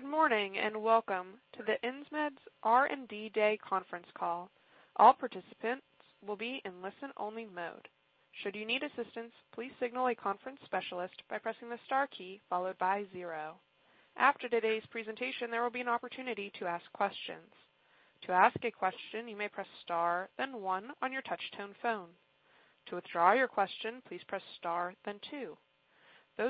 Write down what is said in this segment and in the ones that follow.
Good morning, and welcome to the Insmed's R&D Day conference call. I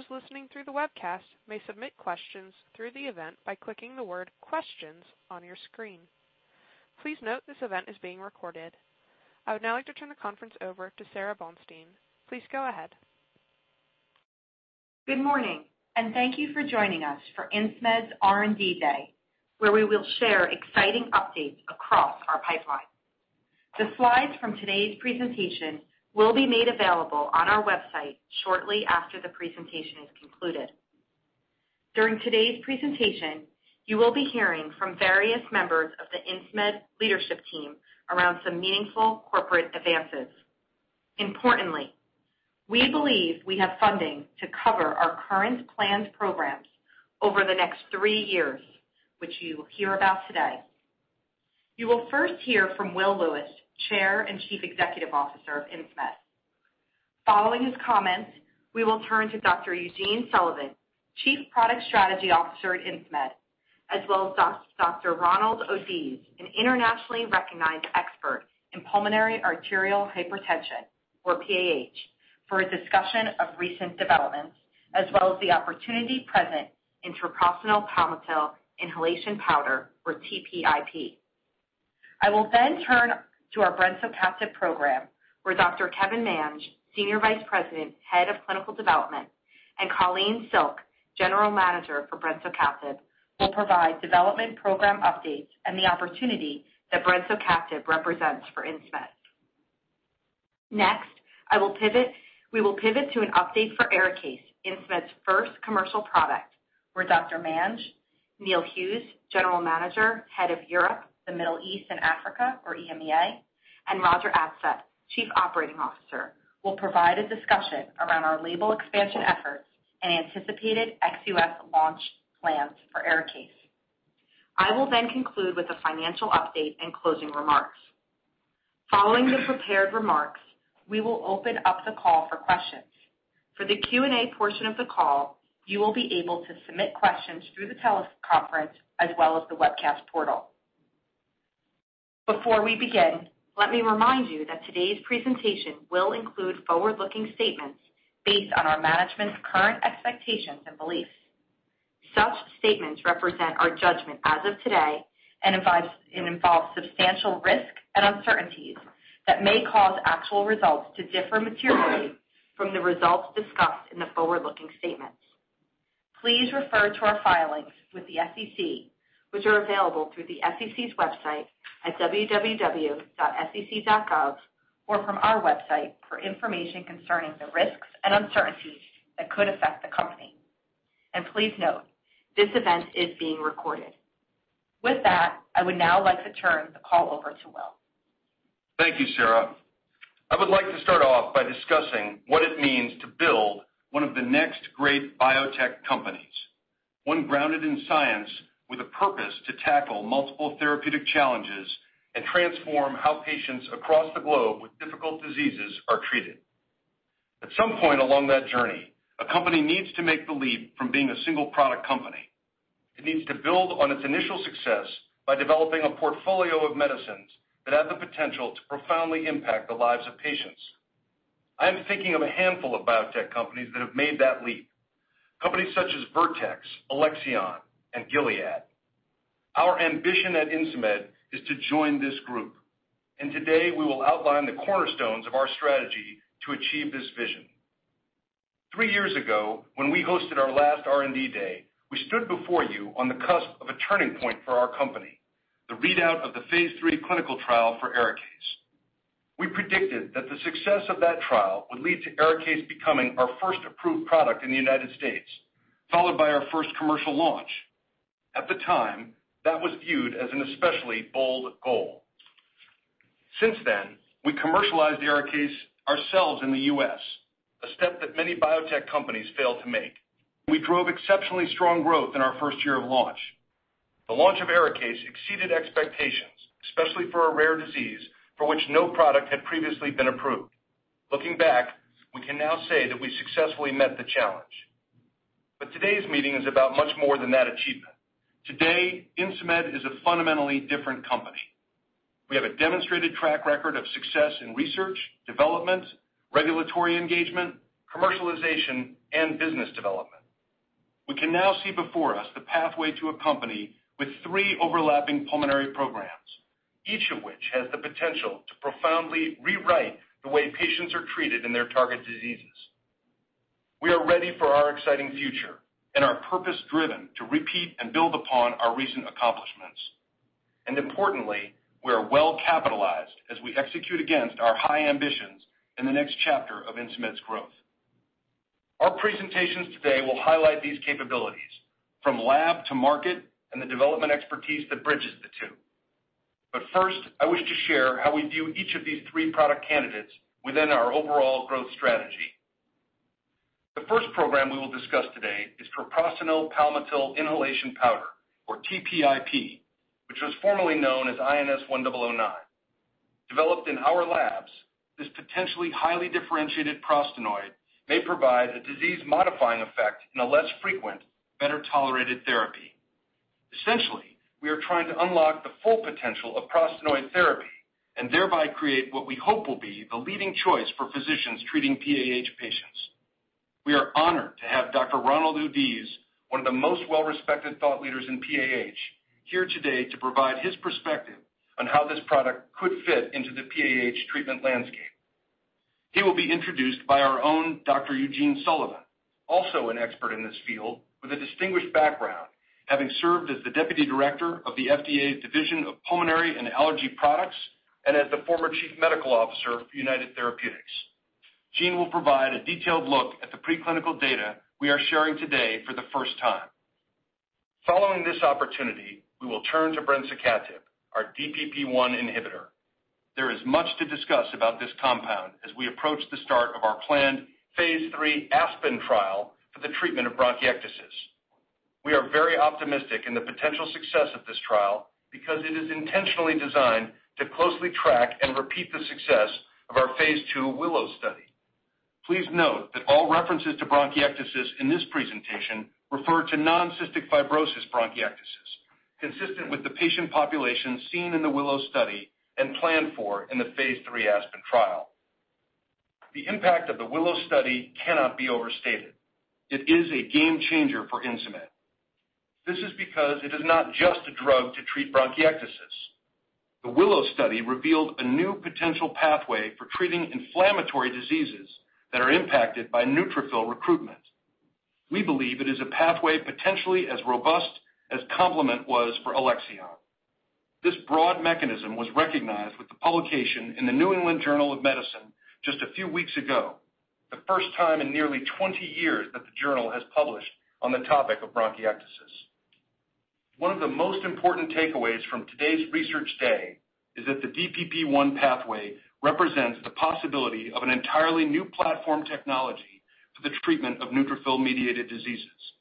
would now like to turn the conference over to Sara Bonstein. Please go ahead. Good morning, and thank you for joining us for Insmed's R&D Day, where we will share exciting updates across our pipeline. The slides from today's presentation will be made available on our website shortly after the presentation is concluded. During today's presentation, you will be hearing from various members of the Insmed leadership team around some meaningful corporate advances. Importantly, we believe we have funding to cover our current planned programs over the next three years, which you will hear about today. You will first hear from Will Lewis, Chair and Chief Executive Officer of Insmed. Following his comments, we will turn to Dr. Eugene Sullivan, Chief Product Strategy Officer at Insmed, as well as Dr. Ronald Oudiz, an internationally recognized expert in pulmonary arterial hypertension, or PAH, for a discussion of recent developments as well as the opportunity present in treprostinil palmitil inhalation powder, or TPIP. I will turn to our brensocatib program where Dr. Kevin Mange, Senior Vice President, Head of Clinical Development, and Colleen Silk, General Manager for brensocatib, will provide development program updates and the opportunity that brensocatib represents for Insmed. Next, we will pivot to an update for ARIKAYCE, Insmed's first commercial product, where Dr. Mange, Neil Hughes, General Manager, Head of Europe, the Middle East, and Africa, or EMEA, and Roger Adsett, Chief Operating Officer, will provide a discussion around our label expansion efforts and anticipated ex-U.S. launch plans for ARIKAYCE. I will conclude with a financial update and closing remarks. Following the prepared remarks, we will open up the call for questions. For the Q&A portion of the call, you will be able to submit questions through the teleconference as well as the webcast portal. Before we begin, let me remind you that today's presentation will include forward-looking statements based on our management's current expectations and beliefs. Such statements represent our judgment as of today and involve substantial risk and uncertainties that may cause actual results to differ materially from the results discussed in the forward-looking statements. Please refer to our filings with the SEC, which are available through the SEC's website at www.sec.gov or from our website for information concerning the risks and uncertainties that could affect the company. Please note, this event is being recorded. With that, I would now like to turn the call over to Will. Thank you, Sara. I would like to start off by discussing what it means to build one of the next great biotech companies, one grounded in science with a purpose to tackle multiple therapeutic challenges and transform how patients across the globe with difficult diseases are treated. At some point along that journey, a company needs to make the leap from being a single-product company. It needs to build on its initial success by developing a portfolio of medicines that have the potential to profoundly impact the lives of patients. I am thinking of a handful of biotech companies that have made that leap, companies such as Vertex, Alexion, and Gilead. Our ambition at Insmed is to join this group, and today we will outline the cornerstones of our strategy to achieve this vision. Three years ago, when we hosted our last R&D Day, we stood before you on the cusp of a turning point for our company, the readout of the phase III clinical trial for ARIKAYCE. We predicted that the success of that trial would lead to ARIKAYCE becoming our first approved product in the U.S., followed by our first commercial launch. At the time, that was viewed as an especially bold goal. Since then, we commercialized ARIKAYCE ourselves in the U.S., a step that many biotech companies failed to make. We drove exceptionally strong growth in our first year of launch. The launch of ARIKAYCE exceeded expectations, especially for a rare disease for which no product had previously been approved. Looking back, we can now say that we successfully met the challenge. Today's meeting is about much more than that achievement. Today, Insmed is a fundamentally different company. We have a demonstrated track record of success in research, development, regulatory engagement, commercialization, and business development. We can now see before us the pathway to a company with three overlapping pulmonary programs, each of which has the potential to profoundly rewrite the way patients are treated in their target diseases. We are ready for our exciting future and are purpose-driven to repeat and build upon our recent accomplishments. Importantly, we are well-capitalized as we execute against our high ambitions in the next chapter of Insmed's growth. Our presentations today will highlight these capabilities from lab to market and the development expertise that bridges the two. First, I wish to share how we view each of these three product candidates within our overall growth strategy. The first program we will discuss today is treprostinil palmitil inhalation powder, or TPIP, which was formerly known as INS1009. Developed in our labs, this potentially highly differentiated prostanoid may provide a disease-modifying effect in a less frequent, better-tolerated therapy. Essentially, we are trying to unlock the full potential of prostanoid therapy and thereby create what we hope will be the leading choice for physicians treating PAH patients. We are honored to have Dr. Ronald Oudiz, one of the most well-respected thought leaders in PAH, here today to provide his perspective on how this product could fit into the PAH treatment landscape. He will be introduced by our own Dr. Eugene Sullivan, also an expert in this field with a distinguished background, having served as the Deputy Director of the FDA's Division of Pulmonary and Allergy Products and as the former Chief Medical Officer for United Therapeutics. Gene will provide a detailed look at the preclinical data we are sharing today for the first time. Following this opportunity, we will turn to brensocatib, our DPP1 inhibitor. There is much to discuss about this compound as we approach the start of our planned phase III ASPEN trial for the treatment of bronchiectasis. We are very optimistic in the potential success of this trial because it is intentionally designed to closely track and repeat the success of our phase II WILLOW study. Please note that all references to bronchiectasis in this presentation refer to non-cystic fibrosis bronchiectasis, consistent with the patient population seen in the WILLOW study and planned for in the phase III ASPEN trial. The impact of the WILLOW study cannot be overstated. It is a game changer for Insmed. This is because it is not just a drug to treat bronchiectasis. The WILLOW study revealed a new potential pathway for treating inflammatory diseases that are impacted by neutrophil recruitment. We believe it is a pathway potentially as robust as complement was for Alexion. This broad mechanism was recognized with the publication in The New England Journal of Medicine just a few weeks ago, the first time in nearly 20 years that the journal has published on the topic of bronchiectasis. One of the most important takeaways from today's research day is that the DPP1 pathway represents the possibility of an entirely new platform technology for the treatment of neutrophil-mediated diseases.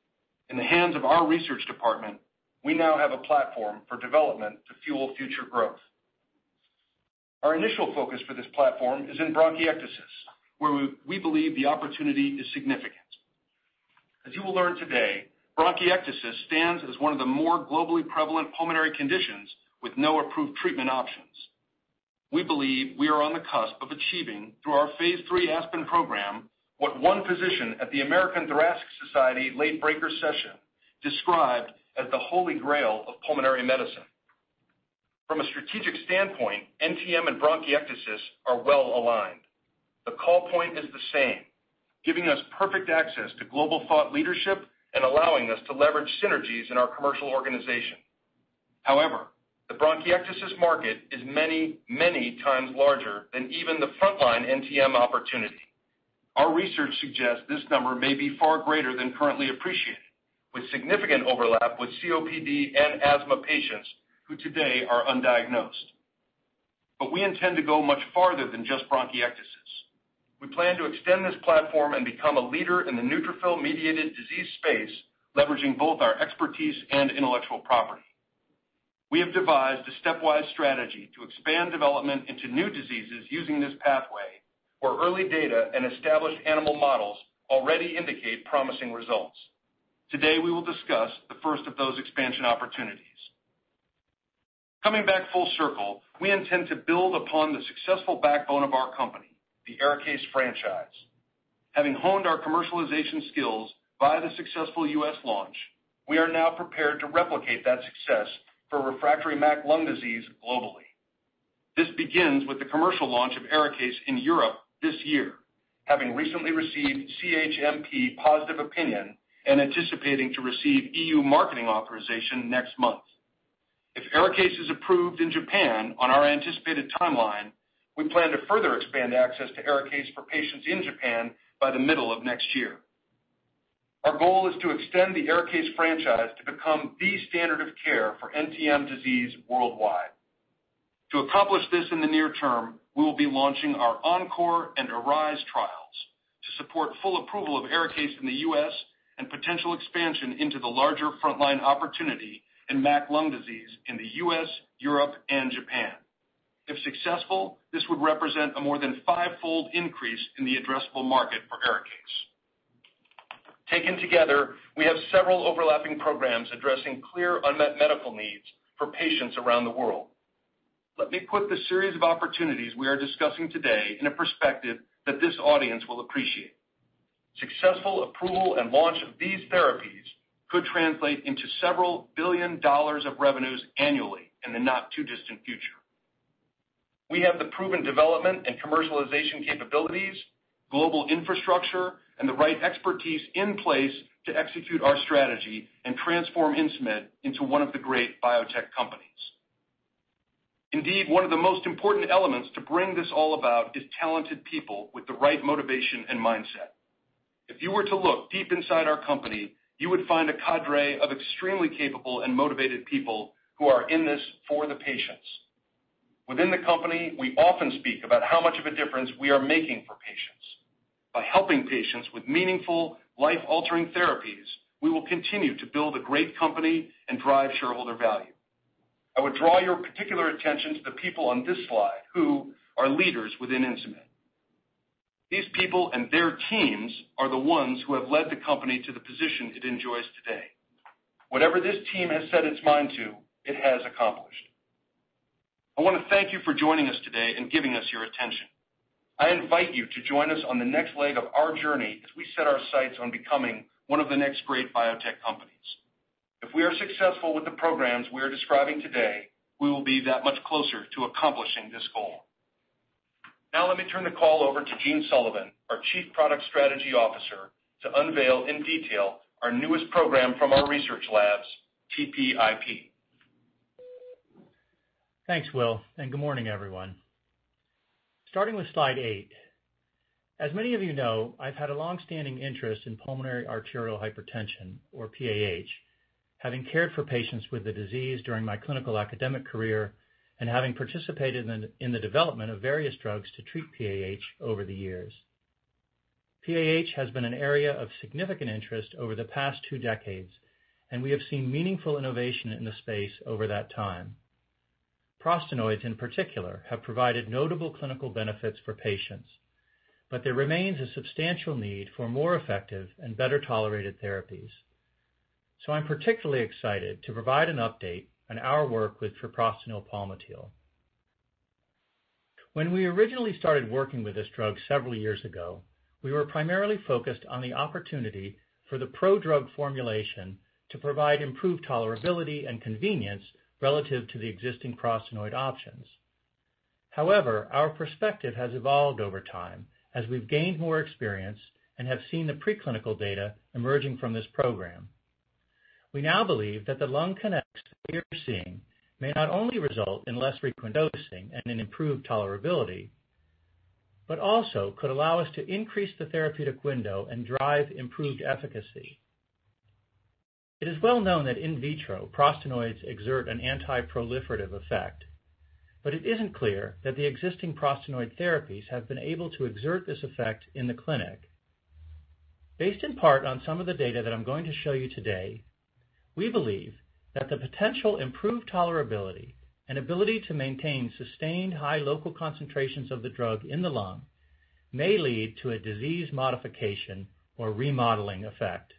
In the hands of our research department, we now have a platform for development to fuel future growth. Our initial focus for this platform is in bronchiectasis, where we believe the opportunity is significant. As you will learn today, bronchiectasis stands as one of the more globally prevalent pulmonary conditions with no approved treatment options. We believe we are on the cusp of achieving, through our phase III ASPEN program, what one physician at the American Thoracic Society Late Breaker Session described as the holy grail of pulmonary medicine. From a strategic standpoint, NTM and bronchiectasis are well aligned. The call point is the same, giving us perfect access to global thought leadership and allowing us to leverage synergies in our commercial organization. The bronchiectasis market is many, many times larger than even the frontline NTM opportunity. Our research suggests this number may be far greater than currently appreciated, with significant overlap with COPD and asthma patients who today are undiagnosed. We intend to go much farther than just bronchiectasis. We plan to extend this platform and become a leader in the neutrophil-mediated disease space, leveraging both our expertise and intellectual property. We have devised a stepwise strategy to expand development into new diseases using this pathway, where early data and established animal models already indicate promising results. Today, we will discuss the first of those expansion opportunities. Coming back full circle, we intend to build upon the successful backbone of our company, the ARIKAYCE franchise. Having honed our commercialization skills by the successful U.S. launch, we are now prepared to replicate that success for refractory MAC lung disease globally. This begins with the commercial launch of ARIKAYCE in Europe this year, having recently received CHMP positive opinion and anticipating to receive EU marketing authorization next month. If ARIKAYCE is approved in Japan on our anticipated timeline, we plan to further expand access to ARIKAYCE for patients in Japan by the middle of next year. Our goal is to extend the ARIKAYCE franchise to become the standard of care for NTM disease worldwide. To accomplish this in the near term, we will be launching our ENCORE and ARISE trials to support full approval of ARIKAYCE in the U.S. and potential expansion into the larger frontline opportunity in MAC lung disease in the U.S., Europe, and Japan. If successful, this would represent a more than five-fold increase in the addressable market for ARIKAYCE. Taken together, we have several overlapping programs addressing clear unmet medical needs for patients around the world. Let me put the series of opportunities we are discussing today in a perspective that this audience will appreciate. Successful approval and launch of these therapies could translate into several billion dollars of revenues annually in the not-too-distant future. We have the proven development and commercialization capabilities, global infrastructure, and the right expertise in place to execute our strategy and transform Insmed into one of the great biotech companies. Indeed, one of the most important elements to bring this all about is talented people with the right motivation and mindset. If you were to look deep inside our company, you would find a cadre of extremely capable and motivated people who are in this for the patients. Within the company, we often speak about how much of a difference we are making for patients. By helping patients with meaningful life-altering therapies, we will continue to build a great company and drive shareholder value. I would draw your particular attention to the people on this slide who are leaders within Insmed. These people and their teams are the ones who have led the company to the position it enjoys today. Whatever this team has set its mind to, it has accomplished. I want to thank you for joining us today and giving us your attention. I invite you to join us on the next leg of our journey as we set our sights on becoming one of the next great biotech companies. If we are successful with the programs we are describing today, we will be that much closer to accomplishing this goal. Now let me turn the call over to Gene Sullivan, our Chief Product Strategy Officer, to unveil in detail our newest program from our research labs, TPIP. Thanks, Will, good morning, everyone. Starting with slide eight. As many of you know, I've had a longstanding interest in pulmonary arterial hypertension, or PAH. Having cared for patients with the disease during my clinical academic career and having participated in the development of various drugs to treat PAH over the years. PAH has been an area of significant interest over the past two decades, and we have seen meaningful innovation in the space over that time. Prostanoids, in particular, have provided notable clinical benefits for patients, but there remains a substantial need for more effective and better-tolerated therapies. I'm particularly excited to provide an update on our work with treprostinil palmitil. When we originally started working with this drug several years ago, we were primarily focused on the opportunity for the pro-drug formulation to provide improved tolerability and convenience relative to the existing prostanoid options. However, our perspective has evolved over time as we've gained more experience and have seen the preclinical data emerging from this program. We now believe that the lung kinetics we are seeing may not only result in less frequent dosing and an improved tolerability, but also could allow us to increase the therapeutic window and drive improved efficacy. It is well known that in vitro prostanoids exert an anti-proliferative effect, but it isn't clear that the existing prostanoid therapies have been able to exert this effect in the clinic. Based in part on some of the data that I'm going to show you today, we believe that the potential improved tolerability and ability to maintain sustained high local concentrations of the drug in the lung may lead to a disease modification or remodeling effect.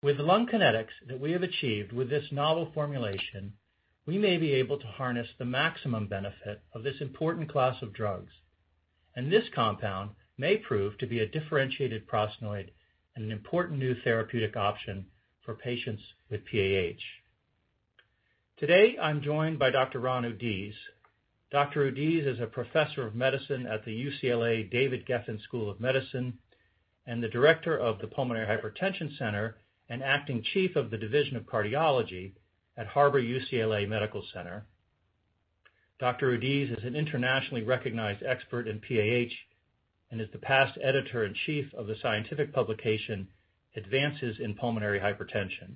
With the lung kinetics that we have achieved with this novel formulation, we may be able to harness the maximum benefit of this important class of drugs, and this compound may prove to be a differentiated prostanoid and an important new therapeutic option for patients with PAH. Today, I'm joined by Dr. Ron Oudiz. Dr. Oudiz is a professor of medicine at the David Geffen School of Medicine at UCLA and the director of the Pulmonary Hypertension Center and acting chief of the division of cardiology at Harbor-UCLA Medical Center. Dr. Oudiz is an internationally recognized expert in PAH and is the past editor-in-chief of the scientific publication Advances in Pulmonary Hypertension.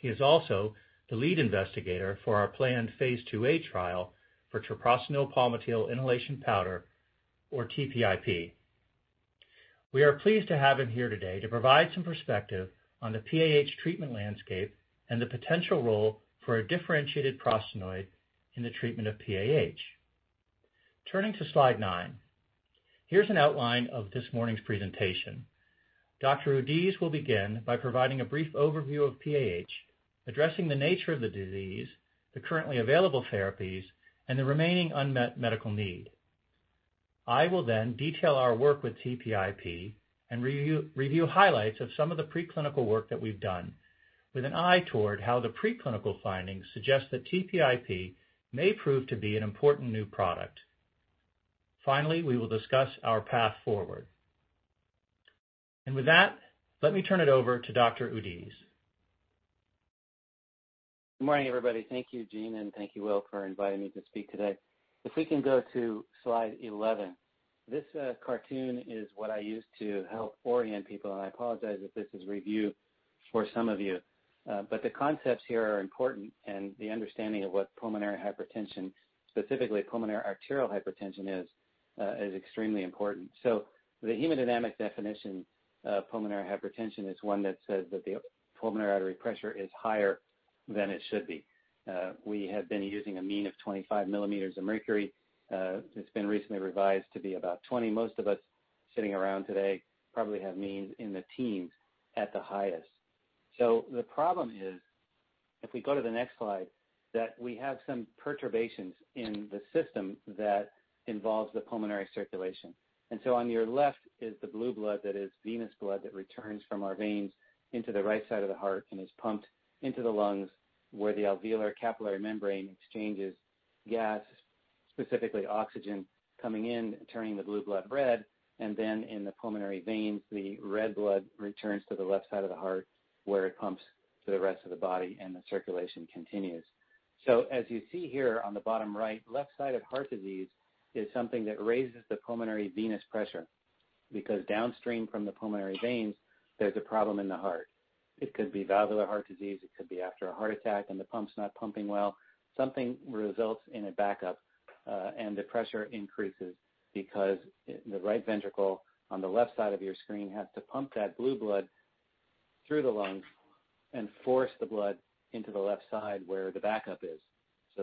He is also the lead investigator for our planned Phase IIa trial for treprostinil palmitil inhalation powder or TPIP. We are pleased to have him here today to provide some perspective on the PAH treatment landscape and the potential role for a differentiated prostanoid in the treatment of PAH. Turning to slide nine. Here's an outline of this morning's presentation. Dr. Oudiz will begin by providing a brief overview of PAH, addressing the nature of the disease, the currently available therapies, and the remaining unmet medical need. I will then detail our work with TPIP and review highlights of some of the preclinical work that we've done with an eye toward how the preclinical findings suggest that TPIP may prove to be an important new product. Finally, we will discuss our path forward. With that, let me turn it over to Dr. Oudiz. Good morning, everybody. Thank you, Gene, and thank you, Will, for inviting me to speak today. If we can go to slide 11. This cartoon is what I use to help orient people, and I apologize if this is review for some of you. The concepts here are important, and the understanding of what pulmonary hypertension, specifically pulmonary arterial hypertension is extremely important. The hemodynamic definition of pulmonary hypertension is one that says that the pulmonary artery pressure is higher than it should be. We have been using a mean of 25 millimeters of mercury. It's been recently revised to be about 20. Most of us sitting around today probably have means in the teens at the highest. The problem is, if we go to the next slide, that we have some perturbations in the system that involves the pulmonary circulation. On your left is the blue blood that is venous blood that returns from our veins into the right side of the heart and is pumped into the lungs where the alveolar capillary membrane exchanges gas, specifically oxygen coming in, turning the blue blood red, and then in the pulmonary veins, the red blood returns to the left side of the heart where it pumps to the rest of the body and the circulation continues. As you see here on the bottom right, left-sided heart disease is something that raises the pulmonary venous pressure, because downstream from the pulmonary veins, there's a problem in the heart. It could be valvular heart disease, it could be after a heart attack and the pump's not pumping well. Something results in a backup, and the pressure increases because the right ventricle on the left side of your screen has to pump that blue blood through the lungs and force the blood into the left side where the backup is.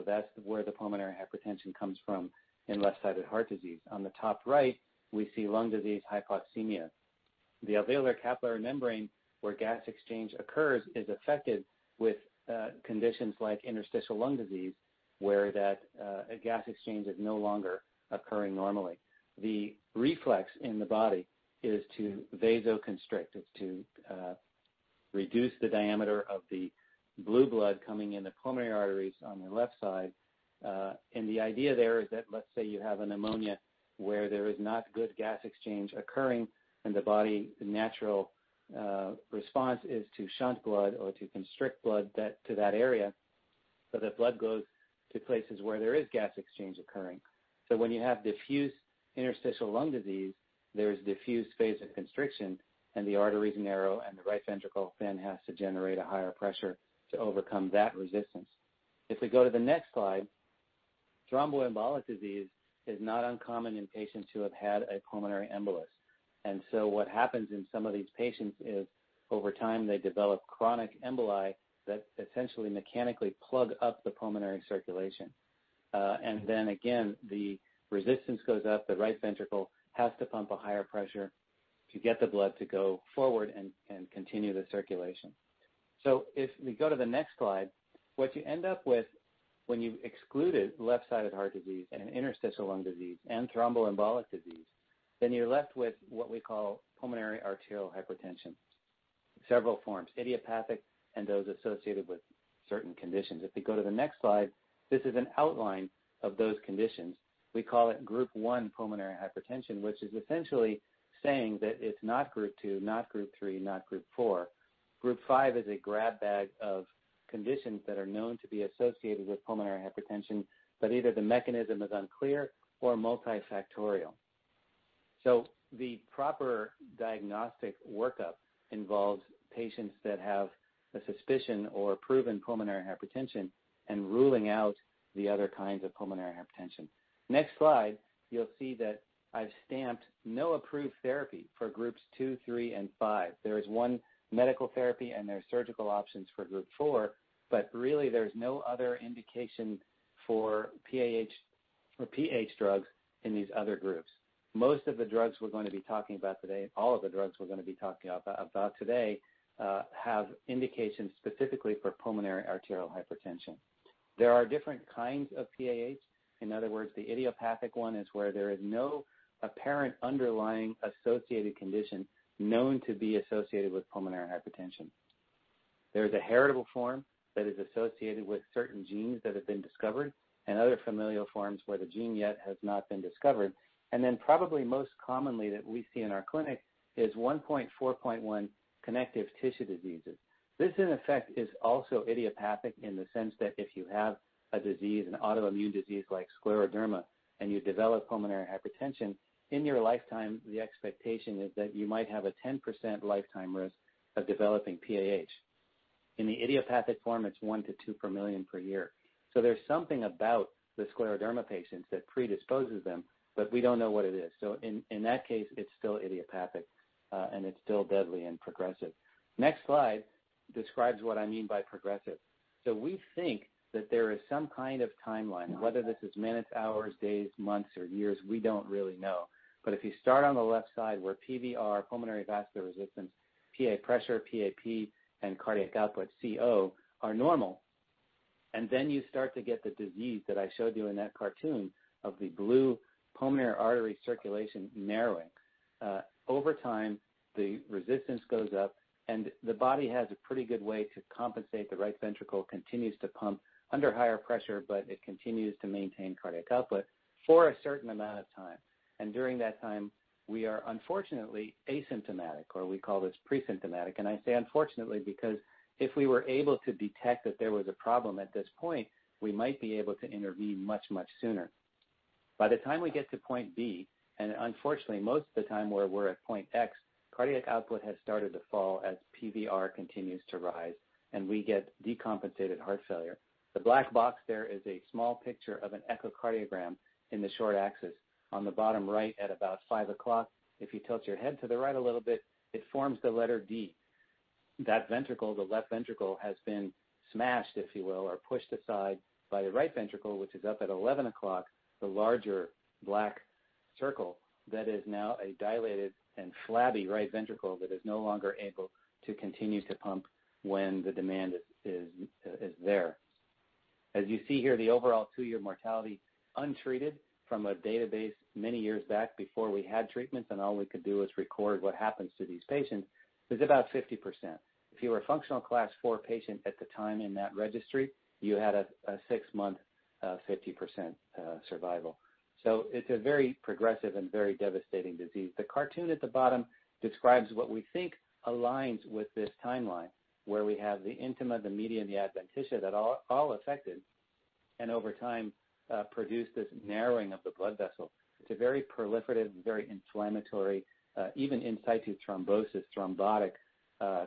That's where the pulmonary hypertension comes from in left-sided heart disease. On the top right, we see lung disease hypoxemia. The alveolar-capillary membrane where gas exchange occurs is affected with conditions like interstitial lung disease, where that gas exchange is no longer occurring normally. The reflex in the body is to vasoconstrict. It's to reduce the diameter of the blue blood coming in the pulmonary arteries on your left side. The idea there is that let's say you have a pneumonia where there is not good gas exchange occurring, and the body natural response is to shunt blood or to constrict blood to that area so that blood goes to places where there is gas exchange occurring. When you have diffuse interstitial lung disease, there is diffuse vasoconstriction, and the arteries narrow, and the right ventricle then has to generate a higher pressure to overcome that resistance. If we go to the next slide, thromboembolic disease is not uncommon in patients who have had a pulmonary embolus. What happens in some of these patients is, over time, they develop chronic emboli that essentially mechanically plug up the pulmonary circulation. Then again, the resistance goes up, the right ventricle has to pump a higher pressure to get the blood to go forward and continue the circulation. If we go to the next slide, what you end up with when you've excluded left-sided heart disease and interstitial lung disease and thromboembolic disease, then you're left with what we call pulmonary arterial hypertension, several forms, idiopathic, and those associated with certain conditions. If we go to the next slide, this is an outline of those conditions. We call it Group 1 pulmonary hypertension, which is essentially saying that it's not Group 2, not Group 3, not Group 4. Group 5 is a grab bag of conditions that are known to be associated with pulmonary hypertension, but either the mechanism is unclear or multifactorial. The proper diagnostic workup involves patients that have a suspicion or proven pulmonary hypertension and ruling out the other kinds of pulmonary hypertension. Next slide, you'll see that I've stamped no approved therapy for Groups 2, 3, and 5. There is one medical therapy, and there are surgical options for Group 4, but really there's no other indication for PAH drugs in these other groups. Most of the drugs we're going to be talking about today, all of the drugs we're going to be talking about today, have indications specifically for pulmonary arterial hypertension. There are different kinds of PAH. In other words, the idiopathic one is where there is no apparent underlying associated condition known to be associated with pulmonary hypertension. There is a heritable form that is associated with certain genes that have been discovered and other familial forms where the gene yet has not been discovered. Then probably most commonly that we see in our clinic is 1.4.1 connective tissue diseases. This in effect, is also idiopathic in the sense that if you have a disease, an autoimmune disease like scleroderma, and you develop pulmonary hypertension, in your lifetime, the expectation is that you might have a 10% lifetime risk of developing PAH. In the idiopathic form, it's one to two per million per year. There's something about the scleroderma patients that predisposes them, but we don't know what it is. In that case, it's still idiopathic, and it's still deadly and progressive. Next slide describes what I mean by progressive. We think that there is some kind of timeline, whether this is minutes, hours, days, months, or years, we don't really know. If you start on the left side where PVR, pulmonary vascular resistance, PA pressure, PAP, and cardiac output, CO, are normal, you start to get the disease that I showed you in that cartoon of the blue pulmonary artery circulation narrowing. Over time, the resistance goes up, and the body has a pretty good way to compensate. The right ventricle continues to pump under higher pressure, but it continues to maintain cardiac output for a certain amount of time. During that time, we are unfortunately asymptomatic, or we call this presymptomatic. I say unfortunately, because if we were able to detect that there was a problem at this point, we might be able to intervene much, much sooner. By the time we get to point B, and unfortunately, most of the time where we're at point X, cardiac output has started to fall as PVR continues to rise, and we get decompensated heart failure. The black box there is a small picture of an echocardiogram in the short axis. On the bottom right at about five o'clock, if you tilt your head to the right a little bit, it forms the letter D. That ventricle, the left ventricle, has been smashed, if you will, or pushed aside by the right ventricle, which is up at 11 o'clock, the larger black circle that is now a dilated and flabby right ventricle that is no longer able to continue to pump when the demand is there. As you see here, the overall two-year mortality untreated from a database many years back before we had treatments, and all we could do was record what happens to these patients, is about 50%. If you were a Functional Class 4 patient at the time in that registry, you had a six-month, 50% survival. It's a very progressive and very devastating disease. The cartoon at the bottom describes what we think aligns with this timeline, where we have the intima, the media, and the adventitia that are all affected, and over time, produce this narrowing of the blood vessel. It's a very proliferative and very inflammatory, even in situ thrombosis, thrombotic,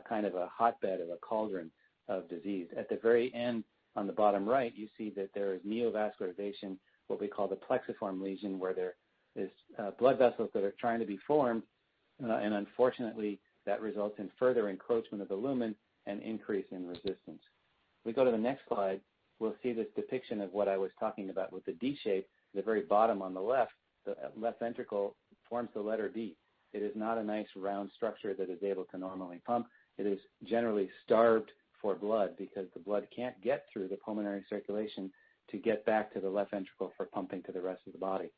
kind of a hotbed of a cauldron of disease. At the very end, on the bottom right, you see that there is neovascularization, what we call the plexiform lesion, where there is blood vessels that are trying to be formed. Unfortunately, that results in further encroachment of the lumen and increase in resistance. If we go to the next slide, we'll see this depiction of what I was talking about with the D shape at the very bottom on the left. The left ventricle forms the letter D. It is not a nice round structure that is able to normally pump. It is generally starved for blood because the blood can't get through the pulmonary circulation to get back to the left ventricle for pumping to the rest of the body.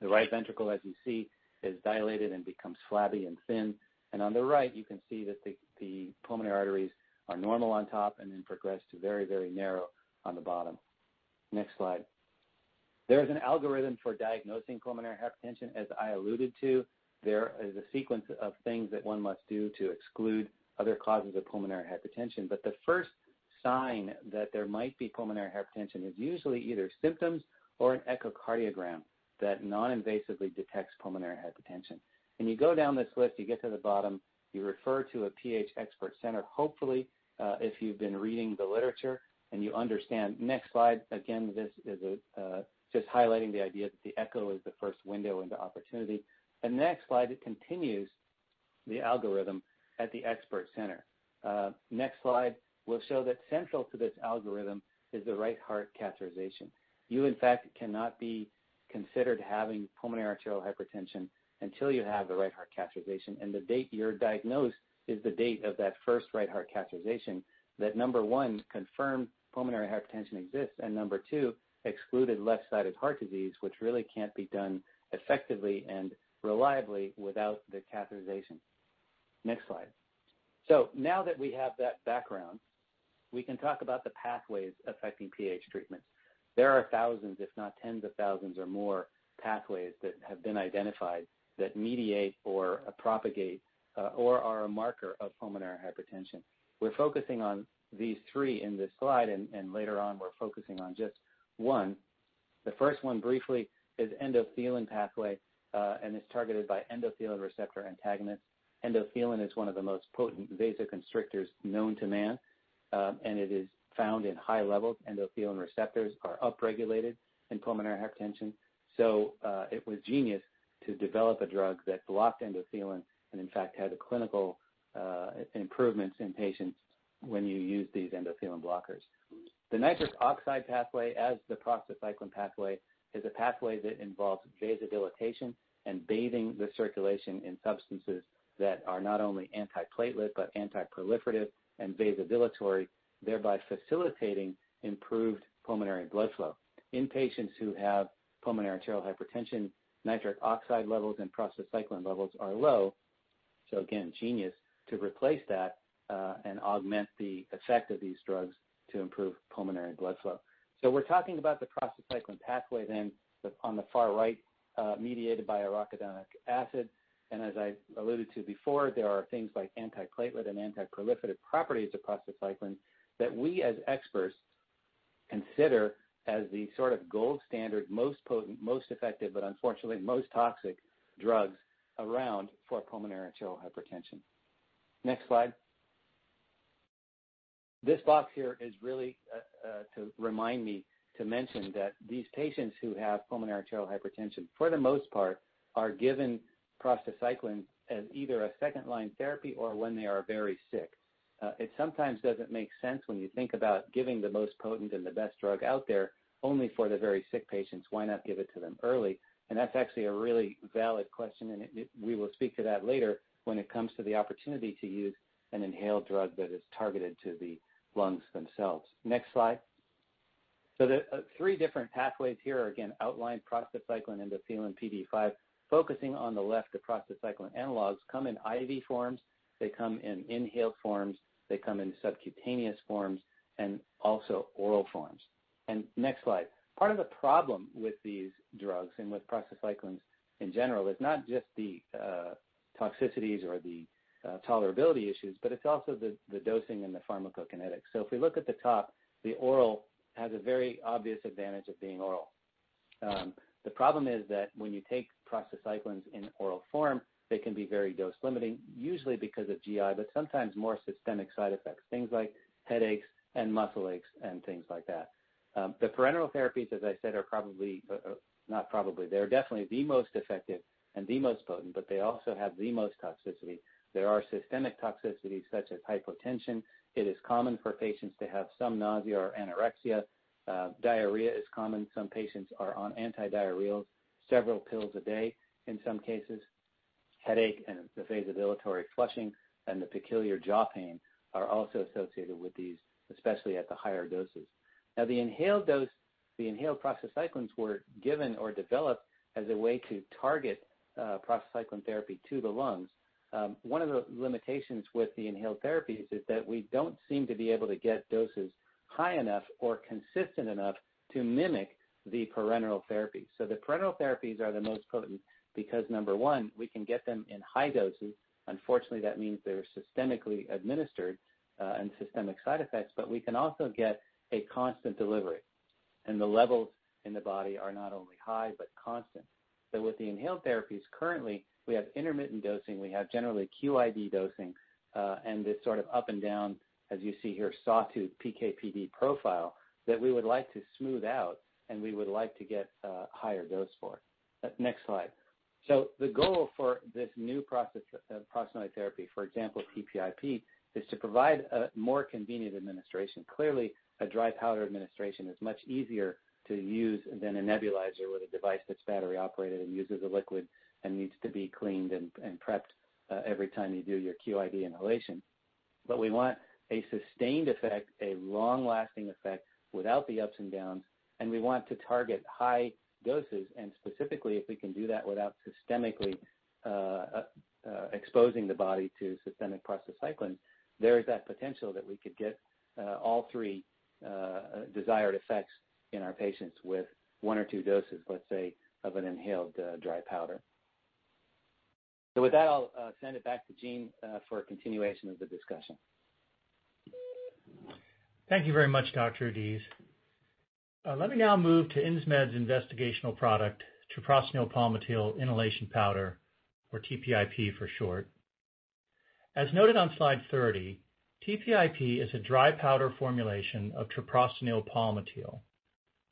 The right ventricle, as you see, is dilated and becomes flabby and thin. On the right, you can see that the pulmonary arteries are normal on top and then progress to very, very narrow on the bottom. Next slide. There is an algorithm for diagnosing pulmonary hypertension, as I alluded to. There is a sequence of things that one must do to exclude other causes of pulmonary hypertension. The first sign that there might be pulmonary hypertension is usually either symptoms or an echocardiogram that non-invasively detects pulmonary hypertension. When you go down this list, you get to the bottom, you refer to a PH expert center. Hopefully, if you've been reading the literature and you understand. Next slide. This is just highlighting the idea that the echo is the first window into opportunity. The next slide, it continues the algorithm at the expert center. Next slide will show that central to this algorithm is the right heart catheterization. You, in fact, cannot be considered having pulmonary arterial hypertension until you have the right heart catheterization, and the date you're diagnosed is the date of that first right heart catheterization that, number one, confirmed pulmonary hypertension exists, and number two, excluded left-sided heart disease, which really can't be done effectively and reliably without the catheterization. Next slide. Now that we have that background, we can talk about the pathways affecting PH treatments. There are thousands, if not tens of thousands or more, pathways that have been identified that mediate or propagate or are a marker of pulmonary hypertension. We're focusing on these three in this slide, and later on, we're focusing on just one. The first one briefly is endothelin pathway, and it's targeted by endothelin receptor antagonists. Endothelin is one of the most potent vasoconstrictors known to man, and it is found in high levels. Endothelin receptors are upregulated in pulmonary hypertension. It was genius to develop a drug that blocked endothelin and in fact, had clinical improvements in patients when you use these endothelin blockers. The nitric oxide pathway, as the prostacyclin pathway, is a pathway that involves vasodilatation and bathing the circulation in substances that are not only anti-platelet but anti-proliferative and vasodilatory, thereby facilitating improved pulmonary blood flow. In patients who have pulmonary arterial hypertension, nitric oxide levels and prostacyclin levels are low. Again, genius to replace that, and augment the effect of these drugs to improve pulmonary blood flow. We're talking about the prostacyclin pathway then on the far right, mediated by an arachidonic acid. As I alluded to before, there are things like anti-platelet and anti-proliferative properties of prostacyclin that we, as experts, consider as the sort of gold standard, most potent, most effective, but unfortunately, most toxic drugs around for pulmonary arterial hypertension. Next slide. This box here is really to remind me to mention that these patients who have pulmonary arterial hypertension, for the most part, are given prostacyclin as either a second-line therapy or when they are very sick. It sometimes doesn't make sense when you think about giving the most potent and the best drug out there only for the very sick patients. Why not give it to them early? That's actually a really valid question, and we will speak to that later when it comes to the opportunity to use an inhaled drug that is targeted to the lungs themselves. Next slide. The three different pathways here are again outlined, prostacyclin, endothelin, PDE5. Focusing on the left, the prostacyclin analogs come in IV forms, they come in inhaled forms, they come in subcutaneous forms, and also oral forms. Next slide. Part of the problem with these drugs, and with prostacyclins in general, is not just the toxicities or the tolerability issues, but it's also the dosing and the pharmacokinetics. If we look at the top, the oral has a very obvious advantage of being oral. The problem is that when you take prostacyclins in oral form, they can be very dose-limiting, usually because of GI, but sometimes more systemic side effects. Things like headaches and muscle aches and things like that. The parenteral therapies, as I said, are probably, not probably, they are definitely the most effective and the most potent, but they also have the most toxicity. There are systemic toxicities such as hypotension. It is common for patients to have some nausea or anorexia. Diarrhea is common. Some patients are on antidiarrheals, several pills a day in some cases. Headache and the vasodilatory flushing and the peculiar jaw pain are also associated with these, especially at the higher doses. The inhaled dose, the inhaled prostacyclins were given or developed as a way to target prostacyclin therapy to the lungs. One of the limitations with the inhaled therapies is that we don't seem to be able to get doses high enough or consistent enough to mimic the parenteral therapy. The parenteral therapies are the most potent because, number one, we can get them in high doses. Unfortunately, that means they're systemically administered and systemic side effects, but we can also get a constant delivery, and the levels in the body are not only high, but constant. With the inhaled therapies, currently, we have intermittent dosing, we have generally QID dosing, and this sort of up and down, as you see here, sawtooth PK/PD profile that we would like to smooth out, and we would like to get a higher dose for. Next slide. The goal for this new prostacyclin therapy, for example, TPIP, is to provide a more convenient administration. Clearly, a dry powder administration is much easier to use than a nebulizer with a device that's battery-operated and uses a liquid and needs to be cleaned and prepped every time you do your QID inhalation. We want a sustained effect, a long-lasting effect without the ups and downs, and we want to target high doses and specifically if we can do that without systemically exposing the body to systemic prostacyclin. There is that potential that we could get all three desired effects in our patients with one or two doses, let's say, of an inhaled dry powder. With that, I'll send it back to Gene for a continuation of the discussion. Thank you very much, Dr. Oudiz. Let me now move to Insmed's investigational product, treprostinil palmitil inhalation powder, or TPIP for short. As noted on slide 30, TPIP is a dry powder formulation of treprostinil palmitil.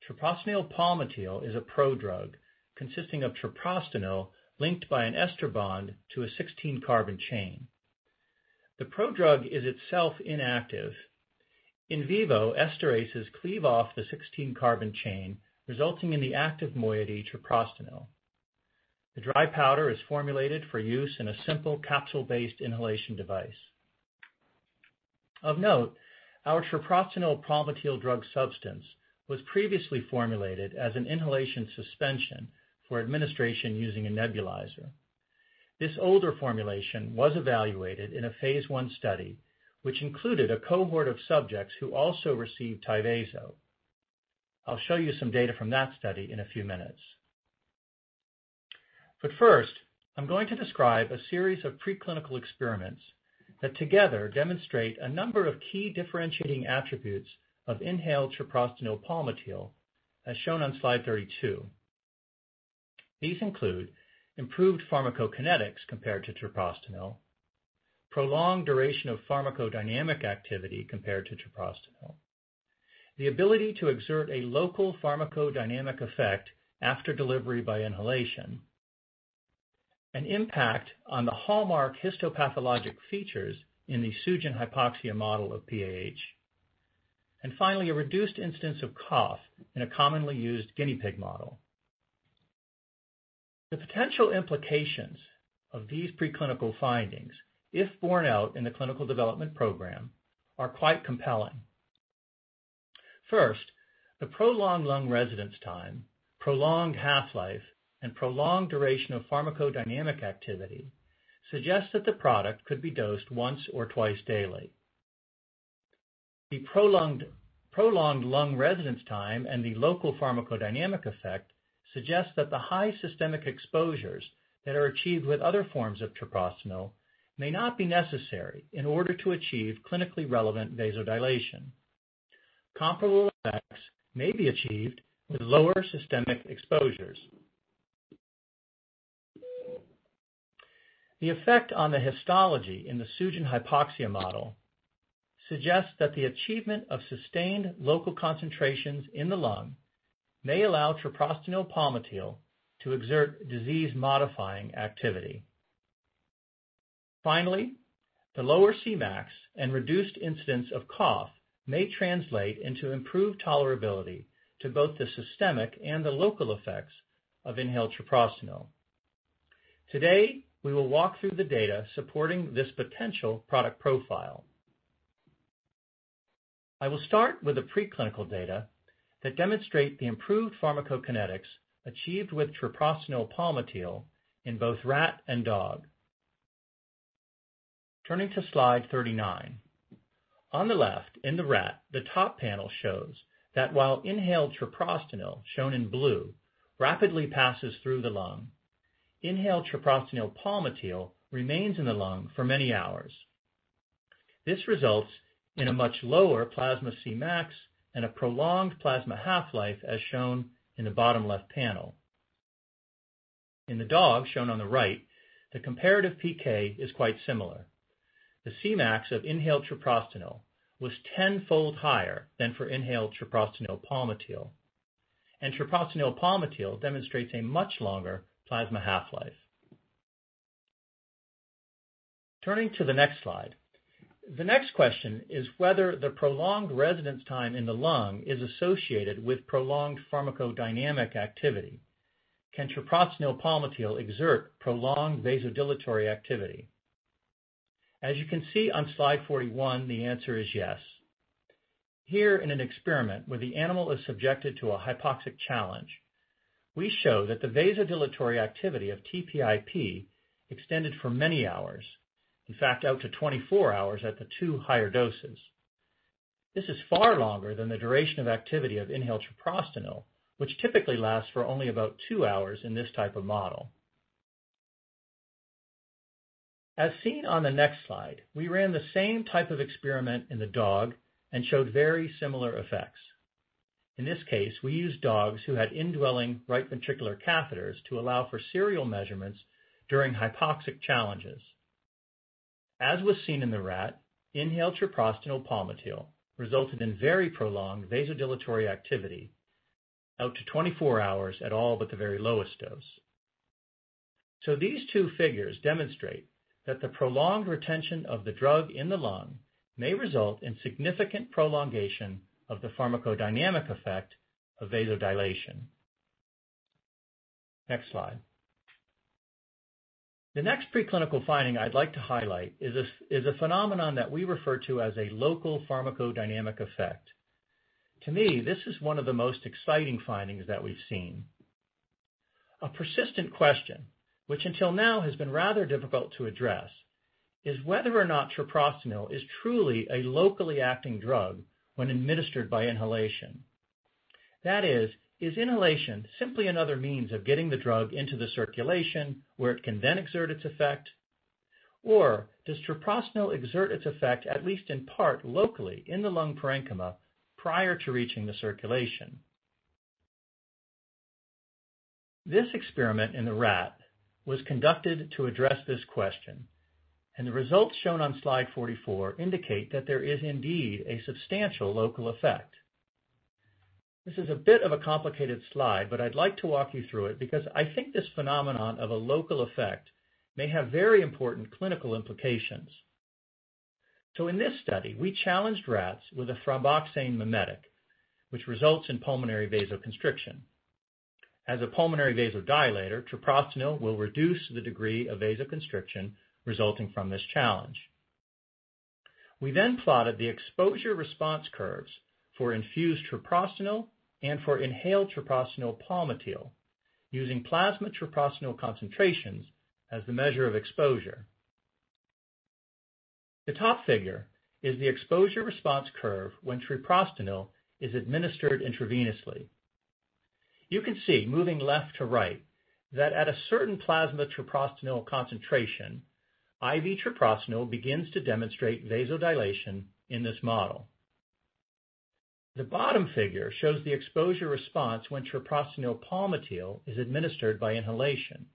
Treprostinil palmitil is a prodrug consisting of treprostinil linked by an ester bond to a 16-carbon chain. The prodrug is itself inactive. In vivo, esterases cleave off the 16-carbon chain, resulting in the active moiety, treprostinil. The dry powder is formulated for use in a simple capsule-based inhalation device. Of note, our treprostinil palmitil drug substance was previously formulated as an inhalation suspension for administration using a nebulizer. This older formulation was evaluated in a phase I study, which included a cohort of subjects who also received Tyvaso. I'll show you some data from that study in a few minutes. First, I'm going to describe a series of preclinical experiments that together demonstrate a number of key differentiating attributes of inhaled treprostinil palmitil, as shown on slide 32. These include improved pharmacokinetics compared to treprostinil, prolonged duration of pharmacodynamic activity compared to treprostinil. The ability to exert a local pharmacodynamic effect after delivery by inhalation, an impact on the hallmark histopathologic features in the Sugen hypoxia model of PAH, and finally, a reduced incidence of cough in a commonly used guinea pig model. The potential implications of these preclinical findings, if borne out in the clinical development program, are quite compelling. First, the prolonged lung residence time, prolonged half-life, and prolonged duration of pharmacodynamic activity suggest that the product could be dosed once or twice daily. The prolonged lung residence time and the local pharmacodynamic effect suggest that the high systemic exposures that are achieved with other forms of treprostinil may not be necessary in order to achieve clinically relevant vasodilation. Comparable effects may be achieved with lower systemic exposures. The effect on the histology in the Sugen hypoxia model suggests that the achievement of sustained local concentrations in the lung may allow treprostinil palmitil to exert disease-modifying activity. Finally, the lower Cmax and reduced incidence of cough may translate into improved tolerability to both the systemic and the local effects of inhaled treprostinil. Today, we will walk through the data supporting this potential product profile. I will start with the preclinical data that demonstrate the improved pharmacokinetics achieved with treprostinil palmitil in both rat and dog. Turning to slide 39. On the left, in the rat, the top panel shows that while inhaled treprostinil, shown in blue, rapidly passes through the lung, inhaled treprostinil palmitil remains in the lung for many hours. This results in a much lower plasma Cmax and a prolonged plasma half-life, as shown in the bottom left panel. In the dog shown on the right, the comparative PK is quite similar. The Cmax of inhaled treprostinil was 10-fold higher than for inhaled treprostinil palmitil, and treprostinil palmitil demonstrates a much longer plasma half-life. Turning to the next slide. The next question is whether the prolonged residence time in the lung is associated with prolonged pharmacodynamic activity. Can treprostinil palmitil exert prolonged vasodilatory activity? As you can see on slide 41, the answer is yes. Here in an experiment where the animal is subjected to a hypoxic challenge. We show that the vasodilatory activity of TPIP extended for many hours, in fact, out to 24 hours at the two higher doses. This is far longer than the duration of activity of inhaled treprostinil, which typically lasts for only about two hours in this type of model. As seen on the next slide, we ran the same type of experiment in the dog and showed very similar effects. In this case, we used dogs who had indwelling right ventricular catheters to allow for serial measurements during hypoxic challenges. As was seen in the rat, inhaled treprostinil palmitil resulted in very prolonged vasodilatory activity out to 24 hours at all but the very lowest dose. These two figures demonstrate that the prolonged retention of the drug in the lung may result in significant prolongation of the pharmacodynamic effect of vasodilation. Next slide. The next preclinical finding I'd like to highlight is a phenomenon that we refer to as a local pharmacodynamic effect. To me, this is one of the most exciting findings that we've seen. A persistent question, which until now has been rather difficult to address, is whether or not treprostinil is truly a locally acting drug when administered by inhalation. That is inhalation simply another means of getting the drug into the circulation where it can then exert its effect? Or does treprostinil exert its effect, at least in part, locally in the lung parenchyma prior to reaching the circulation? This experiment in the rat was conducted to address this question, and the results shown on slide 44 indicate that there is indeed a substantial local effect. This is a bit of a complicated slide, but I'd like to walk you through it because I think this phenomenon of a local effect may have very important clinical implications. In this study, we challenged rats with a thromboxane mimetic, which results in pulmonary vasoconstriction. As a pulmonary vasodilator, treprostinil will reduce the degree of vasoconstriction resulting from this challenge. We then plotted the exposure response curves for infused treprostinil and for inhaled treprostinil palmitil using plasma treprostinil concentrations as the measure of exposure. The top figure is the exposure response curve when treprostinil is administered intravenously. You can see, moving left to right, that at a certain plasma treprostinil concentration, IV treprostinil begins to demonstrate vasodilation in this model. The bottom figure shows the exposure response when treprostinil palmitil is administered by inhalation.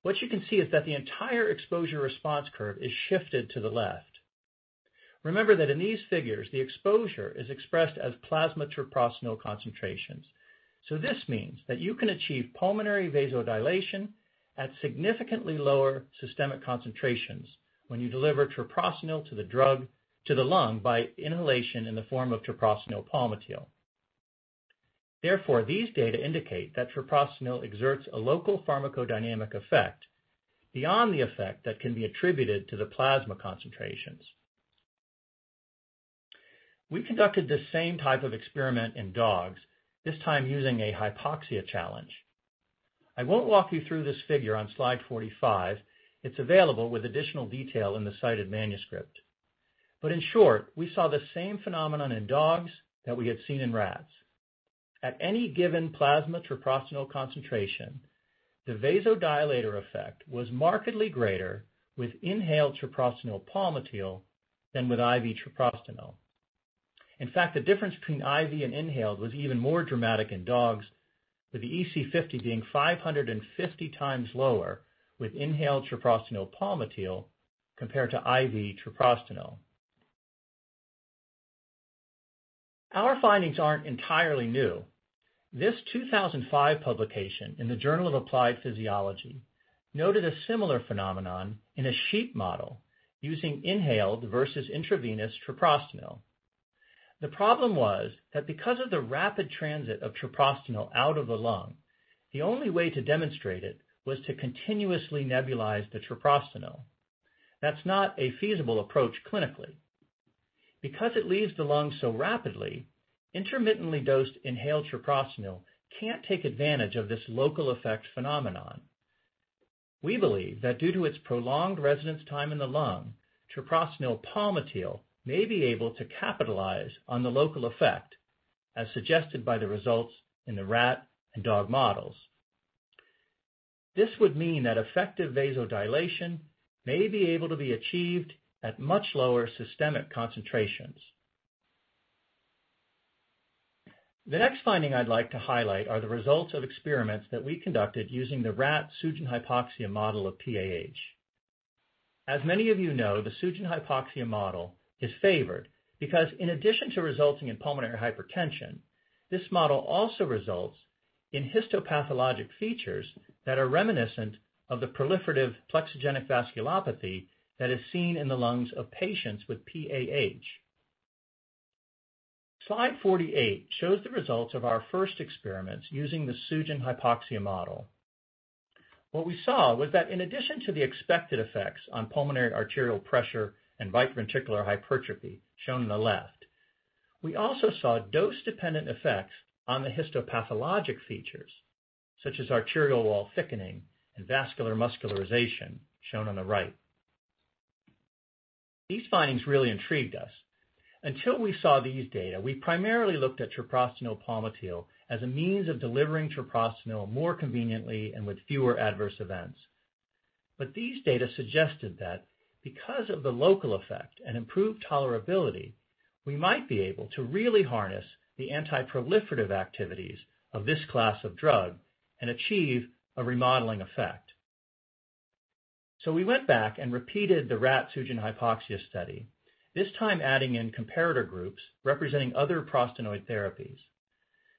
What you can see is that the entire exposure response curve is shifted to the left. Remember that in these figures, the exposure is expressed as plasma treprostinil concentrations. This means that you can achieve pulmonary vasodilation at significantly lower systemic concentrations when you deliver treprostinil to the lung by inhalation in the form of treprostinil palmitil. Therefore, these data indicate that treprostinil exerts a local pharmacodynamic effect beyond the effect that can be attributed to the plasma concentrations. We conducted the same type of experiment in dogs, this time using a hypoxia challenge. I won't walk you through this figure on slide 45. It's available with additional detail in the cited manuscript. In short, we saw the same phenomenon in dogs that we had seen in rats. At any given plasma treprostinil concentration, the vasodilator effect was markedly greater with inhaled treprostinil palmitil than with IV treprostinil. In fact, the difference between IV and inhaled was even more dramatic in dogs, with the EC50 being 550 times lower with inhaled treprostinil palmitil compared to IV treprostinil. Our findings aren't entirely new. This 2005 publication in the Journal of Applied Physiology noted a similar phenomenon in a sheep model using inhaled versus intravenous treprostinil. The problem was that because of the rapid transit of treprostinil out of the lung, the only way to demonstrate it was to continuously nebulize the treprostinil. That's not a feasible approach clinically. Because it leaves the lungs so rapidly, intermittently dosed inhaled treprostinil can't take advantage of this local effects phenomenon. We believe that due to its prolonged residence time in the lung, treprostinil palmitil may be able to capitalize on the local effect, as suggested by the results in the rat and dog models. This would mean that effective vasodilation may be able to be achieved at much lower systemic concentrations. The next finding I'd like to highlight are the results of experiments that we conducted using the rat Sugen hypoxia model of PAH. As many of you know, the Sugen hypoxia model is favored because in addition to resulting in pulmonary hypertension, this model also results in histopathologic features that are reminiscent of the proliferative plexogenic vasculopathy that is seen in the lungs of patients with PAH. Slide 48 shows the results of our first experiments using the Sugen hypoxia model. What we saw was that in addition to the expected effects on pulmonary arterial pressure and right ventricular hypertrophy, shown on the left, we also saw dose-dependent effects on the histopathologic features, such as arterial wall thickening and vascular muscularization, shown on the right. These findings really intrigued us. Until we saw these data, we primarily looked at treprostinil palmitil as a means of delivering treprostinil more conveniently and with fewer adverse events. These data suggested that because of the local effect and improved tolerability, we might be able to really harness the anti-proliferative activities of this class of drug and achieve a remodeling effect. We went back and repeated the rat Sugen hypoxia study, this time adding in comparator groups representing other prostanoid therapies.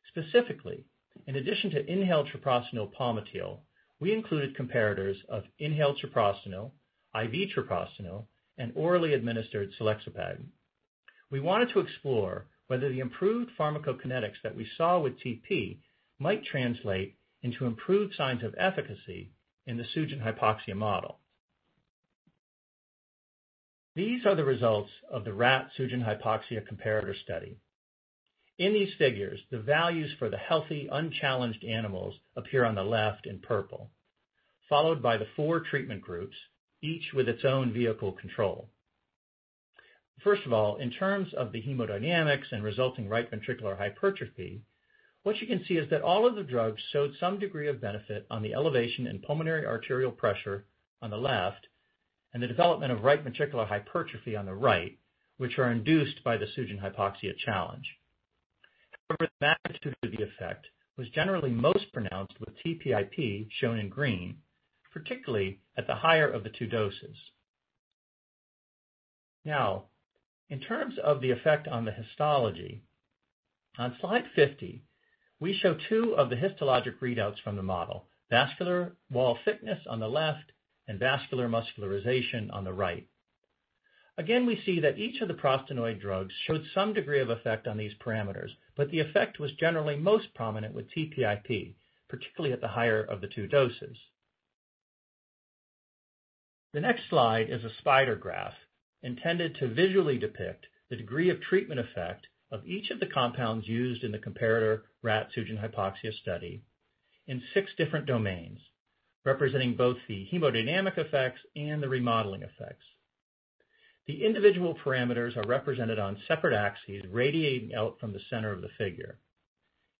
Specifically, in addition to inhaled treprostinil palmitil, we included comparators of inhaled treprostinil, IV treprostinil, and orally administered selexipag. We wanted to explore whether the improved pharmacokinetics that we saw with TP might translate into improved signs of efficacy in the Sugen hypoxia model. These are the results of the rat Sugen hypoxia comparator study. In these figures, the values for the healthy, unchallenged animals appear on the left in purple, followed by the four treatment groups, each with its own vehicle control. First of all, in terms of the hemodynamics and resulting right ventricular hypertrophy, what you can see is that all of the drugs showed some degree of benefit on the elevation in pulmonary arterial pressure on the left, and the development of right ventricular hypertrophy on the right, which are induced by the Sugen hypoxia challenge. However, the magnitude of the effect was generally most pronounced with TPIP, shown in green, particularly at the higher of the 2 doses. Now, in terms of the effect on the histology, on slide 50, we show 2 of the histologic readouts from the model, vascular wall thickness on the left and vascular muscularization on the right. Again, we see that each of the prostinoid drugs showed some degree of effect on these parameters, but the effect was generally most prominent with TPIP, particularly at the higher of the 2 doses. The next slide is a spider graph intended to visually depict the degree of treatment effect of each of the compounds used in the comparator rat Sugen hypoxia study in 6 different domains, representing both the hemodynamic effects and the remodeling effects. The individual parameters are represented on separate axes radiating out from the center of the figure.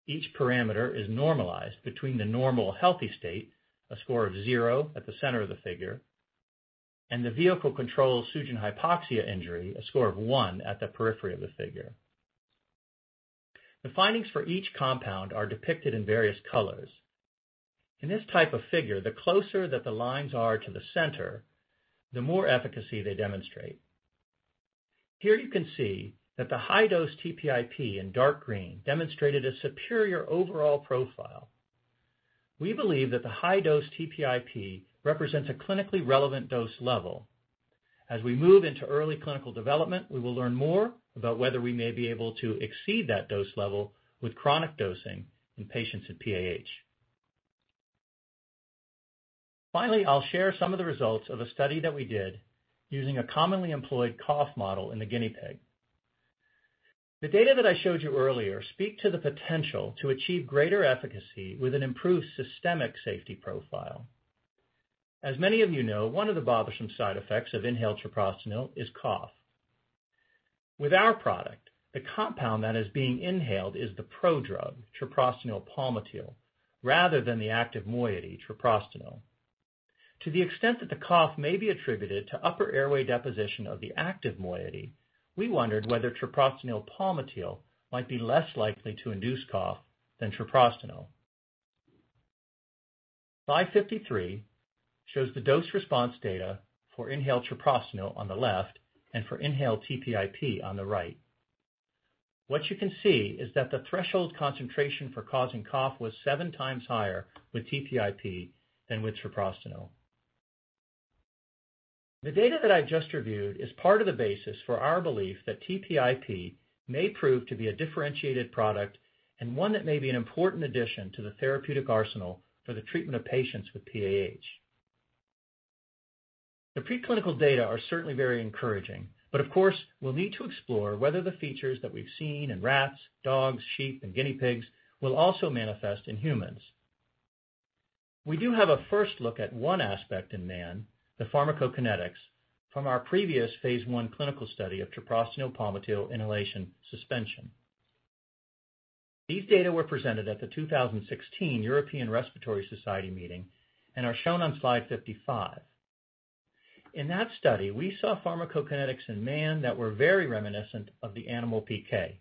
Each parameter is normalized between the normal healthy state, a score of 0 at the center of the figure, and the vehicle control Sugen hypoxia injury, a score of 1 at the periphery of the figure. The findings for each compound are depicted in various colors. In this type of figure, the closer that the lines are to the center, the more efficacy they demonstrate. Here you can see that the high-dose TPIP in dark green demonstrated a superior overall profile. We believe that the high-dose TPIP represents a clinically relevant dose level. As we move into early clinical development, we will learn more about whether we may be able to exceed that dose level with chronic dosing in patients with PAH. Finally, I'll share some of the results of a study that we did using a commonly employed cough model in the guinea pig. The data that I showed you earlier speak to the potential to achieve greater efficacy with an improved systemic safety profile. As many of you know, one of the bothersome side effects of inhaled treprostinil is cough. With our product, the compound that is being inhaled is the prodrug, treprostinil palmitil, rather than the active moiety, treprostinil. To the extent that the cough may be attributed to upper airway deposition of the active moiety, we wondered whether treprostinil palmitil might be less likely to induce cough than treprostinil. Slide 53 shows the dose response data for inhaled treprostinil on the left and for inhaled TPIP on the right. What you can see is that the threshold concentration for causing cough was seven times higher with TPIP than with treprostinil. The data that I've just reviewed is part of the basis for our belief that TPIP may prove to be a differentiated product and one that may be an important addition to the therapeutic arsenal for the treatment of patients with PAH. The preclinical data are certainly very encouraging, of course, we'll need to explore whether the features that we've seen in rats, dogs, sheep, and guinea pigs will also manifest in humans. We do have a first look at one aspect in man, the pharmacokinetics, from our previous phase I clinical study of treprostinil palmitil inhalation suspension. These data were presented at the 2016 European Respiratory Society meeting and are shown on slide 55. In that study, we saw pharmacokinetics in man that were very reminiscent of the animal PK.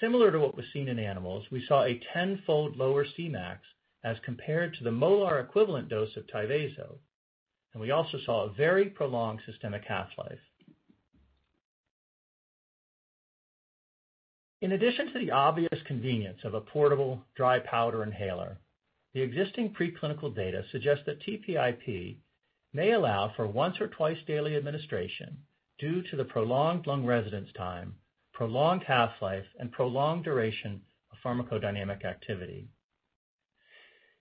Similar to what was seen in animals, we saw a tenfold lower Cmax as compared to the molar equivalent dose of Tyvaso, and we also saw a very prolonged systemic half-life. In addition to the obvious convenience of a portable dry powder inhaler, the existing preclinical data suggest that TPIP may allow for once or twice-daily administration due to the prolonged lung residence time, prolonged half-life, and prolonged duration of pharmacodynamic activity.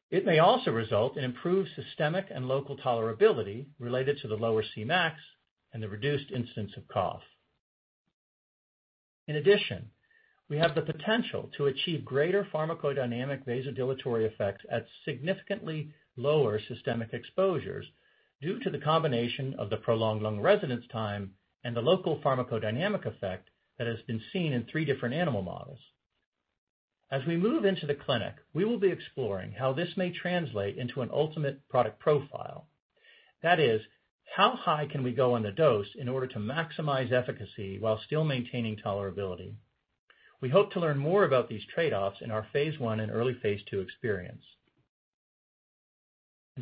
It may also result in improved systemic and local tolerability related to the lower Cmax and the reduced incidence of cough. In addition, we have the potential to achieve greater pharmacodynamic vasodilatory effects at significantly lower systemic exposures due to the combination of the prolonged lung residence time and the local pharmacodynamic effect that has been seen in three different animal models. As we move into the clinic, we will be exploring how this may translate into an ultimate product profile. That is, how high can we go on the dose in order to maximize efficacy while still maintaining tolerability? We hope to learn more about these trade-offs in our phase I and early phase II experience.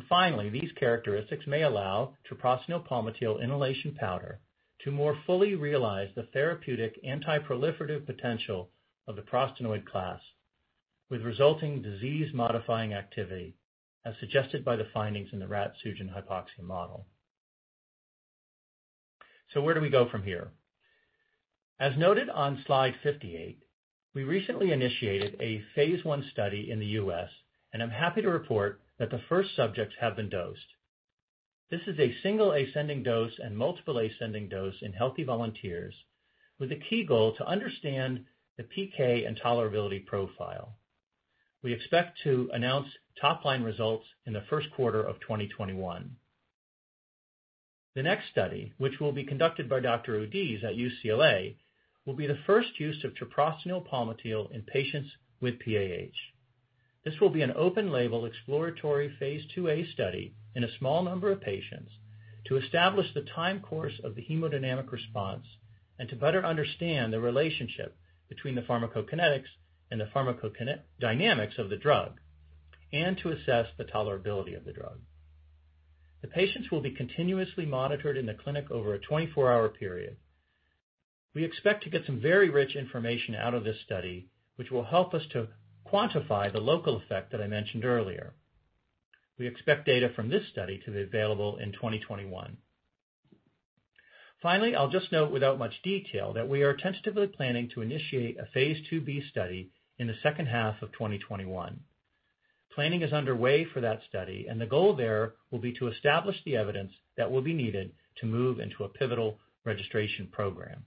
Finally, these characteristics may allow treprostinil palmitil inhalation powder to more fully realize the therapeutic anti-proliferative potential of the prostanoid class, with resulting disease-modifying activity as suggested by the findings in the rat Sugen hypoxia model. Where do we go from here? As noted on slide 58, we recently initiated a phase I study in the U.S., I'm happy to report that the first subjects have been dosed. This is a single ascending dose and multiple ascending dose in healthy volunteers with a key goal to understand the PK and tolerability profile. We expect to announce top-line results in the first quarter of 2021. The next study, which will be conducted by Dr. Oudiz at UCLA, will be the first use of treprostinil palmitil in patients with PAH. This will be an open-label exploratory phase II-A study in a small number of patients to establish the time course of the hemodynamic response and to better understand the relationship between the pharmacokinetics and the pharmacodynamics of the drug, and to assess the tolerability of the drug. The patients will be continuously monitored in the clinic over a 24-hour period. We expect to get some very rich information out of this study, which will help us to quantify the local effect that I mentioned earlier. We expect data from this study to be available in 2021. I'll just note without much detail that we are tentatively planning to initiate a phase II-B study in the second half of 2021. Planning is underway for that study, the goal there will be to establish the evidence that will be needed to move into a pivotal registration program.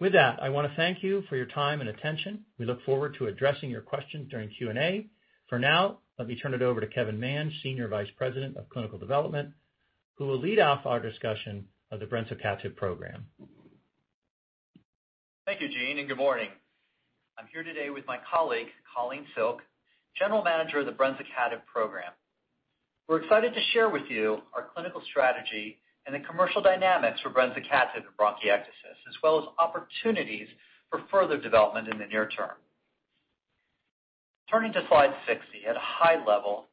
With that, I want to thank you for your time and attention. We look forward to addressing your questions during Q&A. Let me turn it over to Kevin Mange, Senior Vice President of Clinical Development, who will lead off our discussion of the brensocatib program. Thank you, Gene. Good morning. I'm here today with my colleague, Colleen Silk, General Manager of the Brensocatib program. We're excited to share with you our clinical strategy and the commercial dynamics for Brensocatib in bronchiectasis, as well as opportunities for further development in the near term. Turning to slide 60 at a high level,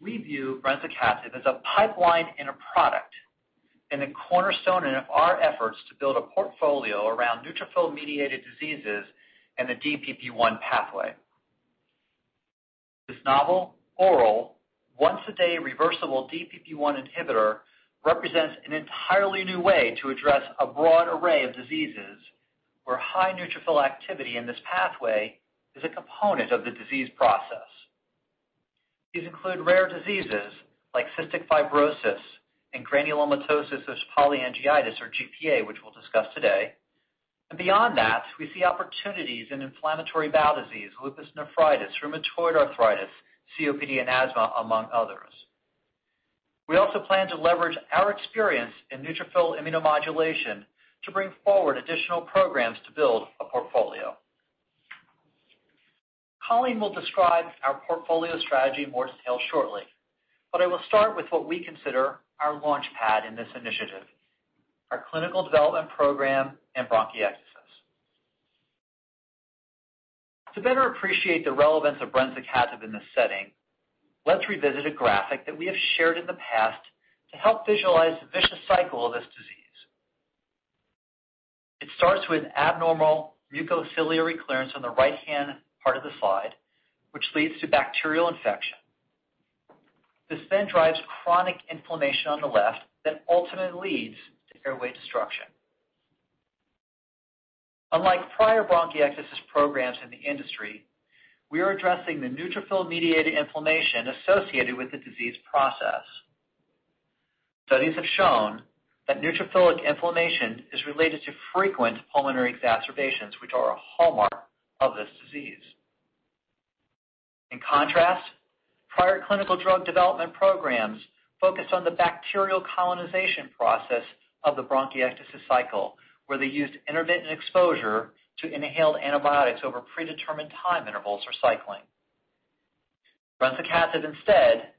we view Brensocatib as a pipeline and a product, a cornerstone in our efforts to build a portfolio around neutrophil-mediated diseases and the DPP-1 pathway. This novel, oral, once-a-day reversible DPP-1 inhibitor represents an entirely new way to address a broad array of diseases where high neutrophil activity in this pathway is a component of the disease process. These include rare diseases like cystic fibrosis and granulomatosis with polyangiitis, or GPA, which we'll discuss today. Beyond that, we see opportunities in inflammatory bowel disease, lupus nephritis, rheumatoid arthritis, COPD, and asthma, among others. We also plan to leverage our experience in neutrophil immunomodulation to bring forward additional programs to build a portfolio. Colleen will describe our portfolio strategy in more detail shortly, but I will start with what we consider our launch pad in this initiative, our clinical development program in bronchiectasis. To better appreciate the relevance of brensocatib in this setting, let's revisit a graphic that we have shared in the past to help visualize the vicious cycle of this disease. It starts with abnormal mucociliary clearance on the right-hand part of the slide, which leads to bacterial infection. This drives chronic inflammation on the left, then ultimately leads to airway destruction. Unlike prior bronchiectasis programs in the industry, we are addressing the neutrophil-mediated inflammation associated with the disease process. Studies have shown that neutrophilic inflammation is related to frequent pulmonary exacerbations, which are a hallmark of this disease. In contrast, prior clinical drug development programs focused on the bacterial colonization process of the bronchiectasis cycle, where they used intermittent exposure to inhaled antibiotics over predetermined time intervals or cycling. Brensocatib instead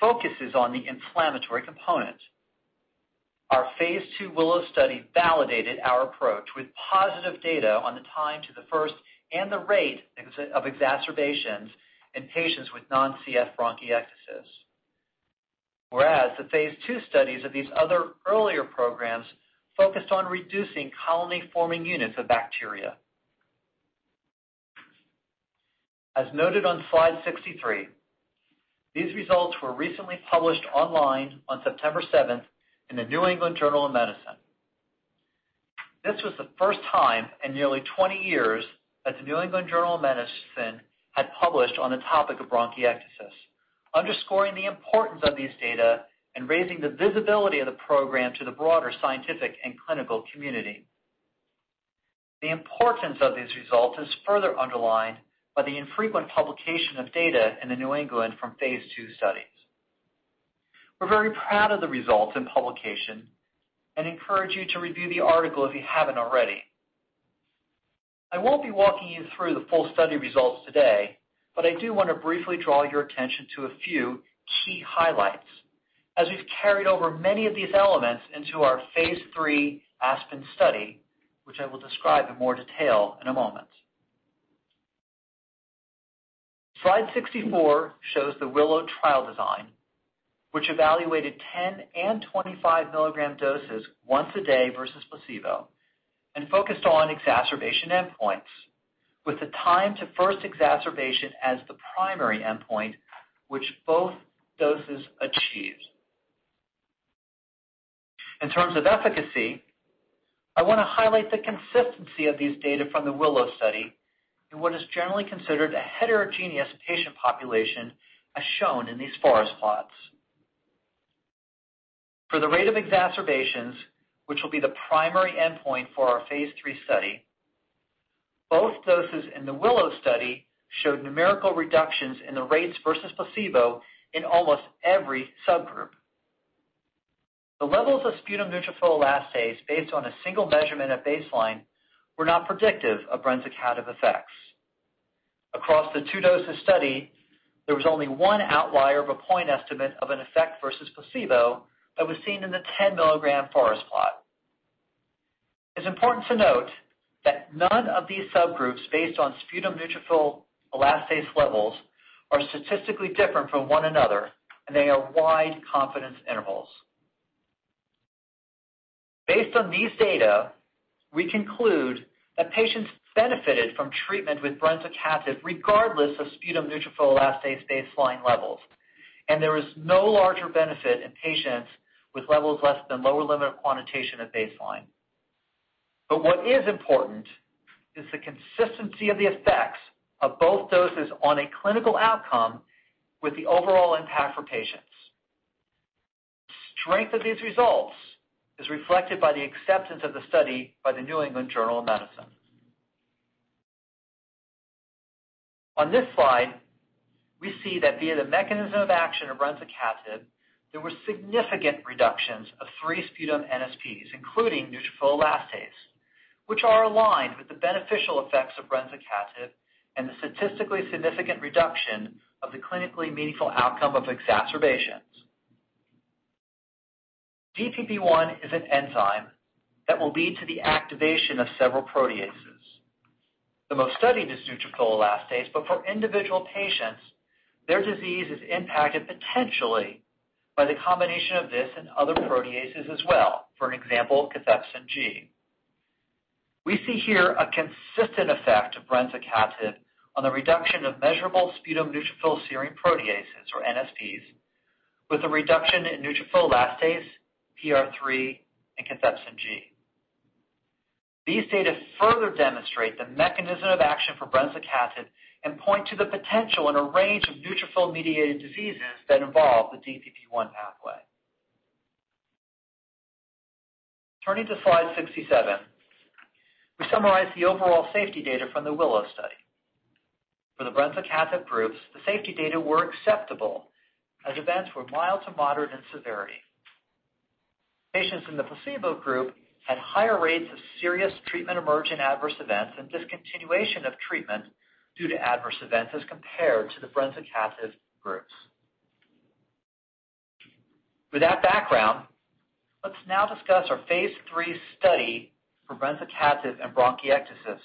focuses on the inflammatory component. Our phase II WILLOW study validated our approach with positive data on the time to the first and the rate of exacerbations in patients with non-CF bronchiectasis. Whereas the phase II studies of these other earlier programs focused on reducing colony-forming units of bacteria. As noted on slide 63, these results were recently published online on September 7th in The New England Journal of Medicine. This was the first time in nearly 20 years that The New England Journal of Medicine had published on the topic of bronchiectasis, underscoring the importance of these data and raising the visibility of the program to the broader scientific and clinical community. The importance of these results is further underlined by the infrequent publication of data in The New England Journal of Medicine from phase II studies. We're very proud of the results and publication and encourage you to review the article if you haven't already. I won't be walking you through the full study results today, but I do want to briefly draw your attention to a few key highlights as we've carried over many of these elements into our phase III ASPEN study, which I will describe in more detail in a moment. Slide 64 shows the WILLOW trial design, which evaluated 10 and 25 milligram doses once a day versus placebo, and focused on exacerbation endpoints, with the time to first exacerbation as the primary endpoint, which both doses achieved. In terms of efficacy, I want to highlight the consistency of these data from the WILLOW study in what is generally considered a heterogeneous patient population, as shown in these forest plots. For the rate of exacerbations, which will be the primary endpoint for our phase III study, both doses in the WILLOW study showed numerical reductions in the rates versus placebo in almost every subgroup. The levels of sputum neutrophil elastase based on a single measurement at baseline were not predictive of brensocatib effects. Across the two doses study, there was only one outlier of a point estimate of an effect versus placebo that was seen in the 10-milligram forest plot. It's important to note that none of these subgroups based on sputum neutrophil elastase levels are statistically different from one another, and they are wide confidence intervals. Based on these data, we conclude that patients benefited from treatment with brensocatib regardless of sputum neutrophil elastase baseline levels, and there is no larger benefit in patients with levels less than lower limit of quantitation at baseline. What is important is the consistency of the effects of both doses on a clinical outcome with the overall impact for patients. Strength of these results is reflected by the acceptance of the study by "The New England Journal of Medicine". On this slide, we see that via the mechanism of action of brensocatib, there were significant reductions of three sputum NSPs, including neutrophil elastase, which are aligned with the beneficial effects of brensocatib and the statistically significant reduction of the clinically meaningful outcome of exacerbations. DPP-1 is an enzyme that will lead to the activation of several proteases. The most studied is neutrophil elastase, but for individual patients, their disease is impacted potentially by the combination of this and other proteases as well. For an example, cathepsin G. We see here a consistent effect of brensocatib on the reduction of measurable sputum neutrophil serine proteases, or NSPs, with a reduction in neutrophil elastase, PR3, and cathepsin G. These data further demonstrate the mechanism of action for brensocatib and point to the potential in a range of neutrophil-mediated diseases that involve the DPP-1 pathway. Turning to slide 67, we summarize the overall safety data from the WILLOW study. For the brensocatib groups, the safety data were acceptable as events were mild to moderate in severity. Patients in the placebo group had higher rates of serious treatment emergent adverse events and discontinuation of treatment due to adverse events as compared to the brensocatib groups. With that background, let's now discuss our phase III study for brensocatib and bronchiectasis,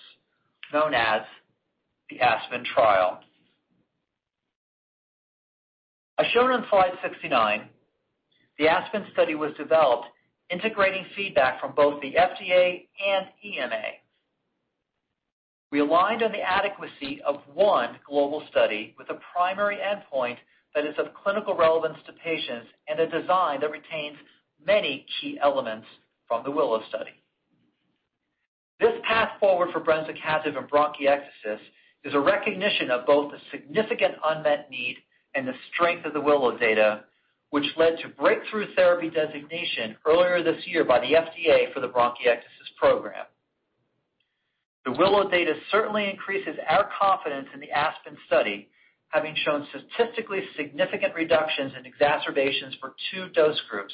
known as the ASPEN trial. As shown on slide 69, the ASPEN study was developed integrating feedback from both the FDA and EMA. We aligned on the adequacy of one global study with a primary endpoint that is of clinical relevance to patients and a design that retains many key elements from the WILLOW study. This path forward for brensocatib and bronchiectasis is a recognition of both the significant unmet need and the strength of the WILLOW data, which led to breakthrough therapy designation earlier this year by the FDA for the bronchiectasis program. The WILLOW data certainly increases our confidence in the ASPEN study, having shown statistically significant reductions in exacerbations for two dose groups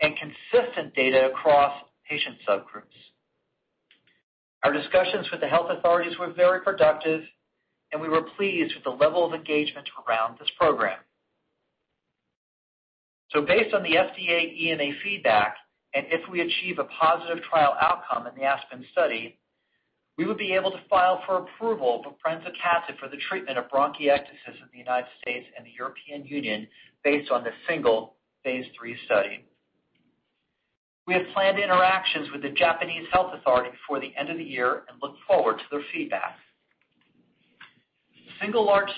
and consistent data across patient subgroups. Our discussions with the health authorities were very productive, and we were pleased with the level of engagement around this program. Based on the FDA, EMA feedback, and if we achieve a positive trial outcome in the ASPEN study, we would be able to file for approval for brensocatib for the treatment of bronchiectasis in the U.S. and the E.U. based on this single phase III study. We have planned interactions with the Japanese Health Authority before the end of the year and look forward to their feedback. Single large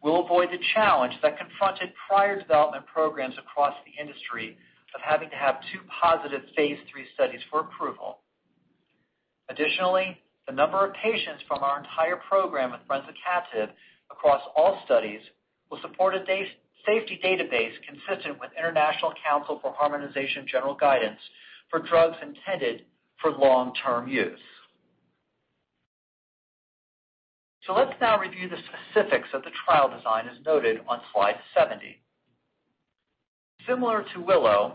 study will avoid the challenge that confronted prior development programs across the industry of having to have two positive phase III studies for approval. Additionally, the number of patients from our entire program with brensocatib across all studies will support a safety database consistent with International Council for Harmonisation general guidance for drugs intended for long-term use. Let's now review the specifics of the trial design as noted on slide 70. Similar to WILLOW,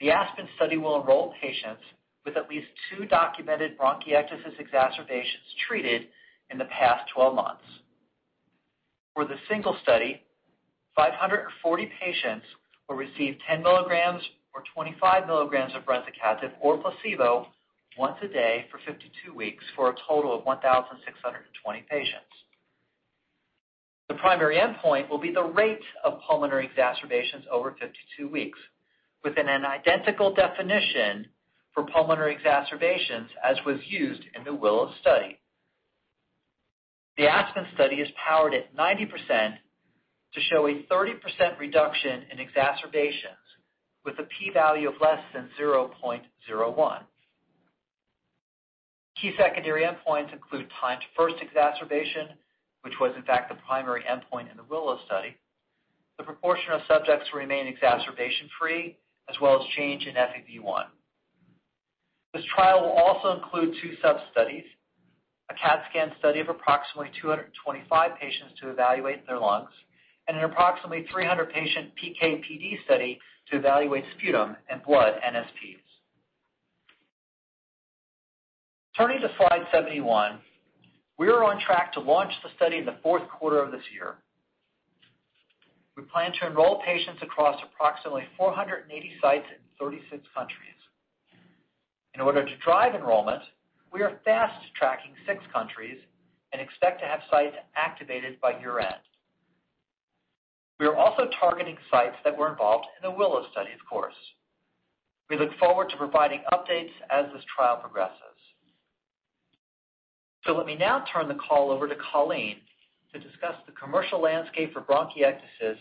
the ASPEN study will enroll patients with at least two documented bronchiectasis exacerbations treated in the past 12 months. For the single study, 540 patients will receive 10 milligrams or 25 milligrams of brensocatib or placebo once a day for 52 weeks for a total of 1,620 patients. The primary endpoint will be the rate of pulmonary exacerbations over 52 weeks, within an identical definition for pulmonary exacerbations as was used in the WILLOW study. The ASPEN study is powered at 90% to show a 30% reduction in exacerbations with a p-value of less than 0.01. Key secondary endpoints include time to first exacerbation, which was in fact the primary endpoint in the WILLOW study, the proportion of subjects who remain exacerbation-free, as well as change in FEV1. This trial will also include two sub-studies, a CAT scan study of approximately 225 patients to evaluate their lungs and an approximately 300-patient PK/PD study to evaluate sputum and blood NSPs. Turning to slide 71, we are on track to launch the study in the fourth quarter of this year. We plan to enroll patients across approximately 480 sites in 36 countries. In order to drive enrollment, we are fast-tracking six countries and expect to have sites activated by year-end. We are also targeting sites that were involved in the WILLOW study, of course. We look forward to providing updates as this trial progresses. Let me now turn the call over to Colleen to discuss the commercial landscape for bronchiectasis,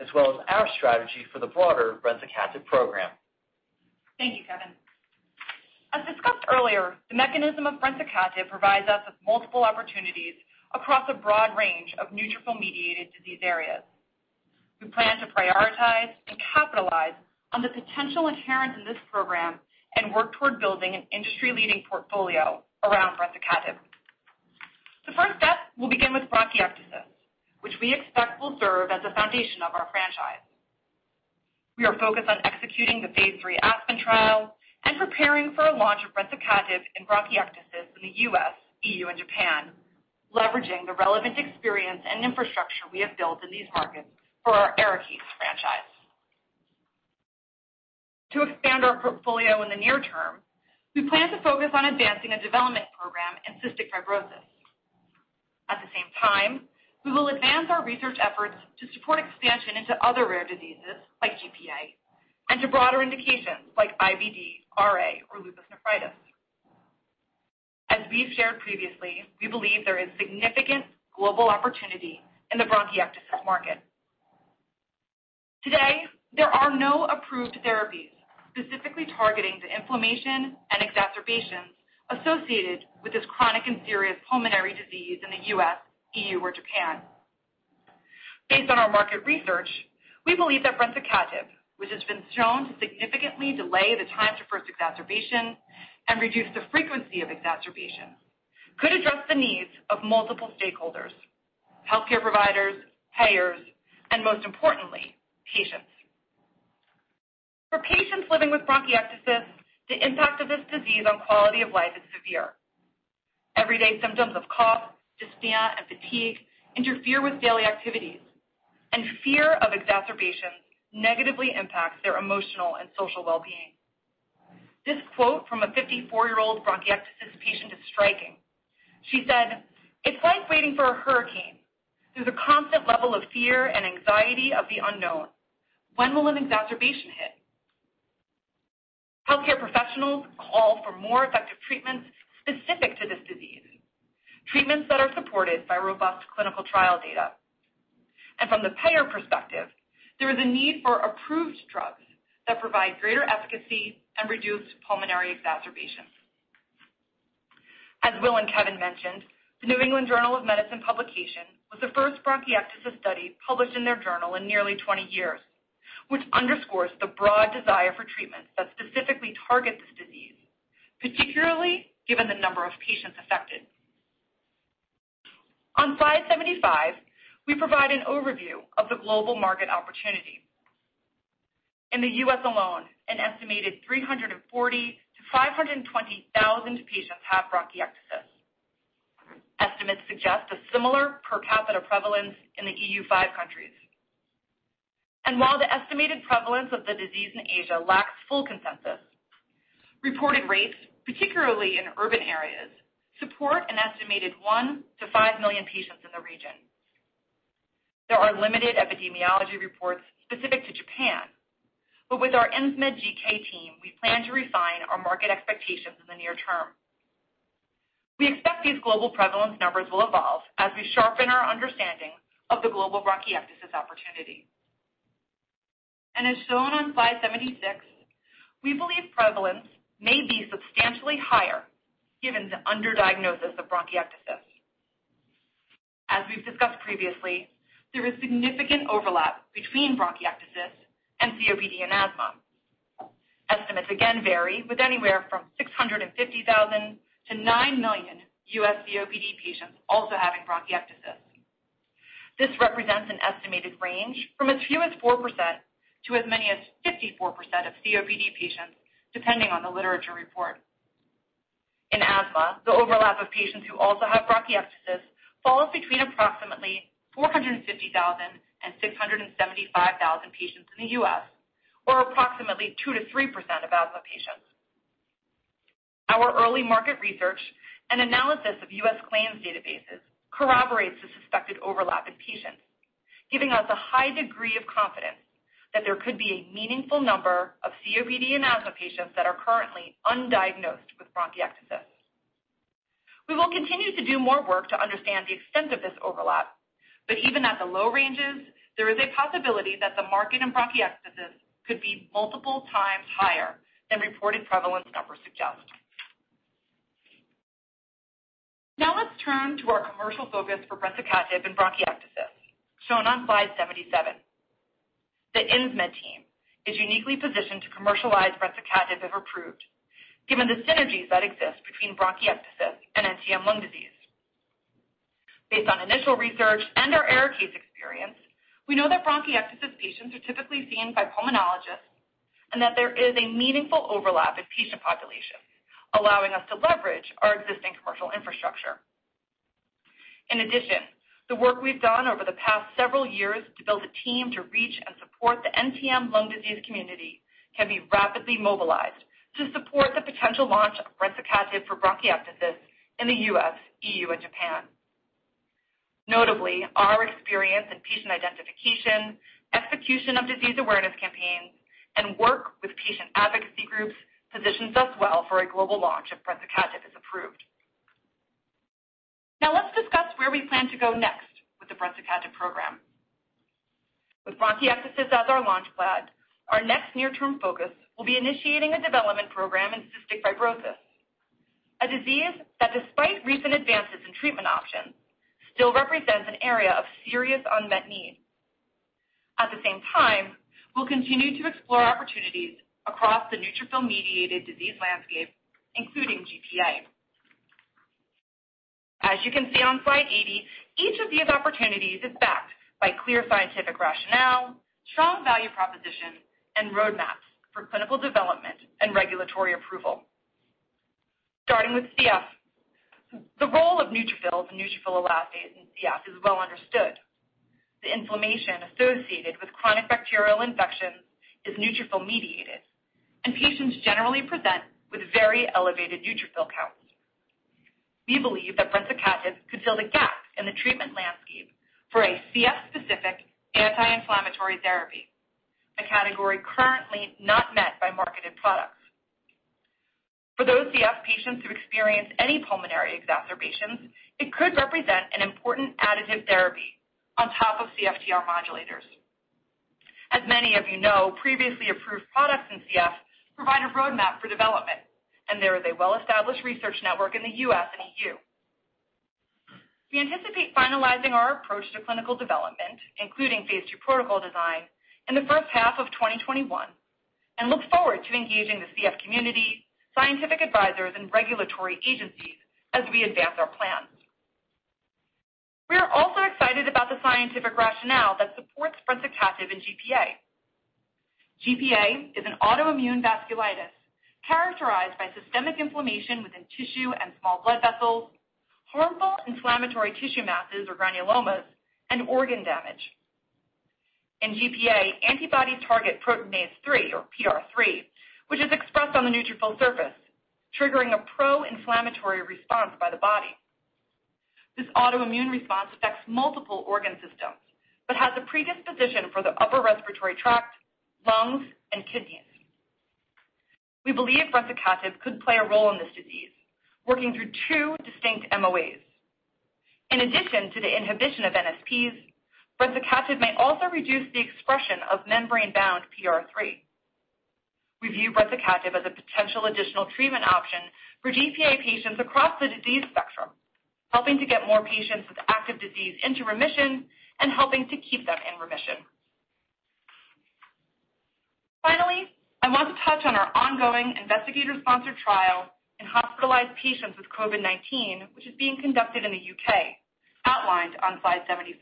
as well as our strategy for the broader brensocatib program. Thank you, Kevin. As discussed earlier, the mechanism of brensocatib provides us with multiple opportunities across a broad range of neutrophil-mediated disease areas. We plan to prioritize and capitalize on the potential inherent in this program and work toward building an industry-leading portfolio around brensocatib. The first step will begin with bronchiectasis, which we expect will serve as the foundation of our franchise. We are focused on executing the phase III ASPEN trial and preparing for a launch of brensocatib in bronchiectasis in the U.S., E.U., and Japan, leveraging the relevant experience and infrastructure we have built in these markets for our ARIKAYCE franchise. To expand our portfolio in the near term, we plan to focus on advancing a development program in cystic fibrosis. At the same time, we will advance our research efforts to support expansion into other rare diseases like GPA and to broader indications like IBD, RA, or lupus nephritis. As we've shared previously, we believe there is significant global opportunity in the bronchiectasis market. Today, there are no approved therapies specifically targeting the inflammation and exacerbations associated with this chronic and serious pulmonary disease in the U.S., EU, or Japan. Based on our market research, we believe that brensocatib, which has been shown to significantly delay the time to first exacerbation and reduce the frequency of exacerbation, could address the needs of multiple stakeholders, healthcare providers, payers, and most importantly, patients. For patients living with bronchiectasis, the impact of this disease on quality of life is severe. Everyday symptoms of cough, dyspnea, and fatigue interfere with daily activities, and fear of exacerbations negatively impacts their emotional and social well-being. This quote from a 54-year-old bronchiectasis patient is striking. She said, "It's like waiting for a hurricane. There's a constant level of fear and anxiety of the unknown. When will an exacerbation hit?" Healthcare professionals call for more effective treatments specific to this disease, treatments that are supported by robust clinical trial data. From the payer perspective, there is a need for approved drugs that provide greater efficacy and reduce pulmonary exacerbations. As Will and Kevin mentioned, The New England Journal of Medicine publication was the first bronchiectasis study published in their journal in nearly 20 years, which underscores the broad desire for treatments that specifically target this disease, particularly given the number of patients affected. On slide 75, we provide an overview of the global market opportunity. In the U.S. alone, an estimated 340,000-520,000 patients have bronchiectasis. Estimates suggest a similar per capita prevalence in the EU5 countries. While the estimated prevalence of the disease in Asia lacks full consensus, reported rates, particularly in urban areas, support an estimated 1 million-5 million patients in the region. There are limited epidemiology reports specific to Japan, but with our Insmed GK team, we plan to refine our market expectations in the near term. We expect these global prevalence numbers will evolve as we sharpen our understanding of the global bronchiectasis opportunity. As shown on slide 76, we believe prevalence may be substantially higher given the under-diagnosis of bronchiectasis. As we've discussed previously, there is significant overlap between bronchiectasis and COPD and asthma. Estimates again vary, with anywhere from 650,000-9 million U.S. COPD patients also having bronchiectasis. This represents an estimated range from as few as 4%-54% of COPD patients, depending on the literature report. In asthma, the overlap of patients who also have bronchiectasis falls between approximately 450,000 and 675,000 patients in the U.S. or approximately 2%-3% of asthma patients. Our early market research and analysis of U.S. claims databases corroborates the suspected overlap in patients, giving us a high degree of confidence that there could be a meaningful number of COPD and asthma patients that are currently undiagnosed with bronchiectasis. We will continue to do more work to understand the extent of this overlap, but even at the low ranges, there is a possibility that the market in bronchiectasis could be multiple times higher than reported prevalence numbers suggest. Now let's turn to our commercial focus for brensocatib in bronchiectasis, shown on slide 77. The Insmed team is uniquely positioned to commercialize brensocatib if approved, given the synergies that exist between bronchiectasis and NTM lung disease. Based on initial research and our ARIKAYCE experience, we know that bronchiectasis patients are typically seen by pulmonologists and that there is a meaningful overlap in patient population, allowing us to leverage our existing commercial infrastructure. In addition, the work we've done over the past several years to build a team to reach and support the NTM lung disease community can be rapidly mobilized to support the potential launch of brensocatib for bronchiectasis in the U.S., EU, and Japan. Notably, our experience in patient identification, execution of disease awareness campaigns, and work with patient advocacy groups positions us well for a global launch if brensocatib is approved. Now let's discuss where we plan to go next with the brensocatib program. With bronchiectasis as our launch pad, our next near-term focus will be initiating a development program in cystic fibrosis, a disease that, despite recent advances in treatment options, still represents an area of serious unmet need. At the same time, we'll continue to explore opportunities across the neutrophil-mediated disease landscape, including GPA. As you can see on slide 80, each of these opportunities is backed by clear scientific rationale, strong value proposition, and roadmaps for clinical development and regulatory approval. Starting with CF, the role of neutrophils and neutrophil elastase in CF is well understood. The inflammation associated with chronic bacterial infections is neutrophil-mediated, and patients generally present with very elevated neutrophil counts. We believe that brensocatib could fill the gap in the treatment landscape for a CF-specific anti-inflammatory therapy, a category currently not met by marketed products. For those CF patients who experience any pulmonary exacerbations, it could represent an important additive therapy on top of CFTR modulators. As many of you know, previously approved products in CF provide a roadmap for development, and there is a well-established research network in the U.S. and EU. We anticipate finalizing our approach to clinical development, including phase II protocol design, in the first half of 2021 and look forward to engaging the CF community, scientific advisors, and regulatory agencies as we advance our plans. We are also excited about the scientific rationale that supports brensocatib in GPA. GPA is an autoimmune vasculitis characterized by systemic inflammation within tissue and small blood vessels, harmful inflammatory tissue masses or granulomas, and organ damage. In GPA, antibodies target proteinase 3 or PR3, which is expressed on the neutrophil surface, triggering a pro-inflammatory response by the body. This autoimmune response affects multiple organ systems but has a predisposition for the upper respiratory tract, lungs, and kidneys. We believe brensocatib could play a role in this disease, working through two distinct MOAs. In addition to the inhibition of NSPs, brensocatib may also reduce the expression of membrane-bound PR3. We view brensocatib as a potential additional treatment option for GPA patients across the disease spectrum, helping to get more patients with active disease into remission and helping to keep them in remission. Finally, I want to touch on our ongoing investigator-sponsored trial in hospitalized patients with COVID-19, which is being conducted in the U.K., outlined on slide 75.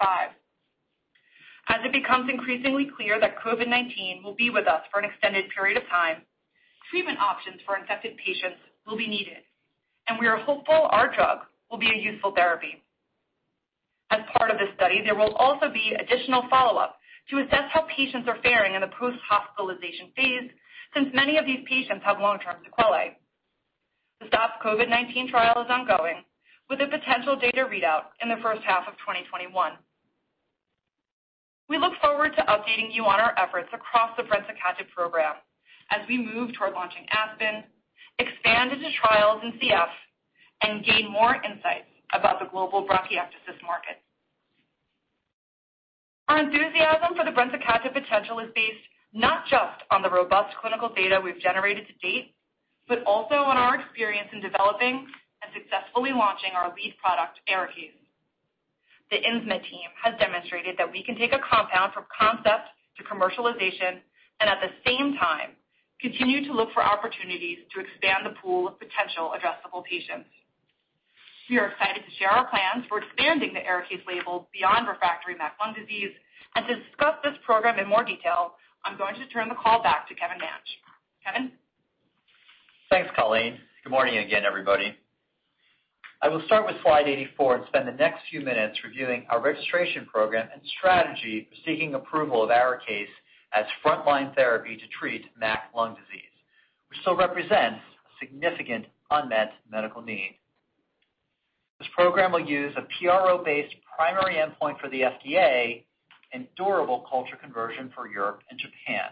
As it becomes increasingly clear that COVID-19 will be with us for an extended period of time, treatment options for infected patients will be needed, and we are hopeful our drug will be a useful therapy. As part of this study, there will also be additional follow-up to assess how patients are faring in the post-hospitalization phase since many of these patients have long-term sequelae. COVID-19 trial is ongoing with a potential data readout in the first half of 2021. We look forward to updating you on our efforts across the brensocatib program as we move toward launching ASPEN, expand into trials in CF, and gain more insights about the global bronchiectasis market. Our enthusiasm for the brensocatib potential is based not just on the robust clinical data we've generated to date, but also on our experience in developing and successfully launching our lead product, ARIKAYCE. The Insmed team has demonstrated that we can take a compound from concept to commercialization and at the same time continue to look for opportunities to expand the pool of potential addressable patients. We are excited to share our plans for expanding the ARIKAYCE label beyond refractory MAC lung disease. To discuss this program in more detail, I'm going to turn the call back to Kevin Mange. Kevin? Thanks, Colleen. Good morning again, everybody. I will start with slide 84 and spend the next few minutes reviewing our registration program and strategy for seeking approval of ARIKAYCE as frontline therapy to treat MAC lung disease, which still represents a significant unmet medical need. This program will use a PRO-based primary endpoint for the FDA and durable culture conversion for Europe and Japan.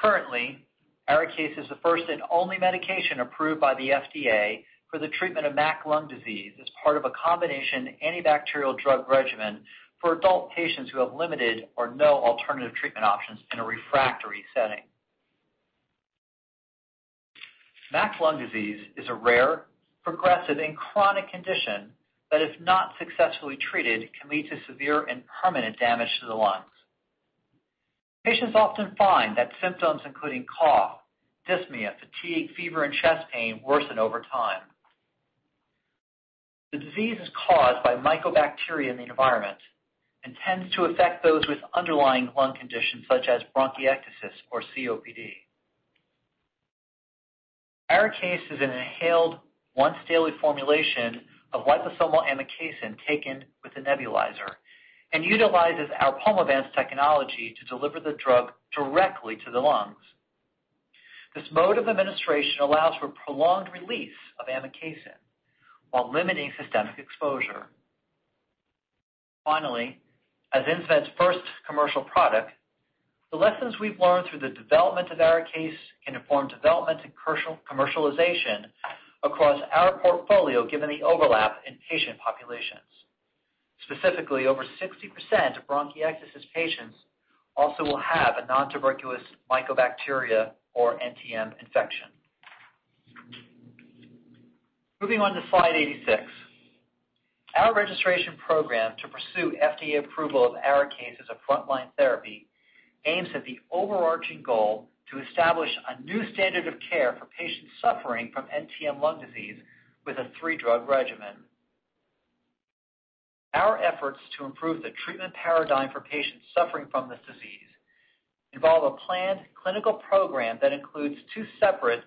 Currently, ARIKAYCE is the first and only medication approved by the FDA for the treatment of MAC lung disease as part of a combination antibacterial drug regimen for adult patients who have limited or no alternative treatment options in a refractory setting. MAC lung disease is a rare, progressive, and chronic condition that, if not successfully treated, can lead to severe and permanent damage to the lungs. Patients often find that symptoms including cough, dyspnea, fatigue, fever, and chest pain worsen over time. The disease is caused by mycobacteria in the environment and tends to affect those with underlying lung conditions such as bronchiectasis or COPD. ARIKAYCE is an inhaled once-daily formulation of liposomal amikacin taken with a nebulizer and utilizes our PULMOVANCE technology to deliver the drug directly to the lungs. This mode of administration allows for prolonged release of amikacin while limiting systemic exposure. Finally, as Insmed's first commercial product, the lessons we've learned through the development of ARIKAYCE can inform development and commercialization across our portfolio given the overlap in patient populations. Specifically, over 60% of bronchiectasis patients also will have a nontuberculous mycobacteria or NTM infection. Moving on to slide 86. Our registration program to pursue FDA approval of ARIKAYCE as a frontline therapy aims at the overarching goal to establish a new standard of care for patients suffering from NTM lung disease with a three-drug regimen. Our efforts to improve the treatment paradigm for patients suffering from this disease involve a planned clinical program that includes two separate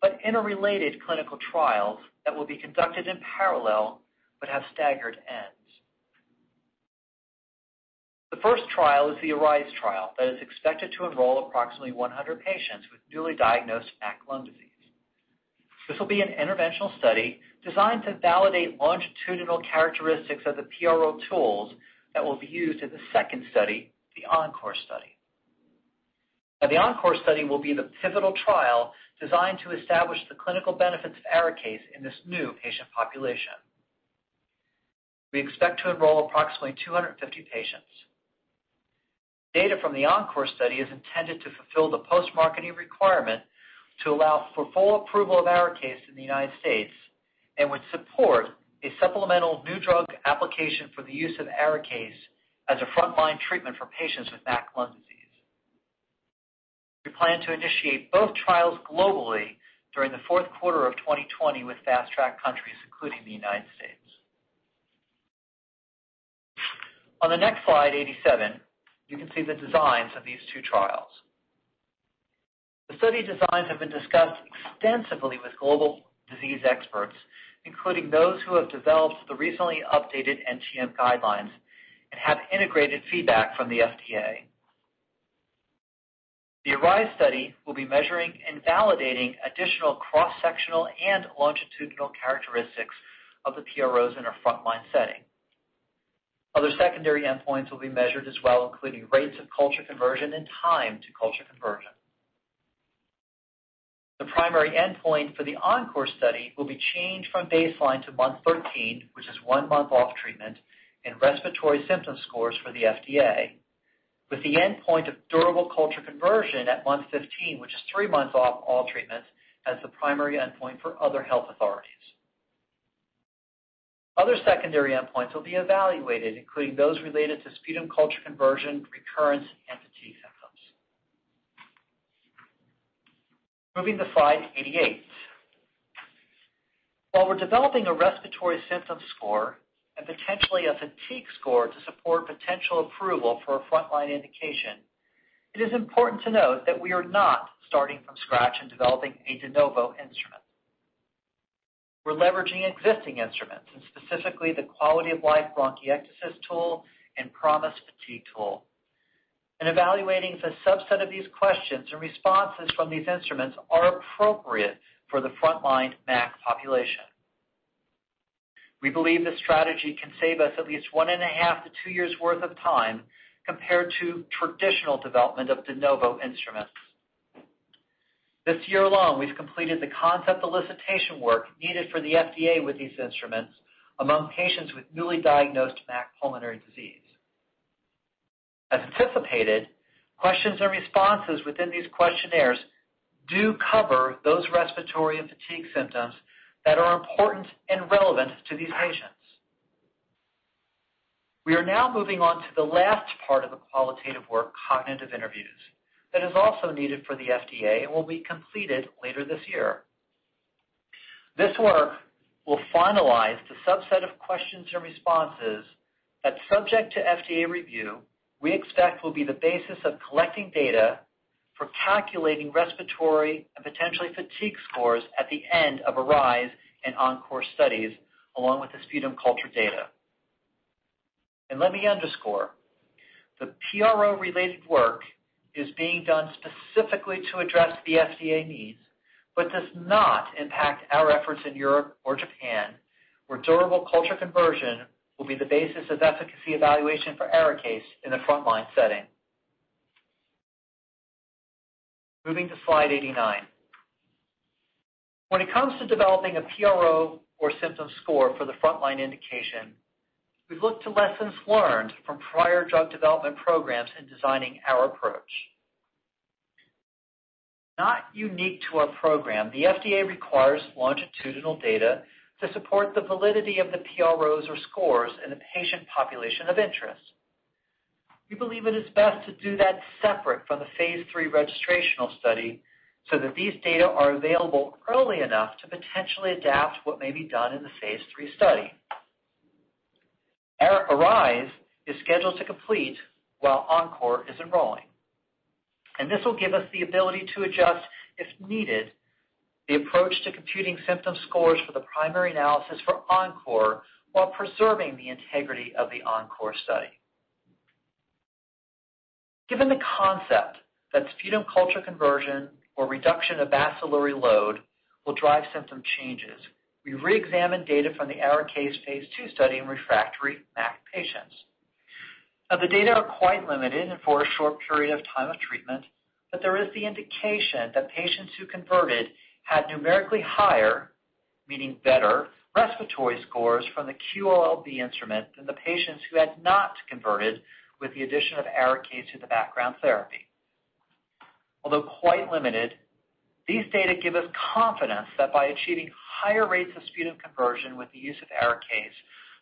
but interrelated clinical trials that will be conducted in parallel but have staggered ends. The first trial is the ARISE trial that is expected to enroll approximately 100 patients with newly diagnosed MAC lung disease. This will be an interventional study designed to validate longitudinal characteristics of the PRO tools that will be used in the second study, the ENCORE study. The ENCORE study will be the pivotal trial designed to establish the clinical benefits of ARIKAYCE in this new patient population. We expect to enroll approximately 250 patients. Data from the ENCORE study is intended to fulfill the post-marketing requirement to allow for full approval of ARIKAYCE in the United States and would support a supplemental new drug application for the use of ARIKAYCE as a frontline treatment for patients with MAC lung disease. We plan to initiate both trials globally during the fourth quarter of 2020 with fast-track countries, including the United States. On the next slide 87, you can see the designs of these two trials. The study designs have been discussed extensively with global disease experts, including those who have developed the recently updated NTM guidelines and have integrated feedback from the FDA. The ARISE study will be measuring and validating additional cross-sectional and longitudinal characteristics of the PROs in a frontline setting. Other secondary endpoints will be measured as well, including rates of culture conversion and time to culture conversion. The primary endpoint for the ENCORE study will be changed from baseline to month 13, which is one month off treatment, and respiratory symptom scores for the FDA, with the endpoint of durable culture conversion at month 15, which is three months off all treatments, as the primary endpoint for other health authorities. Other secondary endpoints will be evaluated, including those related to sputum culture conversion, recurrence, and fatigue symptoms. Moving to slide 88. While we're developing a respiratory symptom score and potentially a fatigue score to support potential approval for a frontline indication, it is important to note that we are not starting from scratch and developing a de novo instrument. We're leveraging existing instruments, and specifically the quality of life bronchiectasis tool and PROMIS Fatigue tool, and evaluating if a subset of these questions and responses from these instruments are appropriate for the frontline MAC population. We believe this strategy can save us at least one and a half to two years' worth of time compared to traditional development of de novo instruments. This year long, we've completed the concept elicitation work needed for the FDA with these instruments among patients with newly diagnosed MAC pulmonary disease. As anticipated, questions and responses within these questionnaires do cover those respiratory and fatigue symptoms that are important and relevant to these patients. We are now moving on to the last part of the qualitative work, cognitive interviews, that is also needed for the FDA and will be completed later this year. This work will finalize the subset of questions and responses that, subject to FDA review, we expect will be the basis of collecting data for calculating respiratory and potentially fatigue scores at the end of ARISE and ENCORE studies, along with the sputum culture data. Let me underscore, the PRO-related work is being done specifically to address the FDA needs, but does not impact our efforts in Europe or Japan, where durable culture conversion will be the basis of efficacy evaluation for ARIKAYCE in the frontline setting. Moving to slide 89. When it comes to developing a PRO or symptom score for the frontline indication, we've looked to lessons learned from prior drug development programs in designing our approach. Not unique to our program, the FDA requires longitudinal data to support the validity of the PROs or scores in the patient population of interest. We believe it is best to do that separate from the phase III registrational study so that these data are available early enough to potentially adapt what may be done in the phase III study. ARISE is scheduled to complete while ENCORE is enrolling. This will give us the ability to adjust, if needed, the approach to computing symptom scores for the primary analysis for ENCORE while preserving the integrity of the ENCORE study. Given the concept that sputum culture conversion or reduction of bacillary load will drive symptom changes, we re-examined data from the ARIKAYCE phase II study in refractory MAC patients. The data are quite limited and for a short period of time of treatment, but there is the indication that patients who converted had numerically higher, meaning better, respiratory scores from the QOLB instrument than the patients who had not converted with the addition of ARIKAYCE to the background therapy. Although quite limited, these data give us confidence that by achieving higher rates of sputum conversion with the use of ARIKAYCE,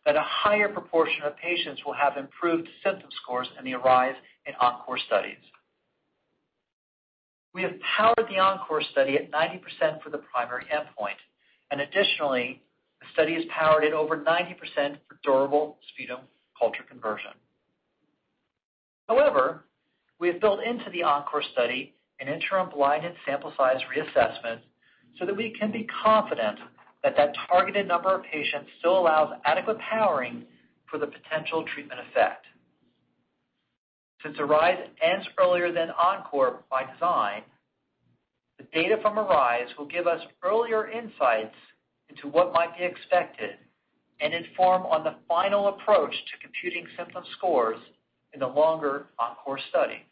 that a higher proportion of patients will have improved symptom scores in the ARISE and ENCORE studies. We have powered the ENCORE study at 90% for the primary endpoint, and additionally, the study is powered at over 90% for durable sputum culture conversion. However, we have built into the ENCORE study an interim blinded sample size reassessment so that we can be confident that that targeted number of patients still allows adequate powering for the potential treatment effect. Since ARISE ends earlier than ENCORE by design, the data from ARISE will give us earlier insights into what might be expected and inform on the final approach to computing symptom scores in the longer ENCORE study.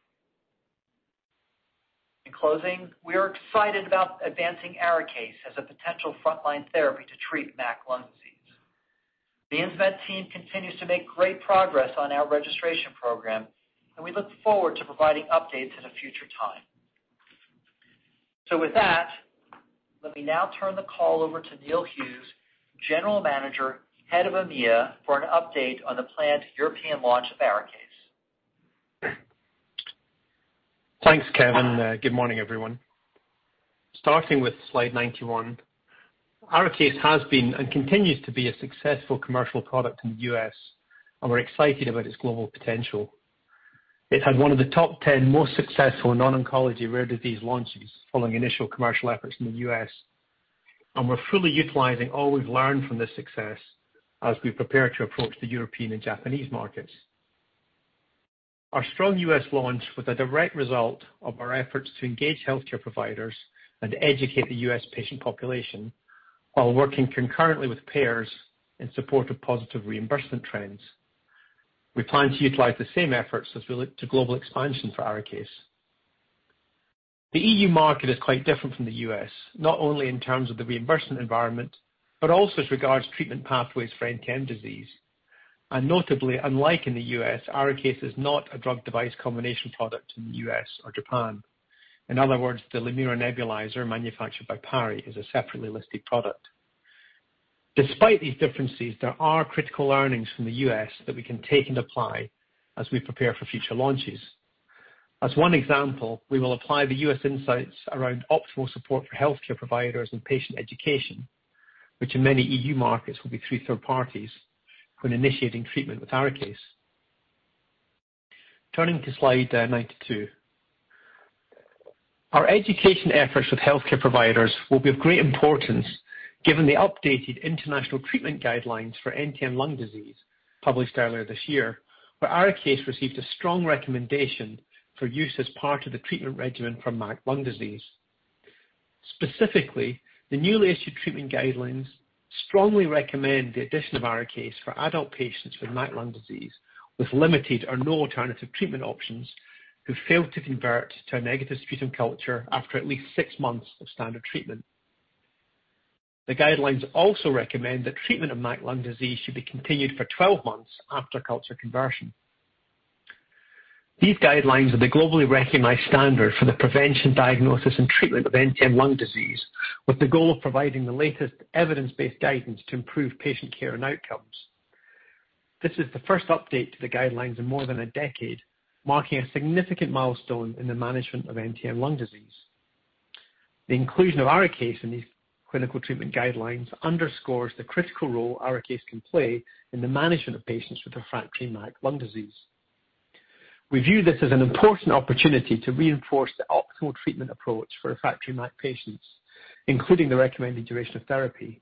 In closing, we are excited about advancing ARIKAYCE as a potential frontline therapy to treat MAC lung disease. The Insmed team continues to make great progress on our registration program, and we look forward to providing updates at a future time. With that, let me now turn the call over to Neil Hughes, General Manager, Head of EMEA, for an update on the planned European launch of ARIKAYCE. Thanks, Kevin. Good morning, everyone. Starting with slide 91, ARIKAYCE has been, and continues to be, a successful commercial product in the U.S., and we're excited about its global potential. It had one of the top 10 most successful non-oncology rare disease launches following initial commercial efforts in the U.S., and we're fully utilizing all we've learned from this success as we prepare to approach the European and Japanese markets. Our strong U.S. launch was a direct result of our efforts to engage healthcare providers and educate the U.S. patient population while working concurrently with payers in support of positive reimbursement trends. We plan to utilize the same efforts as we look to global expansion for ARIKAYCE. The EU market is quite different from the U.S., not only in terms of the reimbursement environment, but also as regards treatment pathways for NTM disease. Notably, unlike in the U.S., ARIKAYCE is not a drug device combination product in the U.S. or Japan. In other words, the Lamira nebulizer manufactured by PARI is a separately listed product. Despite these differences, there are critical learnings from the U.S. that we can take and apply as we prepare for future launches. As one example, we will apply the U.S. insights around optimal support for healthcare providers and patient education, which in many EU markets will be through third parties when initiating treatment with ARIKAYCE. Turning to slide 92. Our education efforts with healthcare providers will be of great importance given the updated international treatment guidelines for NTM lung disease published earlier this year, where ARIKAYCE received a strong recommendation for use as part of the treatment regimen for MAC lung disease. Specifically, the newly issued treatment guidelines strongly recommend the addition of ARIKAYCE for adult patients with MAC lung disease with limited or no alternative treatment options, who fail to convert to a negative sputum culture after at least six months of standard treatment. The guidelines also recommend that treatment of MAC lung disease should be continued for 12 months after culture conversion. These guidelines are the globally recognized standard for the prevention, diagnosis, and treatment of NTM lung disease, with the goal of providing the latest evidence-based guidance to improve patient care and outcomes. This is the first update to the guidelines in more than a decade, marking a significant milestone in the management of NTM lung disease. The inclusion of ARIKAYCE in these clinical treatment guidelines underscores the critical role ARIKAYCE can play in the management of patients with refractory MAC lung disease. We view this as an important opportunity to reinforce the optimal treatment approach for refractory MAC patients, including the recommended duration of therapy,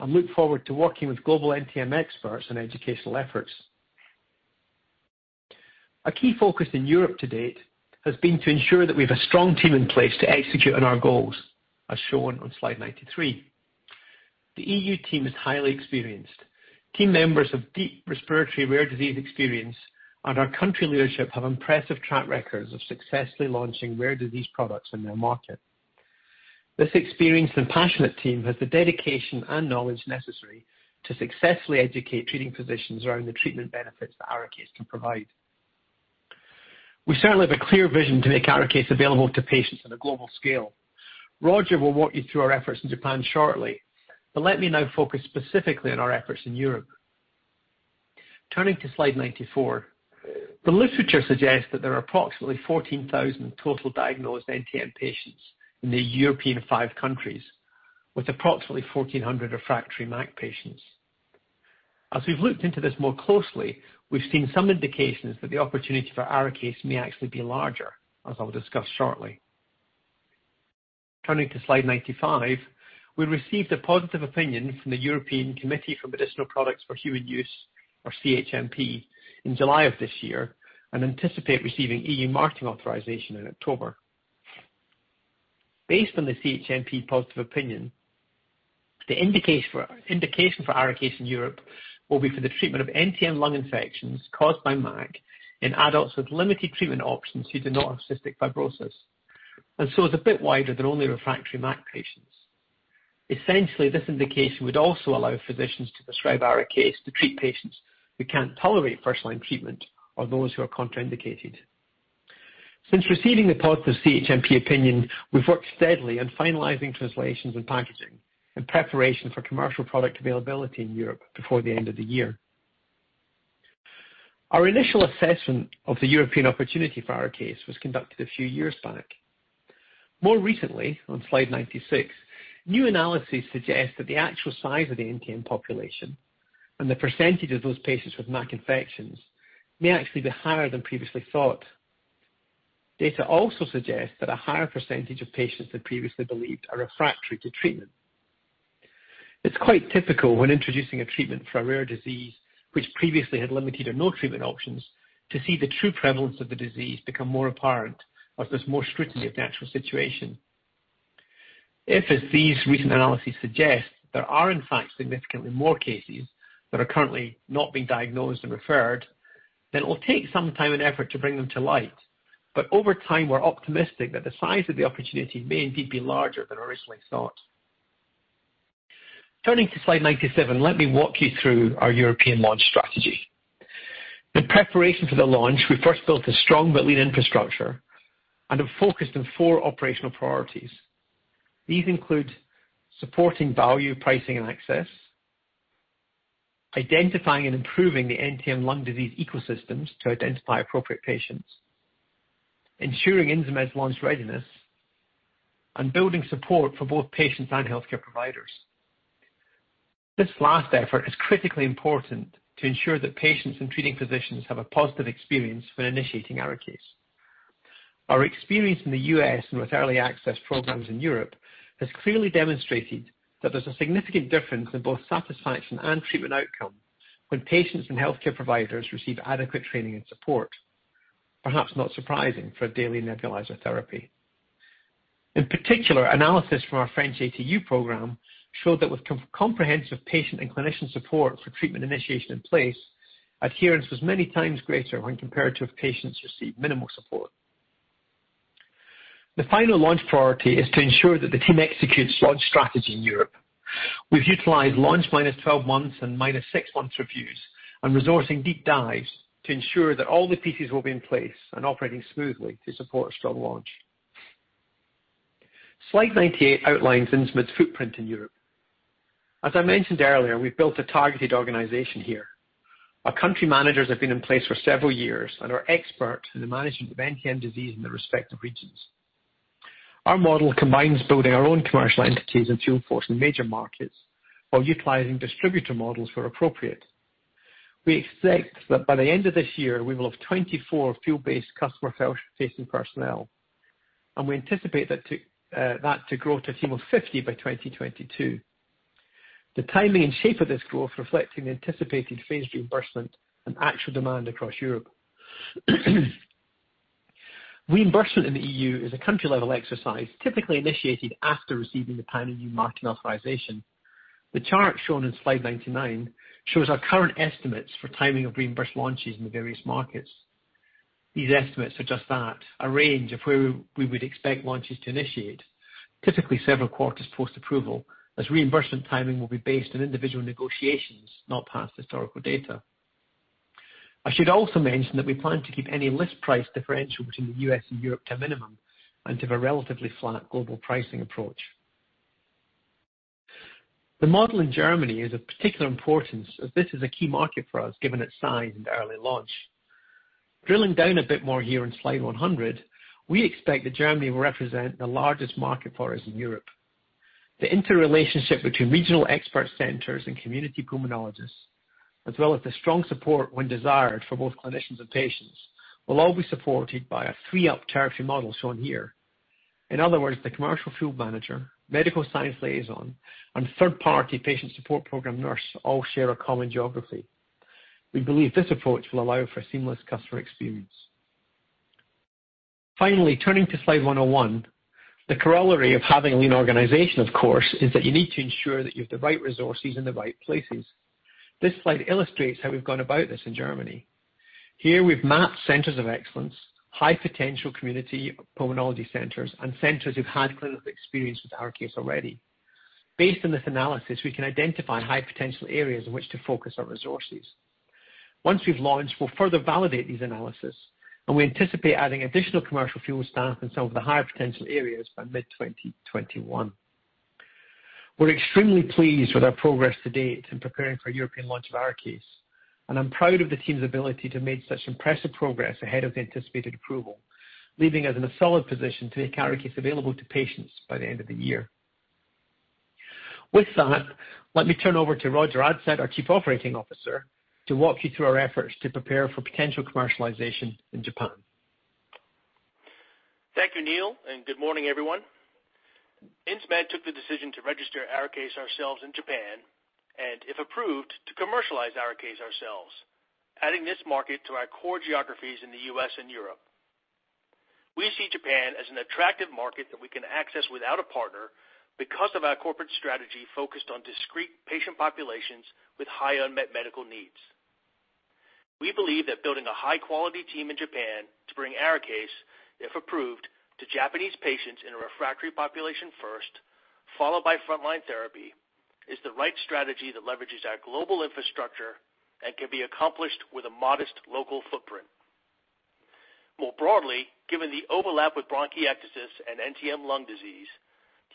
and look forward to working with global NTM experts on educational efforts. A key focus in Europe to date has been to ensure that we have a strong team in place to execute on our goals, as shown on slide 93. The EU team is highly experienced. Team members have deep respiratory rare disease experience, and our country leadership have impressive track records of successfully launching rare disease products in their market. This experienced and passionate team has the dedication and knowledge necessary to successfully educate treating physicians around the treatment benefits that ARIKAYCE can provide. We certainly have a clear vision to make ARIKAYCE available to patients on a global scale. Roger will walk you through our efforts in Japan shortly, but let me now focus specifically on our efforts in Europe. Turning to slide 94. The literature suggests that there are approximately 14,000 total diagnosed NTM patients in the European five countries, with approximately 1,400 refractory MAC patients. As we've looked into this more closely, we've seen some indications that the opportunity for ARIKAYCE may actually be larger, as I'll discuss shortly. Turning to slide 95. We received a positive opinion from the European Committee for Medicinal Products for Human Use, or CHMP, in July of this year and anticipate receiving EU marketing authorization in October. Based on the CHMP positive opinion, the indication for ARIKAYCE in Europe will be for the treatment of NTM lung infections caused by MAC in adults with limited treatment options who do not have cystic fibrosis. It's a bit wider than only refractory MAC patients. Essentially, this indication would also allow physicians to prescribe ARIKAYCE to treat patients who can't tolerate first-line treatment or those who are contraindicated. Since receiving the positive CHMP opinion, we've worked steadily on finalizing translations and packaging in preparation for commercial product availability in Europe before the end of the year. Our initial assessment of the European opportunity for ARIKAYCE was conducted a few years back. More recently, on slide 96, new analyses suggest that the actual size of the NTM population and the percentage of those patients with MAC infections may actually be higher than previously thought. Data also suggests that a higher percentage of patients than previously believed are refractory to treatment. It's quite typical when introducing a treatment for a rare disease, which previously had limited or no treatment options, to see the true prevalence of the disease become more apparent as there's more scrutiny of the actual situation. If as these recent analyses suggest, there are in fact significantly more cases that are currently not being diagnosed and referred, then it will take some time and effort to bring them to light. Over time, we're optimistic that the size of the opportunity may indeed be larger than originally thought. Turning to slide 97, let me walk you through our European launch strategy. In preparation for the launch, we first built a strong but lean infrastructure and have focused on four operational priorities. These include supporting value pricing and access, identifying and improving the NTM lung disease ecosystems to identify appropriate patients, ensuring Insmed's launch readiness, and building support for both patients and healthcare providers. This last effort is critically important to ensure that patients and treating physicians have a positive experience when initiating ARIKAYCE. Our experience in the U.S. and with early access programs in Europe has clearly demonstrated that there's a significant difference in both satisfaction and treatment outcome when patients and healthcare providers receive adequate training and support. Perhaps not surprising for a daily nebulizer therapy. In particular, analysis from our French ATU program showed that with comprehensive patient and clinician support for treatment initiation in place, adherence was many times greater when compared to if patients received minimal support. The final launch priority is to ensure that the team executes launch strategy in Europe. We've utilized launch minus 12 months and minus six months reviews and resourcing deep dives to ensure that all the pieces will be in place and operating smoothly to support a strong launch. Slide 98 outlines Insmed's footprint in Europe. As I mentioned earlier, we've built a targeted organization here. Our country managers have been in place for several years and are expert in the management of NTM disease in their respective regions. Our model combines building our own commercial entities and field force in major markets while utilizing distributor models where appropriate. We expect that by the end of this year, we will have 24 field-based customer-facing personnel, and we anticipate that to grow to a team of 50 by 2022. The timing and shape of this growth reflecting the anticipated phased reimbursement and actual demand across Europe. Reimbursement in the E.U. is a country-level exercise, typically initiated after receiving the Pan-E.U. market authorization. The chart shown in slide 99 shows our current estimates for timing of reimbursed launches in the various markets. These estimates are just that, a range of where we would expect launches to initiate, typically several quarters post-approval, as reimbursement timing will be based on individual negotiations, not past historical data. I should also mention that we plan to keep any list price differential between the U.S. and Europe to a minimum and have a relatively flat global pricing approach. The model in Germany is of particular importance as this is a key market for us, given its size and early launch. Drilling down a bit more here in slide 100, we expect that Germany will represent the largest market for us in Europe. The interrelationship between regional expert centers and community pulmonologists, as well as the strong support when desired for both clinicians and patients, will all be supported by a three-up territory model shown here. In other words, the commercial field manager, medical science liaison, and third-party patient support program nurse all share a common geography. We believe this approach will allow for a seamless customer experience. Finally, turning to slide 101. The corollary of having a lean organization, of course, is that you need to ensure that you have the right resources in the right places. This slide illustrates how we've gone about this in Germany. Here we've mapped centers of excellence, high-potential community pulmonology centers, and centers who've had clinical experience with ARIKAYCE already. Based on this analysis, we can identify high-potential areas in which to focus our resources. Once we've launched, we'll further validate these analyses, and we anticipate adding additional commercial field staff in some of the higher potential areas by mid-2021. We're extremely pleased with our progress to date in preparing for a European launch of ARIKAYCE, and I'm proud of the team's ability to have made such impressive progress ahead of the anticipated approval, leaving us in a solid position to make ARIKAYCE available to patients by the end of the year. With that, let me turn over to Roger Adsett, our Chief Operating Officer, to walk you through our efforts to prepare for potential commercialization in Japan. Thank you, Neil. Good morning, everyone. Insmed took the decision to register ARIKAYCE ourselves in Japan and, if approved, to commercialize ARIKAYCE ourselves, adding this market to our core geographies in the U.S. and Europe. We see Japan as an attractive market that we can access without a partner because of our corporate strategy focused on discrete patient populations with high unmet medical needs. We believe that building a high-quality team in Japan to bring ARIKAYCE, if approved, to Japanese patients in a refractory population first, followed by frontline therapy, is the right strategy that leverages our global infrastructure and can be accomplished with a modest local footprint. More broadly, given the overlap with bronchiectasis and NTM lung disease,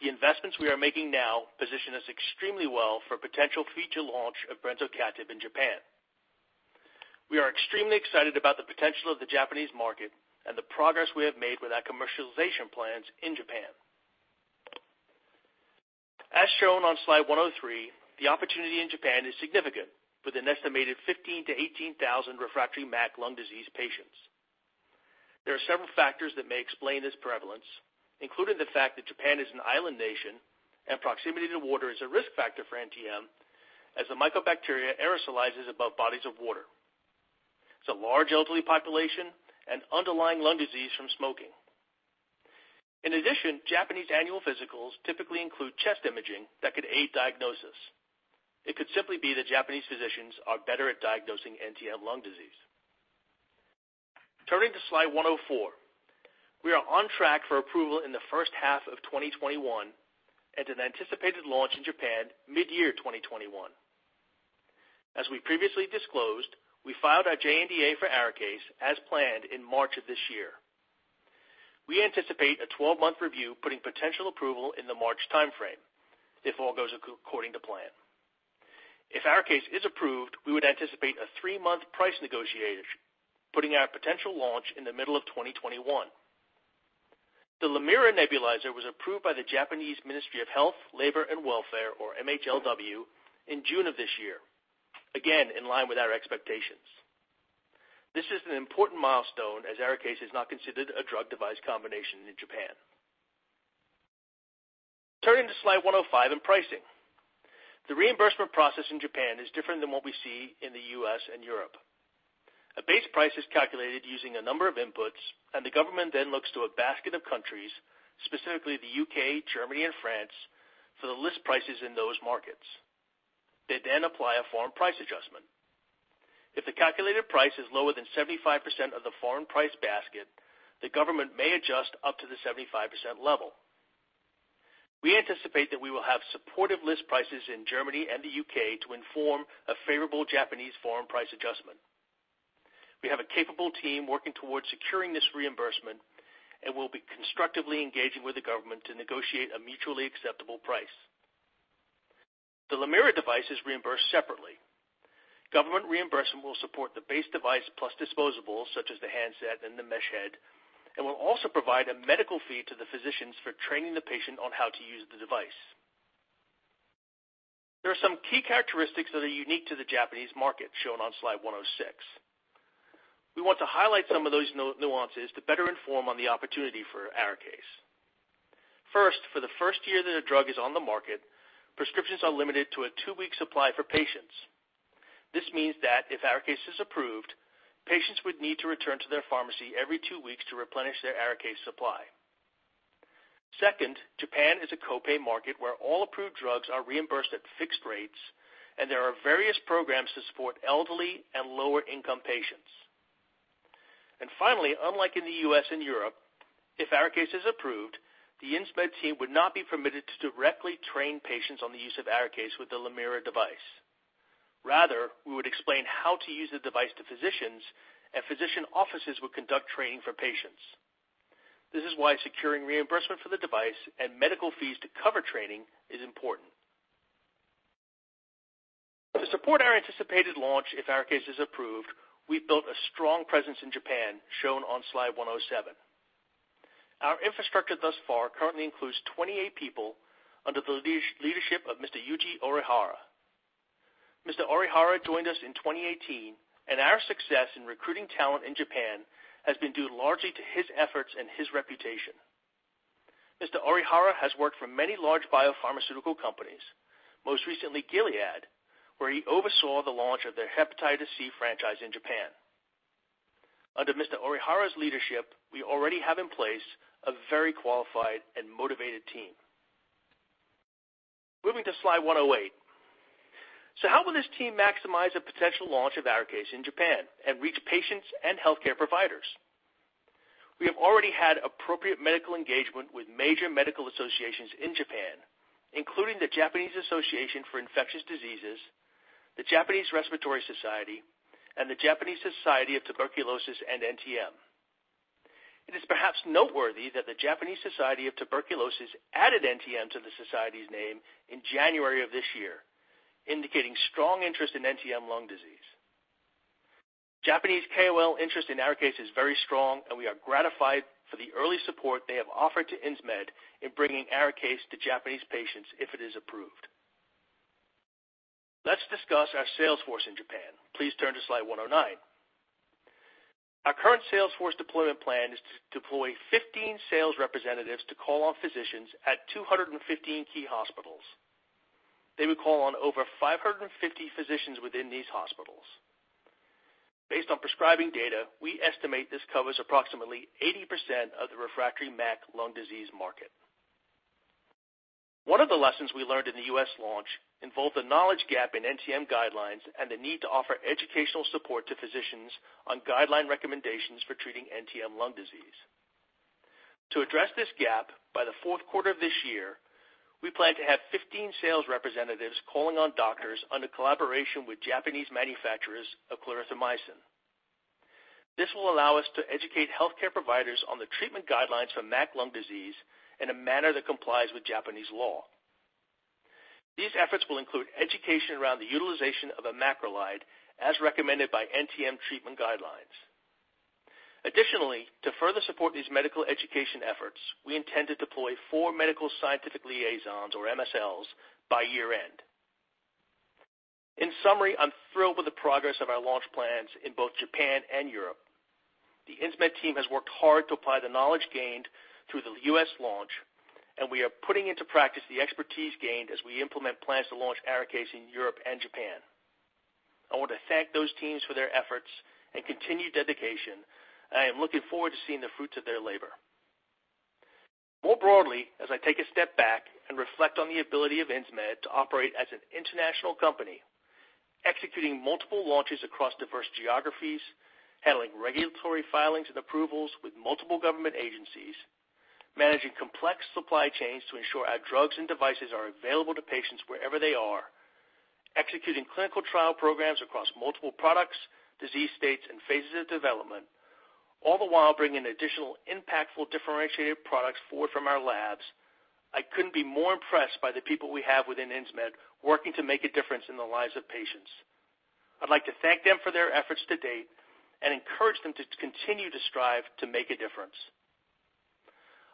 the investments we are making now position us extremely well for potential future launch of brensocatib in Japan. We are extremely excited about the potential of the Japanese market and the progress we have made with our commercialization plans in Japan. As shown on slide 103, the opportunity in Japan is significant, with an estimated 15,000 to 18,000 refractory MAC lung disease patients. There are several factors that may explain this prevalence, including the fact that Japan is an island nation and proximity to water is a risk factor for NTM, as the mycobacteria aerosolizes above bodies of water. It's a large elderly population and underlying lung disease from smoking. In addition, Japanese annual physicals typically include chest imaging that could aid diagnosis. It could simply be that Japanese physicians are better at diagnosing NTM lung disease. Turning to slide 104. We are on track for approval in the first half of 2021 and an anticipated launch in Japan mid-year 2021. As we previously disclosed, we filed our JNDA for ARIKAYCE, as planned, in March of this year. We anticipate a 12-month review, putting potential approval in the March timeframe, if all goes according to plan. ARIKAYCE is approved, we would anticipate a three-month price negotiation, putting our potential launch in the middle of 2021. The Lamira nebulizer was approved by the Japanese Ministry of Health, Labor, and Welfare, or MHLW, in June of this year. In line with our expectations. This is an important milestone as ARIKAYCE is not considered a drug device combination in Japan. Turning to slide 105 in pricing. The reimbursement process in Japan is different than what we see in the U.S. and Europe. A base price is calculated using a number of inputs, and the government then looks to a basket of countries, specifically the U.K., Germany, and France, for the list prices in those markets. They then apply a foreign price adjustment. If the calculated price is lower than 75% of the foreign price basket, the government may adjust up to the 75% level. We anticipate that we will have supportive list prices in Germany and the U.K. to inform a favorable Japanese foreign price adjustment. We have a capable team working towards securing this reimbursement and will be constructively engaging with the government to negotiate a mutually acceptable price. The Lamira device is reimbursed separately. Government reimbursement will support the base device plus disposables such as the handset and the mesh head, and will also provide a medical fee to the physicians for training the patient on how to use the device. There are some key characteristics that are unique to the Japanese market, shown on slide 106. We want to highlight some of those nuances to better inform on the opportunity for ARIKAYCE. First, for the first year that a drug is on the market, prescriptions are limited to a two-week supply for patients. This means that if ARIKAYCE is approved, patients would need to return to their pharmacy every two weeks to replenish their ARIKAYCE supply. Second, Japan is a co-pay market where all approved drugs are reimbursed at fixed rates, and there are various programs to support elderly and lower-income patients. Finally, unlike in the U.S. and Europe, if ARIKAYCE is approved, the Insmed team would not be permitted to directly train patients on the use of ARIKAYCE with the Lamira device. Rather, we would explain how to use the device to physicians, and physician offices would conduct training for patients. This is why securing reimbursement for the device and medical fees to cover training is important. To support our anticipated launch if ARIKAYCE is approved, we've built a strong presence in Japan, shown on slide 107. Our infrastructure thus far currently includes 28 people under the leadership of Mr. Yuji Orihara. Mr. Orihara joined us in 2018. Our success in recruiting talent in Japan has been due largely to his efforts and his reputation. Mr. Orihara has worked for many large biopharmaceutical companies, most recently Gilead, where he oversaw the launch of their hepatitis C franchise in Japan. Under Mr. Orihara's leadership, we already have in place a very qualified and motivated team. Moving to slide 108. How will this team maximize the potential launch of ARIKAYCE in Japan and reach patients and healthcare providers? We have already had appropriate medical engagement with major medical associations in Japan, including the Japanese Association for Infectious Diseases, the Japanese Respiratory Society, and the Japanese Society of Tuberculosis and NTM. It is perhaps noteworthy that the Japanese Society of Tuberculosis added NTM to the society's name in January of this year, indicating strong interest in NTM lung disease. Japanese KOL interest in ARIKAYCE is very strong, and we are gratified for the early support they have offered to Insmed in bringing ARIKAYCE to Japanese patients if it is approved. Let's discuss our sales force in Japan. Please turn to slide 109. Our current sales force deployment plan is to deploy 15 sales representatives to call on physicians at 215 key hospitals. They would call on over 550 physicians within these hospitals. Based on prescribing data, we estimate this covers approximately 80% of the refractory MAC lung disease market. One of the lessons we learned in the U.S. launch involved a knowledge gap in NTM guidelines and the need to offer educational support to physicians on guideline recommendations for treating NTM lung disease. To address this gap, by the fourth quarter of this year, we plan to have 15 sales representatives calling on doctors under collaboration with Japanese manufacturers of clarithromycin. This will allow us to educate healthcare providers on the treatment guidelines for MAC lung disease in a manner that complies with Japanese law. These efforts will include education around the utilization of a macrolide as recommended by NTM treatment guidelines. Additionally, to further support these medical education efforts, we intend to deploy four medical scientific liaisons, or MSLs, by year-end. In summary, I'm thrilled with the progress of our launch plans in both Japan and Europe. The Insmed team has worked hard to apply the knowledge gained through the U.S. launch, we are putting into practice the expertise gained as we implement plans to launch ARIKAYCE in Europe and Japan. I want to thank those teams for their efforts and continued dedication. I am looking forward to seeing the fruits of their labor. More broadly, as I take a step back and reflect on the ability of Insmed to operate as an international company, executing multiple launches across diverse geographies, handling regulatory filings and approvals with multiple government agencies, managing complex supply chains to ensure our drugs and devices are available to patients wherever they are, executing clinical trial programs across multiple products, disease states, and phases of development, all the while bringing additional impactful, differentiated products forward from our labs, I couldn't be more impressed by the people we have within Insmed working to make a difference in the lives of patients. I'd like to thank them for their efforts to date and encourage them to continue to strive to make a difference.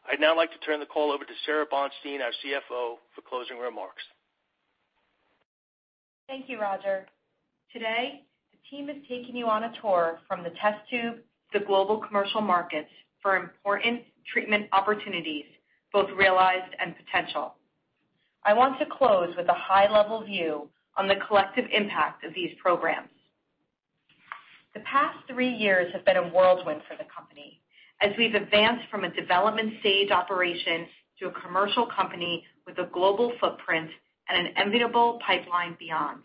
I'd now like to turn the call over to Sara Bonstein, our CFO, for closing remarks. Thank you, Roger. Today, the team is taking you on a tour from the test tube to global commercial markets for important treatment opportunities, both realized and potential. I want to close with a high-level view on the collective impact of these programs. The past three years have been a whirlwind for the company as we've advanced from a development-stage operation to a commercial company with a global footprint and an enviable pipeline beyond.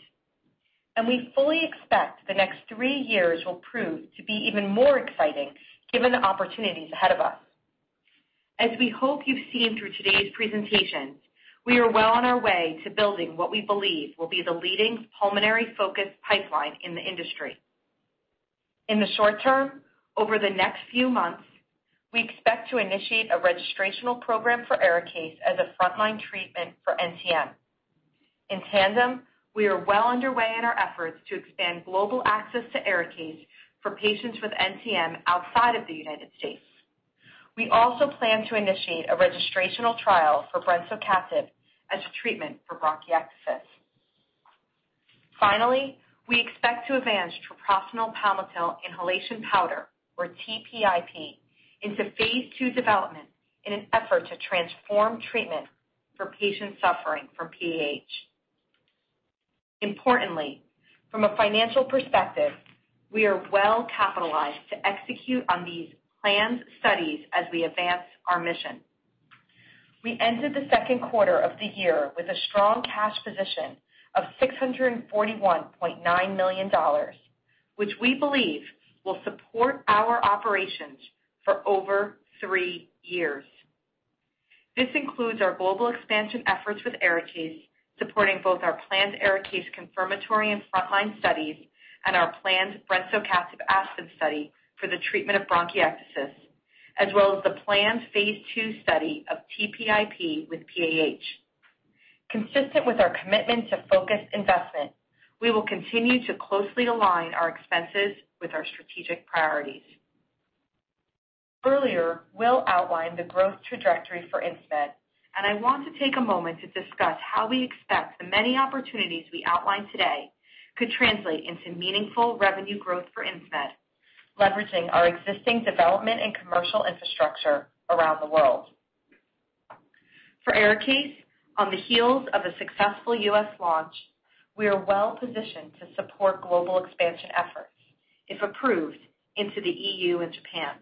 We fully expect the next three years will prove to be even more exciting given the opportunities ahead of us. As we hope you've seen through today's presentation, we are well on our way to building what we believe will be the leading pulmonary-focused pipeline in the industry. In the short term, over the next few months, we expect to initiate a registrational program for ARIKAYCE as a frontline treatment for NTM. In tandem, we are well underway in our efforts to expand global access to ARIKAYCE for patients with NTM outside of the U.S. We also plan to initiate a registrational trial for brensocatib as a treatment for bronchiectasis. Finally, we expect to advance treprostinil palmitil inhalation powder, or TPIP, into phase II development in an effort to transform treatment for patients suffering from PAH. Importantly, from a financial perspective, we are well-capitalized to execute on these planned studies as we advance our mission. We ended the second quarter of the year with a strong cash position of $641.9 million, which we believe will support our operations for over three years. This includes our global expansion efforts with ARIKAYCE, supporting both our planned ARIKAYCE confirmatory and frontline studies and our planned brensocatib active study for the treatment of bronchiectasis, as well as the planned phase II study of TPIP with PAH. Consistent with our commitment to focused investment, we will continue to closely align our expenses with our strategic priorities. Earlier, Will outlined the growth trajectory for Insmed, and I want to take a moment to discuss how we expect the many opportunities we outlined today could translate into meaningful revenue growth for Insmed, leveraging our existing development and commercial infrastructure around the world. For ARIKAYCE, on the heels of a successful US launch, we are well-positioned to support global expansion efforts, if approved into the EU and Japan.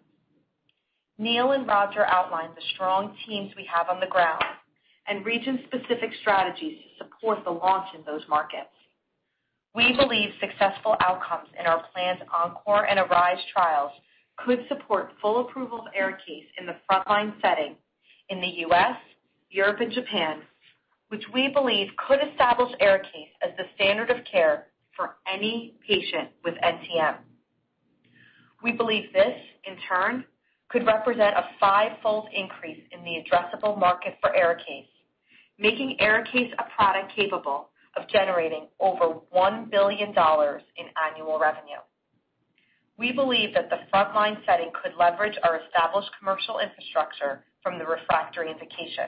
Neil and Roger outlined the strong teams we have on the ground and region-specific strategies to support the launch in those markets. We believe successful outcomes in our planned ENCORE and ARISE trials could support full approval of ARIKAYCE in the frontline setting in the U.S., Europe, and Japan, which we believe could establish ARIKAYCE as the standard of care for any patient with NTM. We believe this, in turn, could represent a fivefold increase in the addressable market for ARIKAYCE, making ARIKAYCE a product capable of generating over $1 billion in annual revenue. We believe that the frontline setting could leverage our established commercial infrastructure from the refractory indication.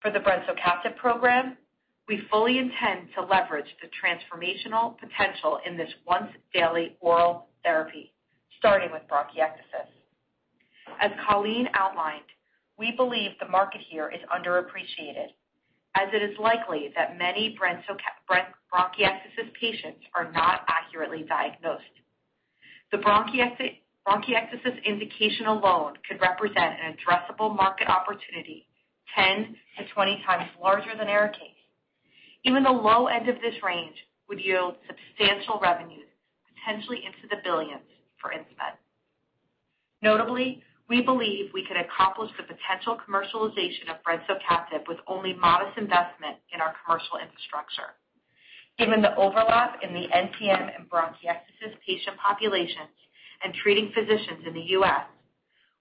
For the brensocatib program, we fully intend to leverage the transformational potential in this once-daily oral therapy, starting with bronchiectasis. As Colleen outlined, we believe the market here is underappreciated, as it is likely that many bronchiectasis patients are not accurately diagnosed. The bronchiectasis indication alone could represent an addressable market opportunity 10 to 20 times larger than ARIKAYCE. Even the low end of this range would yield substantial revenues, potentially into the $billions for Insmed. Notably, we believe we can accomplish the potential commercialization of brensocatib with only modest investment in our commercial infrastructure. Given the overlap in the NTM and bronchiectasis patient populations and treating physicians in the U.S.,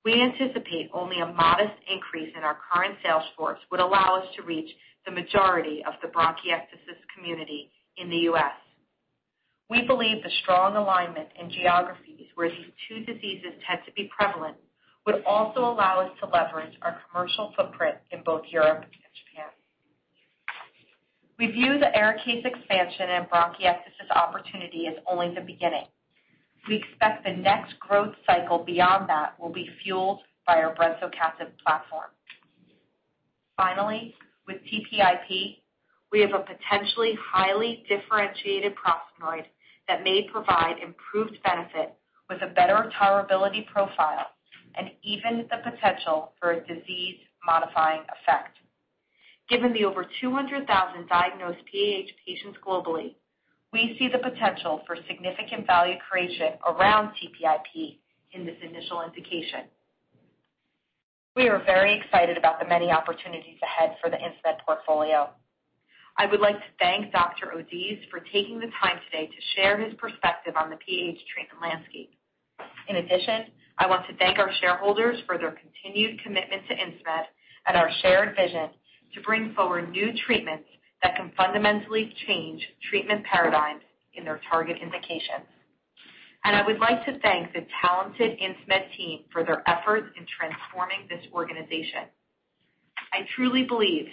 we anticipate only a modest increase in our current sales force would allow us to reach the majority of the bronchiectasis community in the U.S. We believe the strong alignment in geographies where these two diseases tend to be prevalent would also allow us to leverage our commercial footprint in both Europe and Japan. We view the ARIKAYCE expansion and bronchiectasis opportunity as only the beginning. We expect the next growth cycle beyond that will be fueled by our brensocatib platform. With TPIP, we have a potentially highly differentiated prostanoid that may provide improved benefit with a better tolerability profile and even the potential for a disease-modifying effect. Given the over 200,000 diagnosed PAH patients globally, we see the potential for significant value creation around TPIP in this initial indication. We are very excited about the many opportunities ahead for the Insmed portfolio. I would like to thank Dr. Oudiz for taking the time today to share his perspective on the PAH treatment landscape. In addition, I want to thank our shareholders for their continued commitment to Insmed and our shared vision to bring forward new treatments that can fundamentally change treatment paradigms in their target indications. I would like to thank the talented Insmed team for their efforts in transforming this organization. I truly believe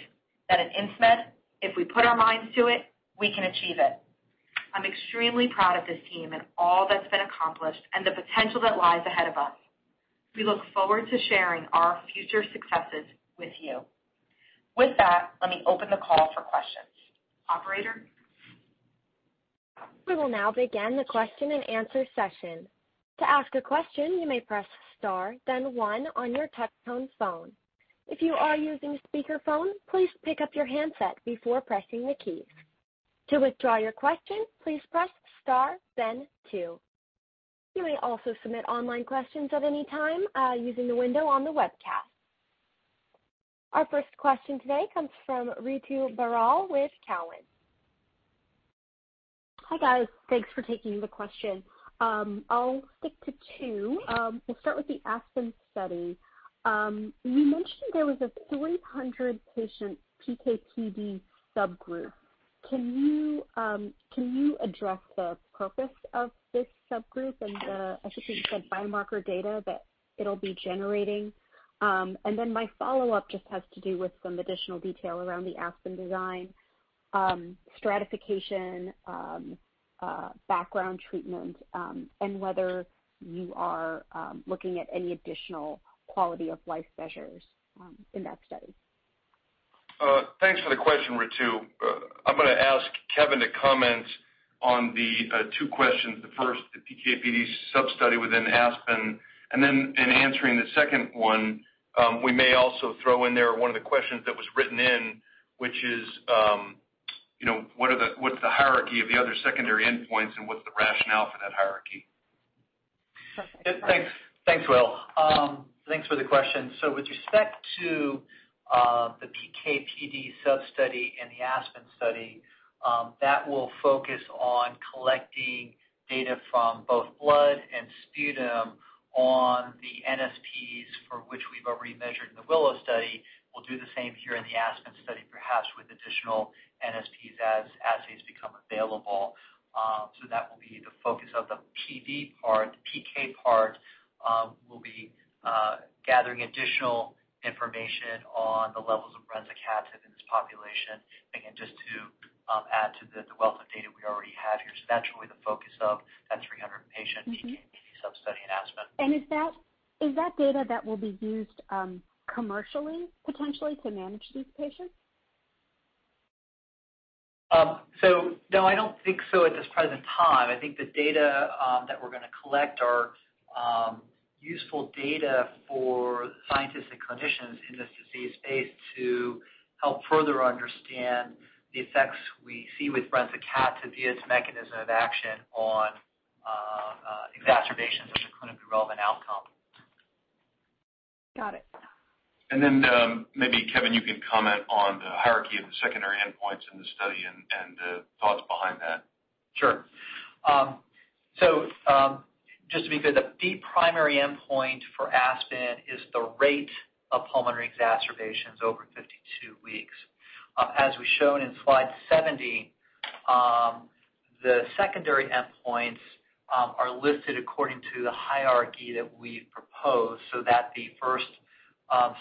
that at Insmed, if we put our minds to it, we can achieve it. I'm extremely proud of this team and all that's been accomplished and the potential that lies ahead of us. We look forward to sharing our future successes with you. With that, let me open the call for questions. Operator? Our first question today comes from Ritu Baral with Cowen. Hi, guys. Thanks for taking the question. I'll stick to two. We'll start with the ASPEN study. You mentioned there was a 300-patient PK/PD subgroup. Can you address the purpose of this subgroup and the, I think you said biomarker data that it'll be generating? My follow-up just has to do with some additional detail around the ASPEN design, stratification, background treatment, and whether you are looking at any additional quality-of-life measures in that study. Thanks for the question, Ritu. I'm going to ask Kevin to comment on the two questions. The first, the PK/PD substudy within ASPEN. In answering the second one, we may also throw in there one of the questions that was written in, which is what's the hierarchy of the other secondary endpoints and what's the rationale for that hierarchy? Perfect. Thanks, Will. Thanks for the question. With respect to the PK/PD substudy in the ASPEN study, that will focus on collecting data from both blood and sputum on the NSPs for which we've already measured the WILLOW study. We'll do the same here in the ASPEN study, perhaps with additional NSPs as assays become available. That will be the focus of the PD part. The PK part will be gathering additional information on the levels of brensocatib in this population, again, just to add to the wealth of data we already have here. That's really the focus of that 300-patient PK/PD substudy in ASPEN. Is that data that will be used commercially, potentially, to manage these patients? No, I don't think so at this present time. I think the data that we're going to collect are useful data for scientists and clinicians in this disease space to help further understand the effects we see with brensocatib via its mechanism of action on exacerbations as a clinically relevant outcome. Got it. Maybe, Kevin, you can comment on the hierarchy of the secondary endpoints in the study and the thoughts behind that. Sure. Just to be clear, the primary endpoint for ASPEN is the rate of pulmonary exacerbations over 52 weeks. As we've shown in slide 70, the secondary endpoints are listed according to the hierarchy that we've proposed, so that the first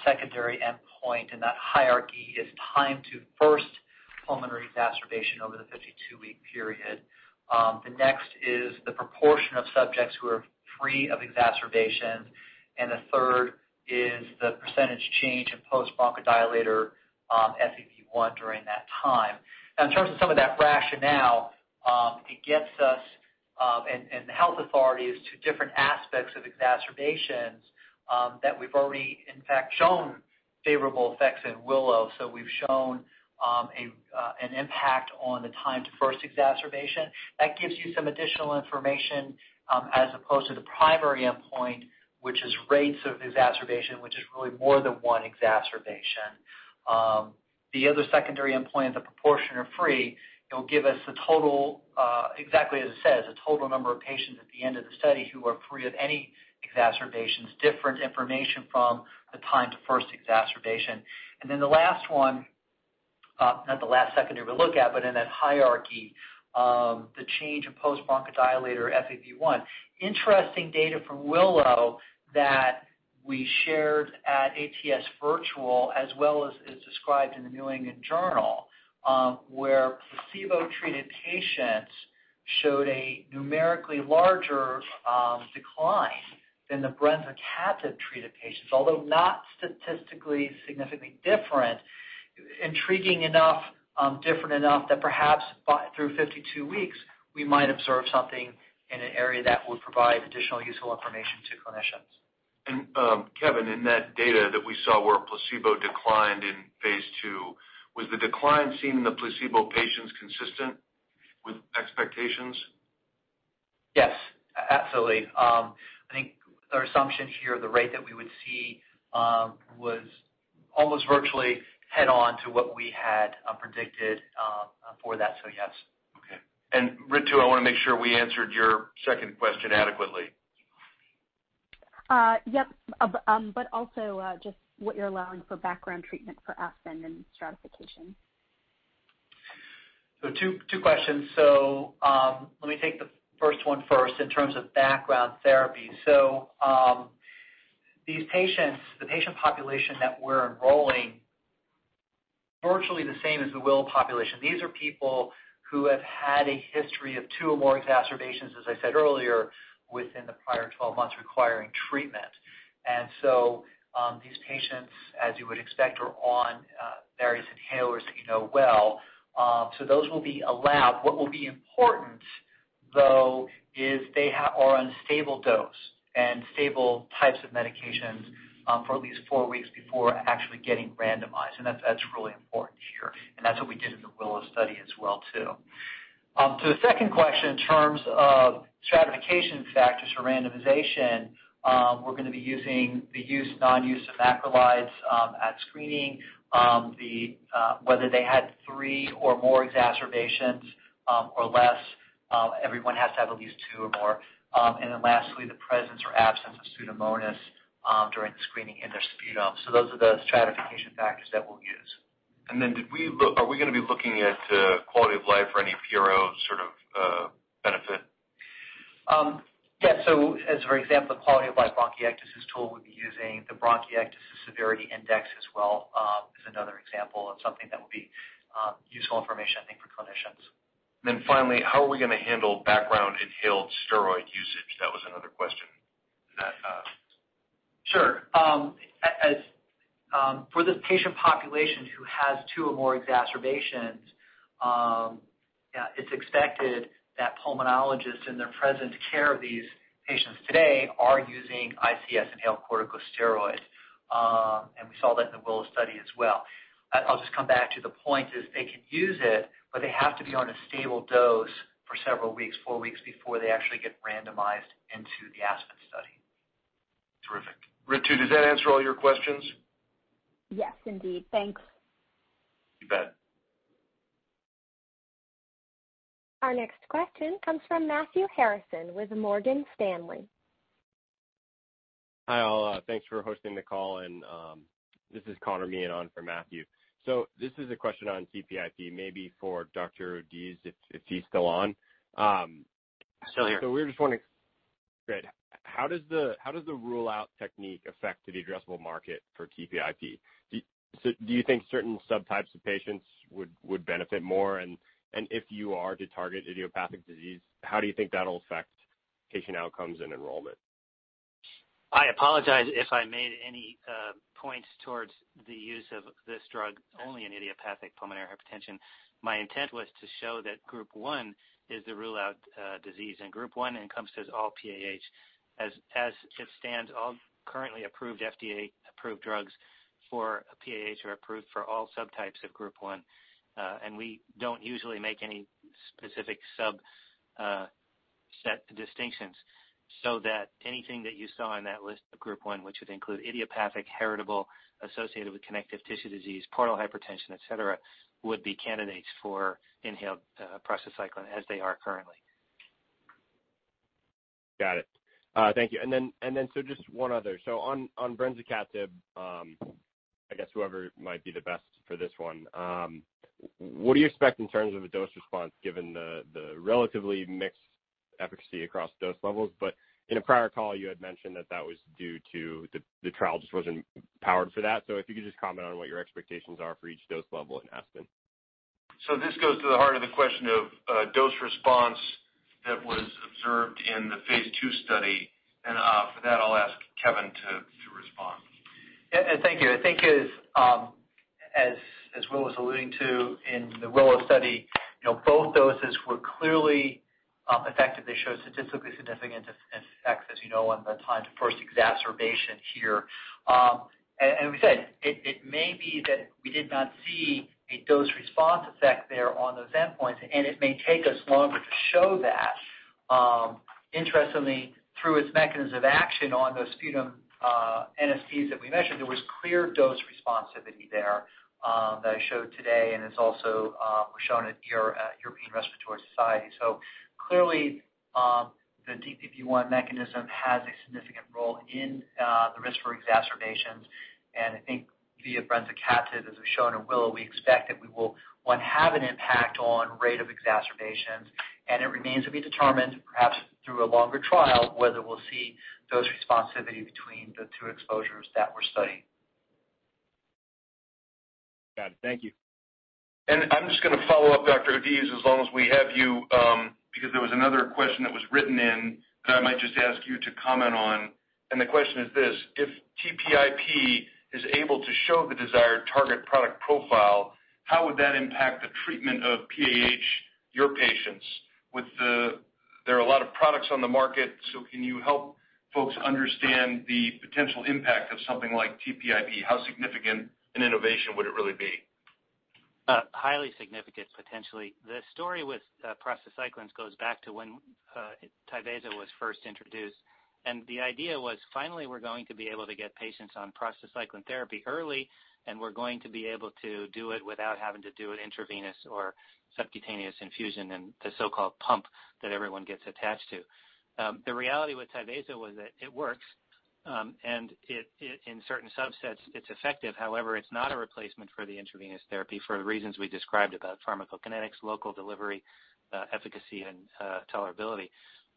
secondary endpoint in that hierarchy is time to first pulmonary exacerbation over the 52-week period. The next is the proportion of subjects who are free of exacerbations, and the third is the percentage change in post-bronchodilator FEV1 during that time. In terms of some of that rationale, it gets us and the health authorities to different aspects of exacerbations that we've already in fact shown favorable effects in WILLOW. We've shown an impact on the time to first exacerbation. That gives you some additional information as opposed to the primary endpoint, which is rates of exacerbation, which is really more than one exacerbation. The other secondary endpoint, the proportion of free, it'll give us the total, exactly as it says, the total number of patients at the end of the study who are free of any exacerbations, different information from the time to first exacerbation. The last one, not the last secondary we'll look at, but in that hierarchy, the change in post-bronchodilator FEV1. Interesting data from WILLOW that we shared at ATS Virtual as well as is described in the New England Journal, where placebo-treated patients showed a numerically larger decline than the brensocatib-treated patients, although not statistically significantly different. Intriguing enough, different enough that perhaps through 52 weeks, we might observe something in an area that would provide additional useful information to clinicians. Kevin, in that data that we saw where placebo declined in phase II, was the decline seen in the placebo patients consistent with expectations? Yes, absolutely. I think our assumption here, the rate that we would see was almost virtually head-on to what we had predicted for that. Yes. Okay. Ritu, I want to make sure we answered your second question adequately. Yep. Also just what you're allowing for background treatment for ASPEN and stratification. Two questions. Let me take the first one first in terms of background therapy. These patients, the patient population that we're enrolling, virtually the same as the WILLOW population. These are people who have had a history of 2 or more exacerbations, as I said earlier, within the prior 12 months requiring treatment. These patients, as you would expect, are on various inhalers that you know well. Those will be allowed. What will be important, though, is they are on stable dose and stable types of medications for at least 4 weeks before actually getting randomized, and that's really important here. That's what we did in the WILLOW study as well, too. To the second question, in terms of stratification factors for randomization, we're going to be using the use/non-use of macrolides at screening, whether they had 3 or more exacerbations or less. Everyone has to have at least two or more. Lastly, the presence or absence of Pseudomonas during the screening in their sputum. Those are the stratification factors that we'll use. Are we going to be looking at quality of life for any PRO sort of benefit? Yes. As for example, the quality of life bronchiectasis tool, we'll be using the Bronchiectasis Severity Index as well, as another example of something that will be useful information, I think, for clinicians. Finally, how are we going to handle background inhaled steroid usage? That was another question. Sure. For this patient population who has two or more exacerbations, it is expected that pulmonologists in their present care of these patients today are using ICS inhaled corticosteroids. We saw that in the WILLOW study as well. I will just come back to the point is they can use it, but they have to be on a stable dose for several weeks, four weeks before they actually get randomized into the ASPEN study. Terrific. Ritu, does that answer all your questions? Yes, indeed. Thanks. You bet. Our next question comes from Matthew Harrison with Morgan Stanley. Hi, all. Thanks for hosting the call. This is Conor Meighan on for Matthew. This is a question on TPIP, maybe for Dr. Oudiz, if he's still on. Still here. We were just wondering, how does the rule-out technique affect the addressable market for TPIP? Do you think certain subtypes of patients would benefit more? If you are to target idiopathic disease, how do you think that'll affect patient outcomes and enrollment? I apologize if I made any points towards the use of this drug only in idiopathic pulmonary hypertension. My intent was to show that Group 1 is the rule-out disease. Group 1 encompasses all PAH. As it stands, all currently FDA-approved drugs for PAH are approved for all subtypes of Group 1. We don't usually make any specific subset distinctions, so that anything that you saw in that list of Group 1, which would include idiopathic, heritable, associated with connective tissue disease, portal hypertension, et cetera, would be candidates for inhaled prostacyclin as they are currently. Got it. Thank you. Just one other. On brensocatib, I guess whoever might be the best for this one. What do you expect in terms of a dose response given the relatively mixed efficacy across dose levels? In a prior call, you had mentioned that that was due to the trial just wasn't powered for that. If you could just comment on what your expectations are for each dose level in ASPEN. This goes to the heart of the question of dose response that was observed in the phase II study, and for that, I'll ask Kevin to respond. Thank you. I think as Will was alluding to in the WILLOW study, both doses were clearly effective. They showed statistically significant effects, as you know, on the time to first exacerbation here. As we said, it may be that we did not see a dose-response effect there on those endpoints, and it may take us longer to show that. Interestingly, through its mechanism of action on those sputum NSPs that we measured, there was clear dose responsivity there that I showed today, and it's also shown at European Respiratory Society. Clearly, the DPP1 mechanism has a significant role in the risk for exacerbations, and I think via brensocatib, as was shown in WILLOW, we expect that we'll, one, have an impact on rate of exacerbations, and it remains to be determined, perhaps through a longer trial, whether we'll see dose responsivity between the two exposures that we're studying. Got it. Thank you. I'm just going to follow up, Dr. Oudiz, as long as we have you because there was another question that was written in that I might just ask you to comment on. The question is this: If TPIP is able to show the desired target product profile, how would that impact the treatment of PAH, your patients? There are a lot of products on the market, so can you help folks understand the potential impact of something like TPIP? How significant an innovation would it really be? Highly significant, potentially. The story with prostacyclins goes back to when Tyvaso was first introduced, and the idea was finally we're going to be able to get patients on prostacyclin therapy early, and we're going to be able to do it without having to do an intravenous or subcutaneous infusion and the so-called pump that everyone gets attached to. The reality with Tyvaso was that it works, and in certain subsets it's effective. However, it's not a replacement for the intravenous therapy for the reasons we described about pharmacokinetics, local delivery, efficacy, and tolerability.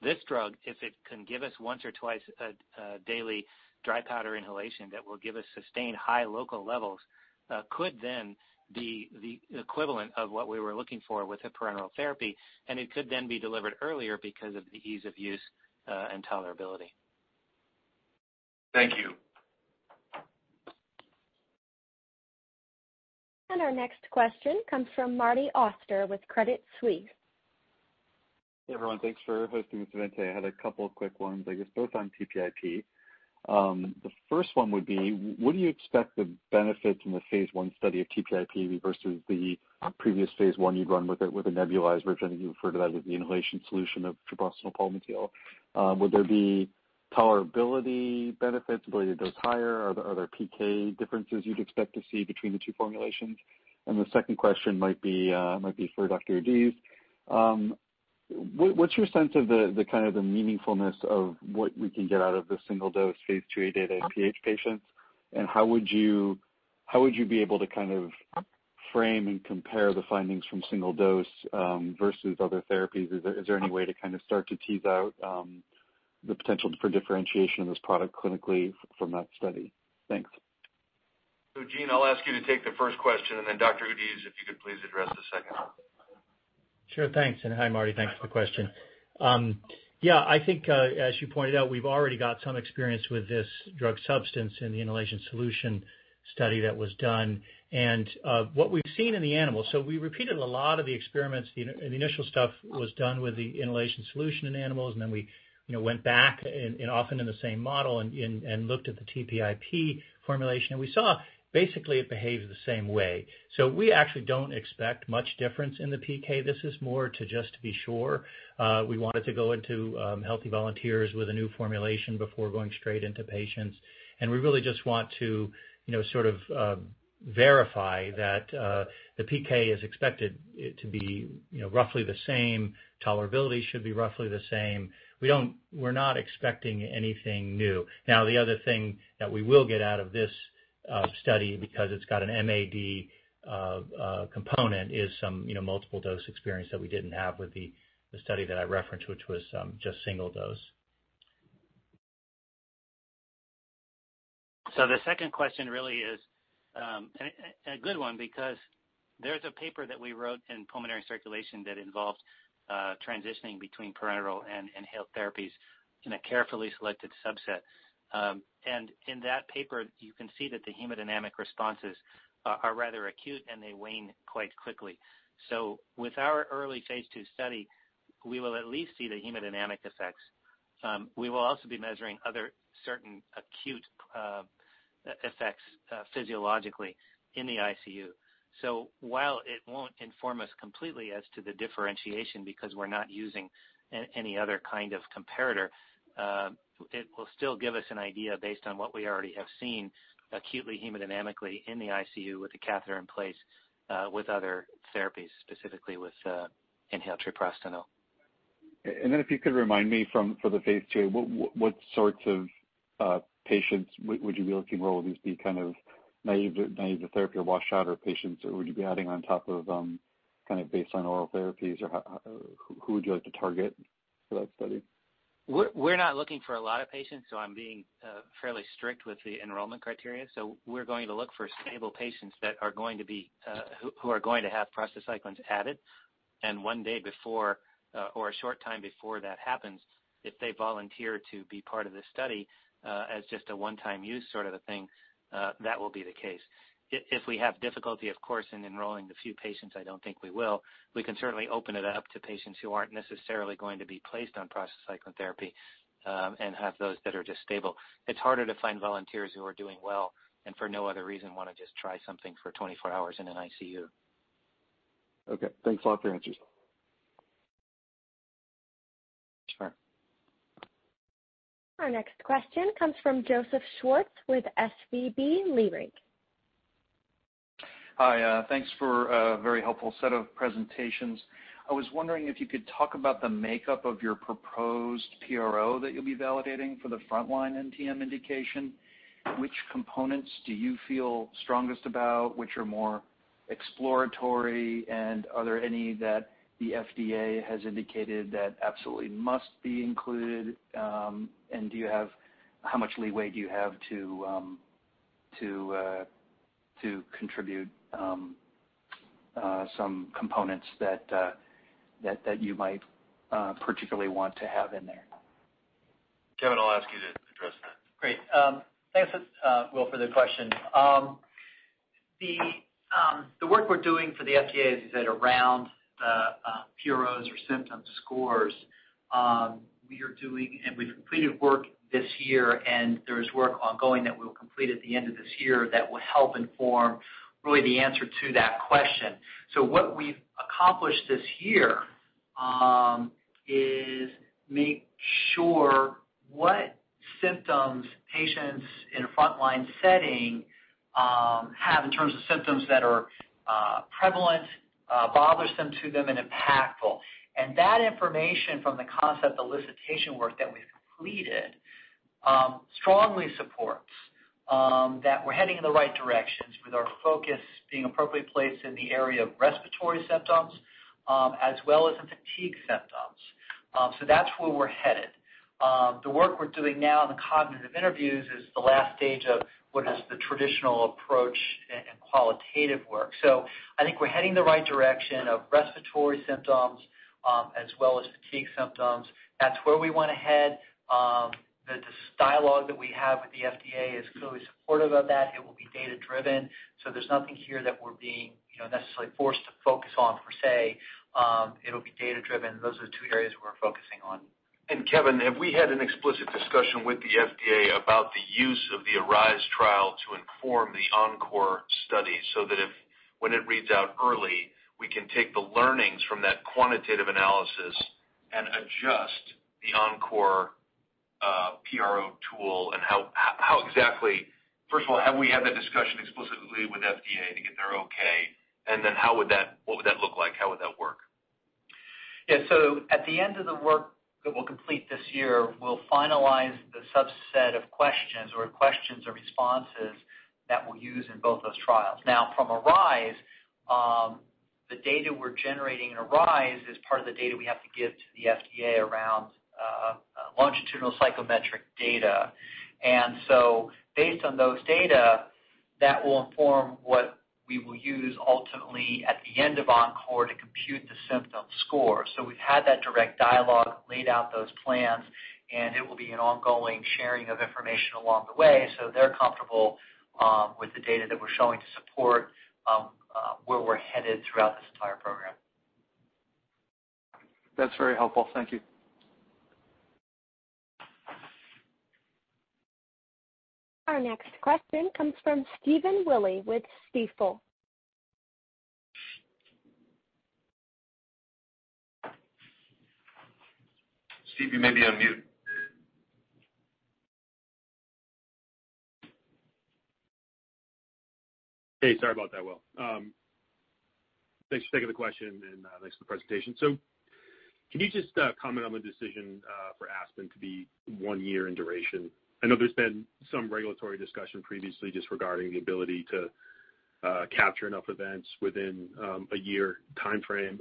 This drug, if it can give us once or twice-a-day dry powder inhalation that will give us sustained high local levels, could then be the equivalent of what we were looking for with a parenteral therapy, and it could then be delivered earlier because of the ease of use and tolerability. Thank you. Our next question comes from Marty Oster with Credit Suisse. Hey everyone, thanks for hosting this event today. I had a couple of quick ones, I guess both on TPIP. The first one would be, what do you expect the benefit from the phase I study of TPIP versus the previous phase I you'd run with a nebulizer, which I think you referred to that as the inhalation solution of treprostinil palmitil. Would there be tolerability benefits? Will you dose higher? Are there PK differences you'd expect to see between the two formulations? The second question might be for Dr. Oudiz. What's your sense of the meaningfulness of what we can get out of the single-dose phase II-A data in PH patients, and how would you be able to frame and compare the findings from single-dose versus other therapies? Is there any way to start to tease out the potential for differentiation of this product clinically from that study? Thanks. Gene, I'll ask you to take the first question, and then Dr. Oudiz, if you could please address the second. Sure. Thanks, and hi, Marty. Thanks for the question. I think as you pointed out, we've already got some experience with this drug substance in the inhalation solution study that was done and what we've seen in the animals. We repeated a lot of the experiments, the initial stuff was done with the inhalation solution in animals, and then we went back and often in the same model and looked at the TPIP formulation. We saw basically it behaves the same way. We actually don't expect much difference in the PK. This is more to just to be sure. We wanted to go into healthy volunteers with a new formulation before going straight into patients, and we really just want to sort of verify that the PK is expected to be roughly the same, tolerability should be roughly the same. We're not expecting anything new. The other thing that we will get out of this study, because it's got an MAD component, is some multiple dose experience that we didn't have with the study that I referenced, which was just single dose. The second question really is a good one because there's a paper that we wrote in Pulmonary Circulation that involves transitioning between parenteral and inhaled therapies in a carefully selected subset. In that paper, you can see that the hemodynamic responses are rather acute, and they wane quite quickly. With our early phase II study, we will at least see the hemodynamic effects. We will also be measuring other certain acute effects physiologically in the ICU. While it won't inform us completely as to the differentiation because we're not using any other kind of comparator, it will still give us an idea based on what we already have seen acutely hemodynamically in the ICU with a catheter in place, with other therapies, specifically with inhaled treprostinil. Then if you could remind me for the phase II, what sorts of patients would you be looking to enroll? Would these be kind of naive to therapy or wash out or patients, or would you be adding on top of kind of baseline oral therapies? Or who would you like to target for that study? We're not looking for a lot of patients, so I'm being fairly strict with the enrollment criteria. We're going to look for stable patients who are going to have prostacyclins added, and one day before or a short time before that happens, if they volunteer to be part of this study as just a one-time use sort of a thing, that will be the case. If we have difficulty, of course, in enrolling the few patients, I don't think we will, we can certainly open it up to patients who aren't necessarily going to be placed on prostacyclin therapy and have those that are just stable. It's harder to find volunteers who are doing well and for no other reason want to just try something for 24 hours in an ICU. Okay. Thanks a lot for the answers. Sure. Our next question comes from Joseph Schwartz with Leerink Partners. Hi. Thanks for a very helpful set of presentations. I was wondering if you could talk about the makeup of your proposed PRO that you'll be validating for the frontline NTM indication. Which components do you feel strongest about, which are more exploratory, and are there any that the FDA has indicated that absolutely must be included? How much leeway do you have to contribute some components that you might particularly want to have in there? Kevin, I'll ask you to address that. Great. Thanks, Will, for the question. The work we're doing for the FDA is around the PROs or symptom scores. We are doing and we've completed work this year, and there's work ongoing that we'll complete at the end of this year that will help inform really the answer to that question. What we've accomplished this year is make sure what symptoms patients in a frontline setting have in terms of symptoms that are prevalent, bothers them and impactful. That information from the concept elicitation work that we've completed strongly supports that we're heading in the right directions with our focus being appropriately placed in the area of respiratory symptoms as well as in fatigue symptoms. That's where we're headed. The work we're doing now in the cognitive interviews is the last stage of what is the traditional approach and qualitative work. I think we're heading in the right direction of respiratory symptoms as well as fatigue symptoms. That's where we want to head. Dialogue that we have with the FDA is clearly supportive of that. It will be data-driven. There's nothing here that we're being necessarily forced to focus on per se. It'll be data-driven. Those are the two areas we're focusing on. Kevin, have we had an explicit discussion with the FDA about the use of the ARISE trial to inform the ENCORE study so that if when it reads out early, we can take the learnings from that quantitative analysis and adjust the ENCORE PRO tool? First of all, have we had that discussion explicitly with FDA to get their okay? What would that look like? How would that work? At the end of the work that we'll complete this year, we'll finalize the subset of questions or questions or responses that we'll use in both those trials. From ARISE, the data we're generating in ARISE is part of the data we have to give to the FDA around longitudinal psychometric data. Based on those data, that will inform what we will use ultimately at the end of ENCORE to compute the symptom score. We've had that direct dialogue, laid out those plans, and it will be an ongoing sharing of information along the way so they're comfortable with the data that we're showing to support where we're headed throughout this entire program. That's very helpful. Thank you. Our next question comes from Stephen Willey with Stifel. Steve, you may be on mute. Hey, sorry about that, Will. Thanks for taking the question, and thanks for the presentation. Can you just comment on the decision for ASPEN to be one year in duration? I know there's been some regulatory discussion previously just regarding the ability to capture enough events within a year timeframe.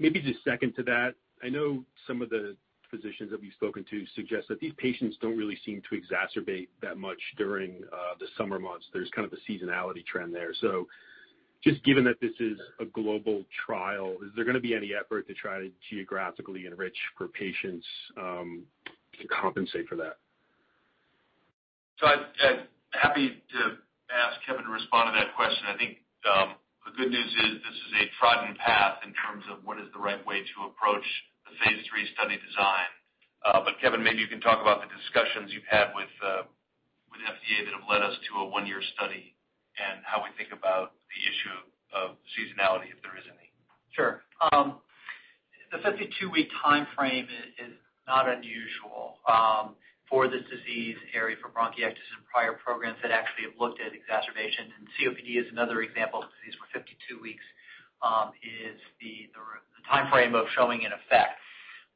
Maybe just second to that, I know some of the physicians that we've spoken to suggest that these patients don't really seem to exacerbate that much during the summer months. There's kind of a seasonality trend there. Just given that this is a global trial, is there going to be any effort to try to geographically enrich for patients to compensate for that? I'm happy to ask Kevin to respond to that question. I think the good news is this is a trodden path in terms of what is the right way to approach the phase III study design. Kevin, maybe you can talk about the discussions you've had with FDA that have led us to a one-year study and how we think about the issue of seasonality, if there is any. Sure. The 52-week timeframe is not unusual for this disease area for bronchiectasis and prior programs that actually have looked at exacerbation. COPD is another example of disease where 52 weeks is the timeframe of showing an effect.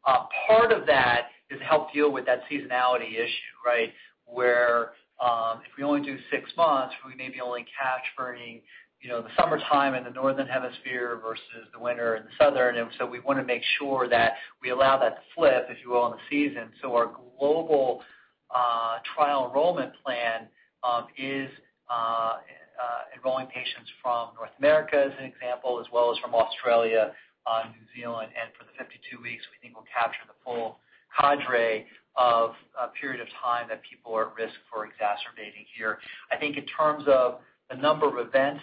Part of that is to help deal with that seasonality issue, right, where if we only do six months, we may be only capturing the summertime in the Northern Hemisphere versus the winter in the southern. We want to make sure that we allow that to flip, if you will, in the season. Our global trial enrollment plan is enrolling patients from North America, as an example, as well as from Australia and New Zealand. For the 52 weeks, we think we'll capture the full cadre of a period of time that people are at risk for exacerbating here. I think in terms of the number of events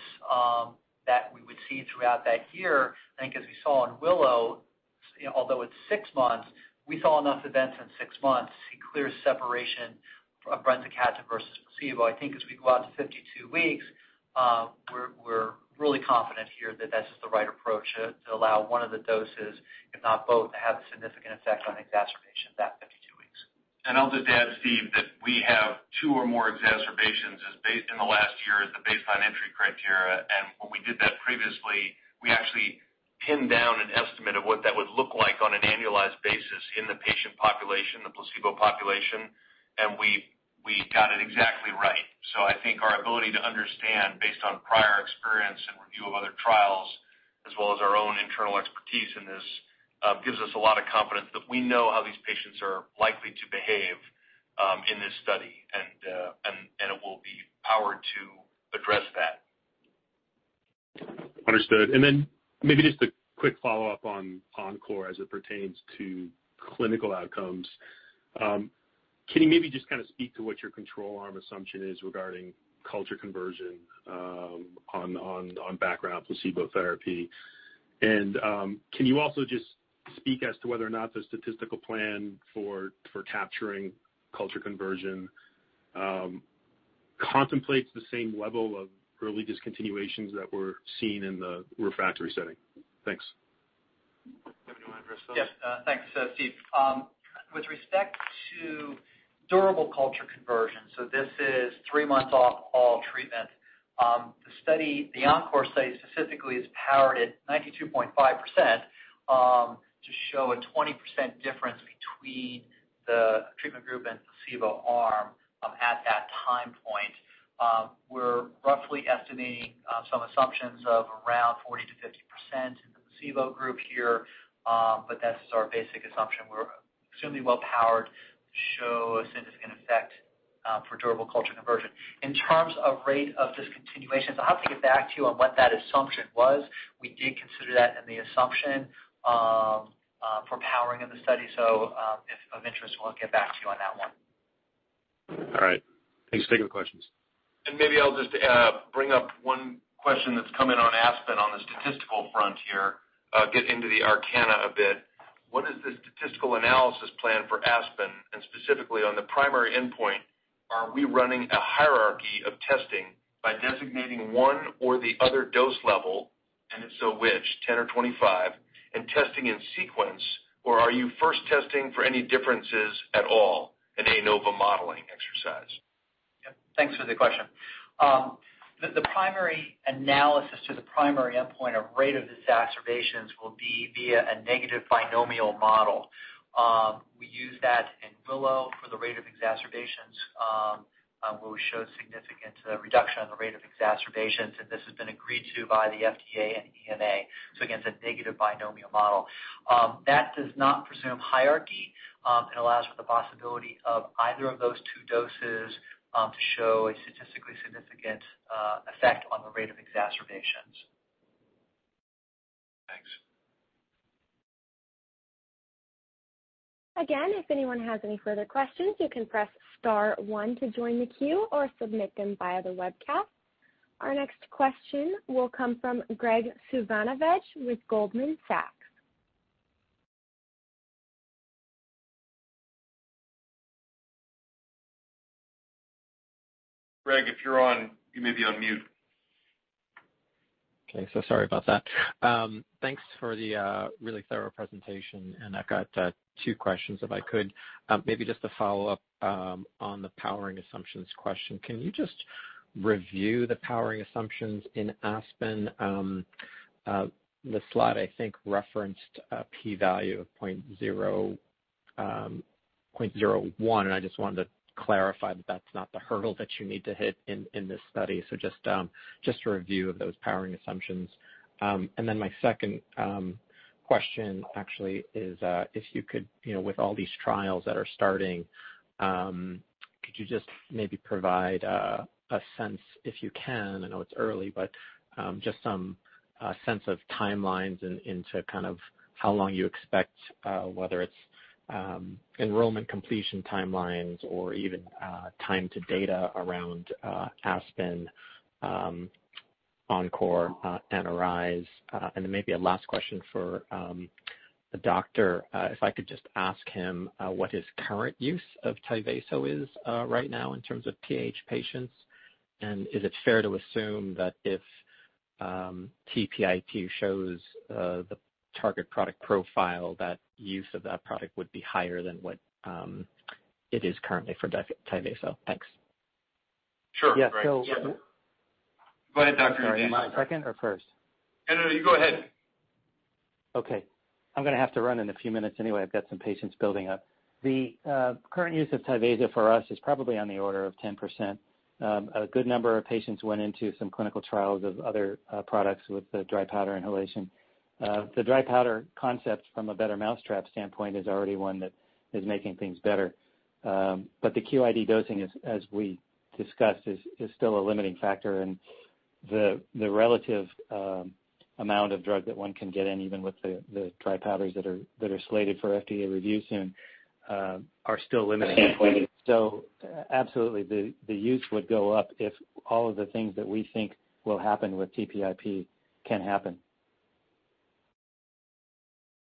that we would see throughout that year, I think as we saw in WILLOW, although it's six months, we saw enough events in six months to see clear separation of brensocatib versus placebo. I think as we go out to 52 weeks, we're really confident here that that's just the right approach to allow one of the doses, if not both, to have a significant effect on exacerbation that 52 weeks. I'll just add, Steve, that we have two or more exacerbations in the last year as the baseline entry criteria. When we did that previously, we actually pinned down an estimate of what that would look like on an annualized basis in the patient population, the placebo population, and we got it exactly right. I think our ability to understand based on prior experience and review of other trials, as well as our own internal expertise in this, gives us a lot of confidence that we know how these patients are likely to behave in this study, and it will be powered to address that. Understood. Then maybe just a quick follow-up on ENCORE as it pertains to clinical outcomes. Can you maybe just speak to what your control arm assumption is regarding culture conversion on background placebo therapy? Can you also just speak as to whether or not the statistical plan for capturing culture conversion contemplates the same level of early discontinuations that were seen in the refractory setting? Thanks. Kevin, do you want to address those? Yes. Thanks, Steve. With respect to durable culture conversion, so this is three months off all treatment. The ENCORE study specifically is powered at 92.5% to show a 20% difference between the treatment group and placebo arm at that time point. We're roughly estimating some assumptions of around 40%-50% in the placebo group here. That's just our basic assumption. We're extremely well powered to show a significant effect for durable culture conversion. In terms of rate of discontinuations, I'll have to get back to you on what that assumption was. We did consider that in the assumption for powering in the study. If of interest, we'll get back to you on that one. All right. Thanks. Thank you for the questions. Maybe I'll just bring up one question that's come in on ASPEN on the statistical front here, get into the arcana a bit. What is the statistical analysis plan for ASPEN, and specifically on the primary endpoint, are we running a hierarchy of testing by designating one or the other dose level, and if so, which, 10 or 25, in testing in sequence? Are you first testing for any differences at all in ANOVA modeling exercise? Yep. Thanks for the question. The primary analysis to the primary endpoint of rate of exacerbations will be via a negative binomial model. We use that in WILLOW for the rate of exacerbations, where we showed significant reduction on the rate of exacerbations. This has been agreed to by the FDA and EMA. Again, it's a negative binomial model. That does not presume hierarchy and allows for the possibility of either of those two doses to show a statistically significant effect on the rate of exacerbations. Thanks. If anyone has any further questions, you can press star one to join the queue or submit them via the webcast. Our next question will come from Graig Suvannavejh with Goldman Sachs. Graig, if you're on, you may be on mute. Okay. Sorry about that. Thanks for the really thorough presentation, and I've got two questions, if I could. Maybe just to follow up on the powering assumptions question. Can you just review the powering assumptions in ASPEN? The slide, I think, referenced a P value of 0.01. I just wanted to clarify that that's not the hurdle that you need to hit in this study. Just a review of those powering assumptions. My second question actually is if you could, with all these trials that are starting, could you just maybe provide a sense, if you can, I know it's early, but just some sense of timelines into how long you expect, whether it's enrollment completion timelines or even time to data around ASPEN, ENCORE, and ARISE. Maybe a last question for the doctor, if I could just ask him what his current use of Tyvaso is right now in terms of PH patients, and is it fair to assume that if TPIP shows the target product profile, that use of that product would be higher than what it is currently for Tyvaso? Thanks. Sure. Great. Yeah. Go ahead, [Dr. Dani]. Am I second or first? No, no, you go ahead. I'm going to have to run in a few minutes anyway. I've got some patients building up. The current use of TYVASO for us is probably on the order of 10%. A good number of patients went into some clinical trials of other products with the dry powder inhalation. The dry powder concept from a better mousetrap standpoint is already one that is making things better. The QID dosing, as we discussed, is still a limiting factor, and the relative amount of drug that one can get in, even with the dry powders that are slated for FDA review soon, are still limited. Absolutely, the use would go up if all of the things that we think will happen with TPIP can happen.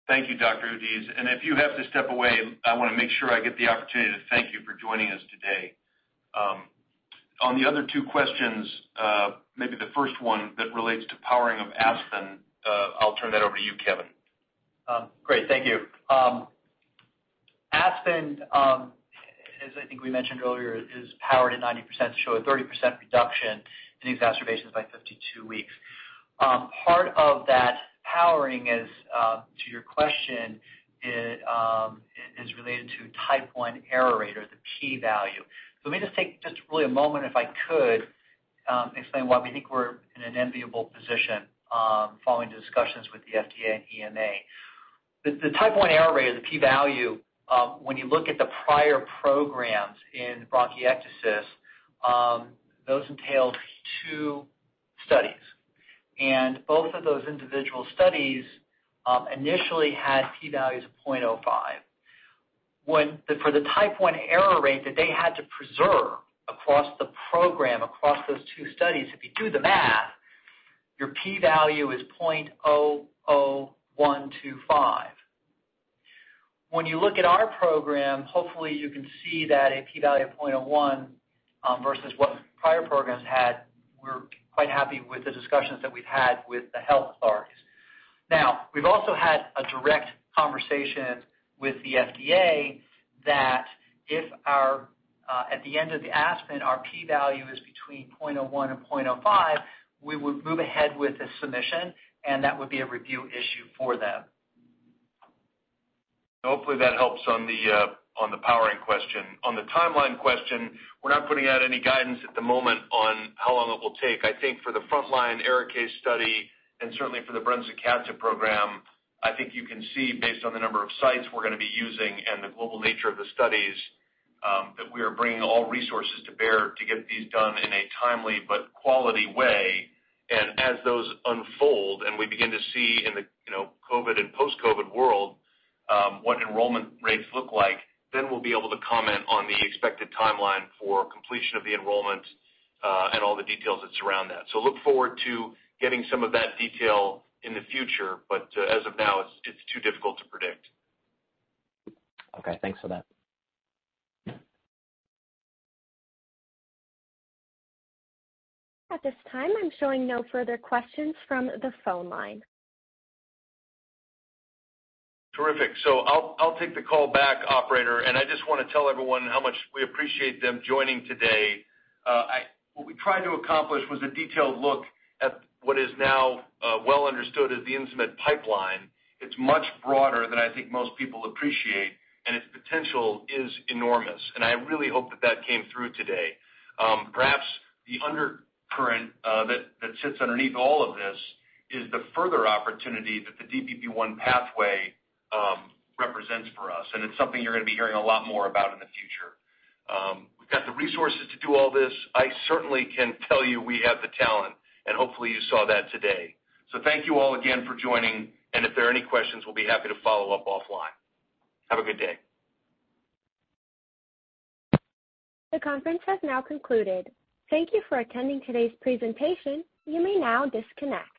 Thank you, Dr. Oudiz. If you have to step away, I want to make sure I get the opportunity to thank you for joining us today. On the other two questions, maybe the first one that relates to powering of ASPEN, I'll turn that over to you, Kevin. Great. Thank you. ASPEN, as I think we mentioned earlier, is powered at 90% to show a 30% reduction in exacerbations by 52 weeks. Part of that powering is, to your question, is related to type 1 error rate or the P value. Let me just take just really a moment, if I could, explain why we think we're in an enviable position following discussions with the FDA and EMA. The type 1 error rate or the P value, when you look at the prior programs in bronchiectasis, those entailed two studies. Both of those individual studies initially had P values of 0.05. For the type 1 error rate that they had to preserve across the program, across those two studies, if you do the math, your P value is 0.00125. When you look at our program, hopefully you can see that a P value of .01 versus what prior programs had, we're quite happy with the discussions that we've had with the health authorities. We've also had a direct conversation with the FDA that if at the end of the ASPEN, our P value is between .01 and .05, we would move ahead with a submission and that would be a review issue for them. Hopefully, that helps on the powering question. On the timeline question, we're not putting out any guidance at the moment on how long it will take. I think for the frontline ARIKAYCE case study and certainly for the brensocatib program, I think you can see based on the number of sites we're going to be using and the global nature of the studies, that we are bringing all resources to bear to get these done in a timely but quality way. As those unfold and we begin to see in the COVID and post-COVID world what enrollment rates look like, then we'll be able to comment on the expected timeline for completion of the enrollment and all the details that surround that. Look forward to getting some of that detail in the future, but as of now, it's too difficult to predict. Okay. Thanks for that. At this time, I'm showing no further questions from the phone line. Terrific. I'll take the call back, operator, and I just want to tell everyone how much we appreciate them joining today. What we tried to accomplish was a detailed look at what is now well understood as the Insmed pipeline. It's much broader than I think most people appreciate, and its potential is enormous, and I really hope that that came through today. Perhaps the undercurrent that sits underneath all of this is the further opportunity that the DPP1 pathway represents for us, and it's something you're going to be hearing a lot more about in the future. We've got the resources to do all this. I certainly can tell you we have the talent, and hopefully, you saw that today. Thank you all again for joining, and if there are any questions, we'll be happy to follow up offline. Have a good day. The conference has now concluded. Thank you for attending today's presentation. You may now disconnect.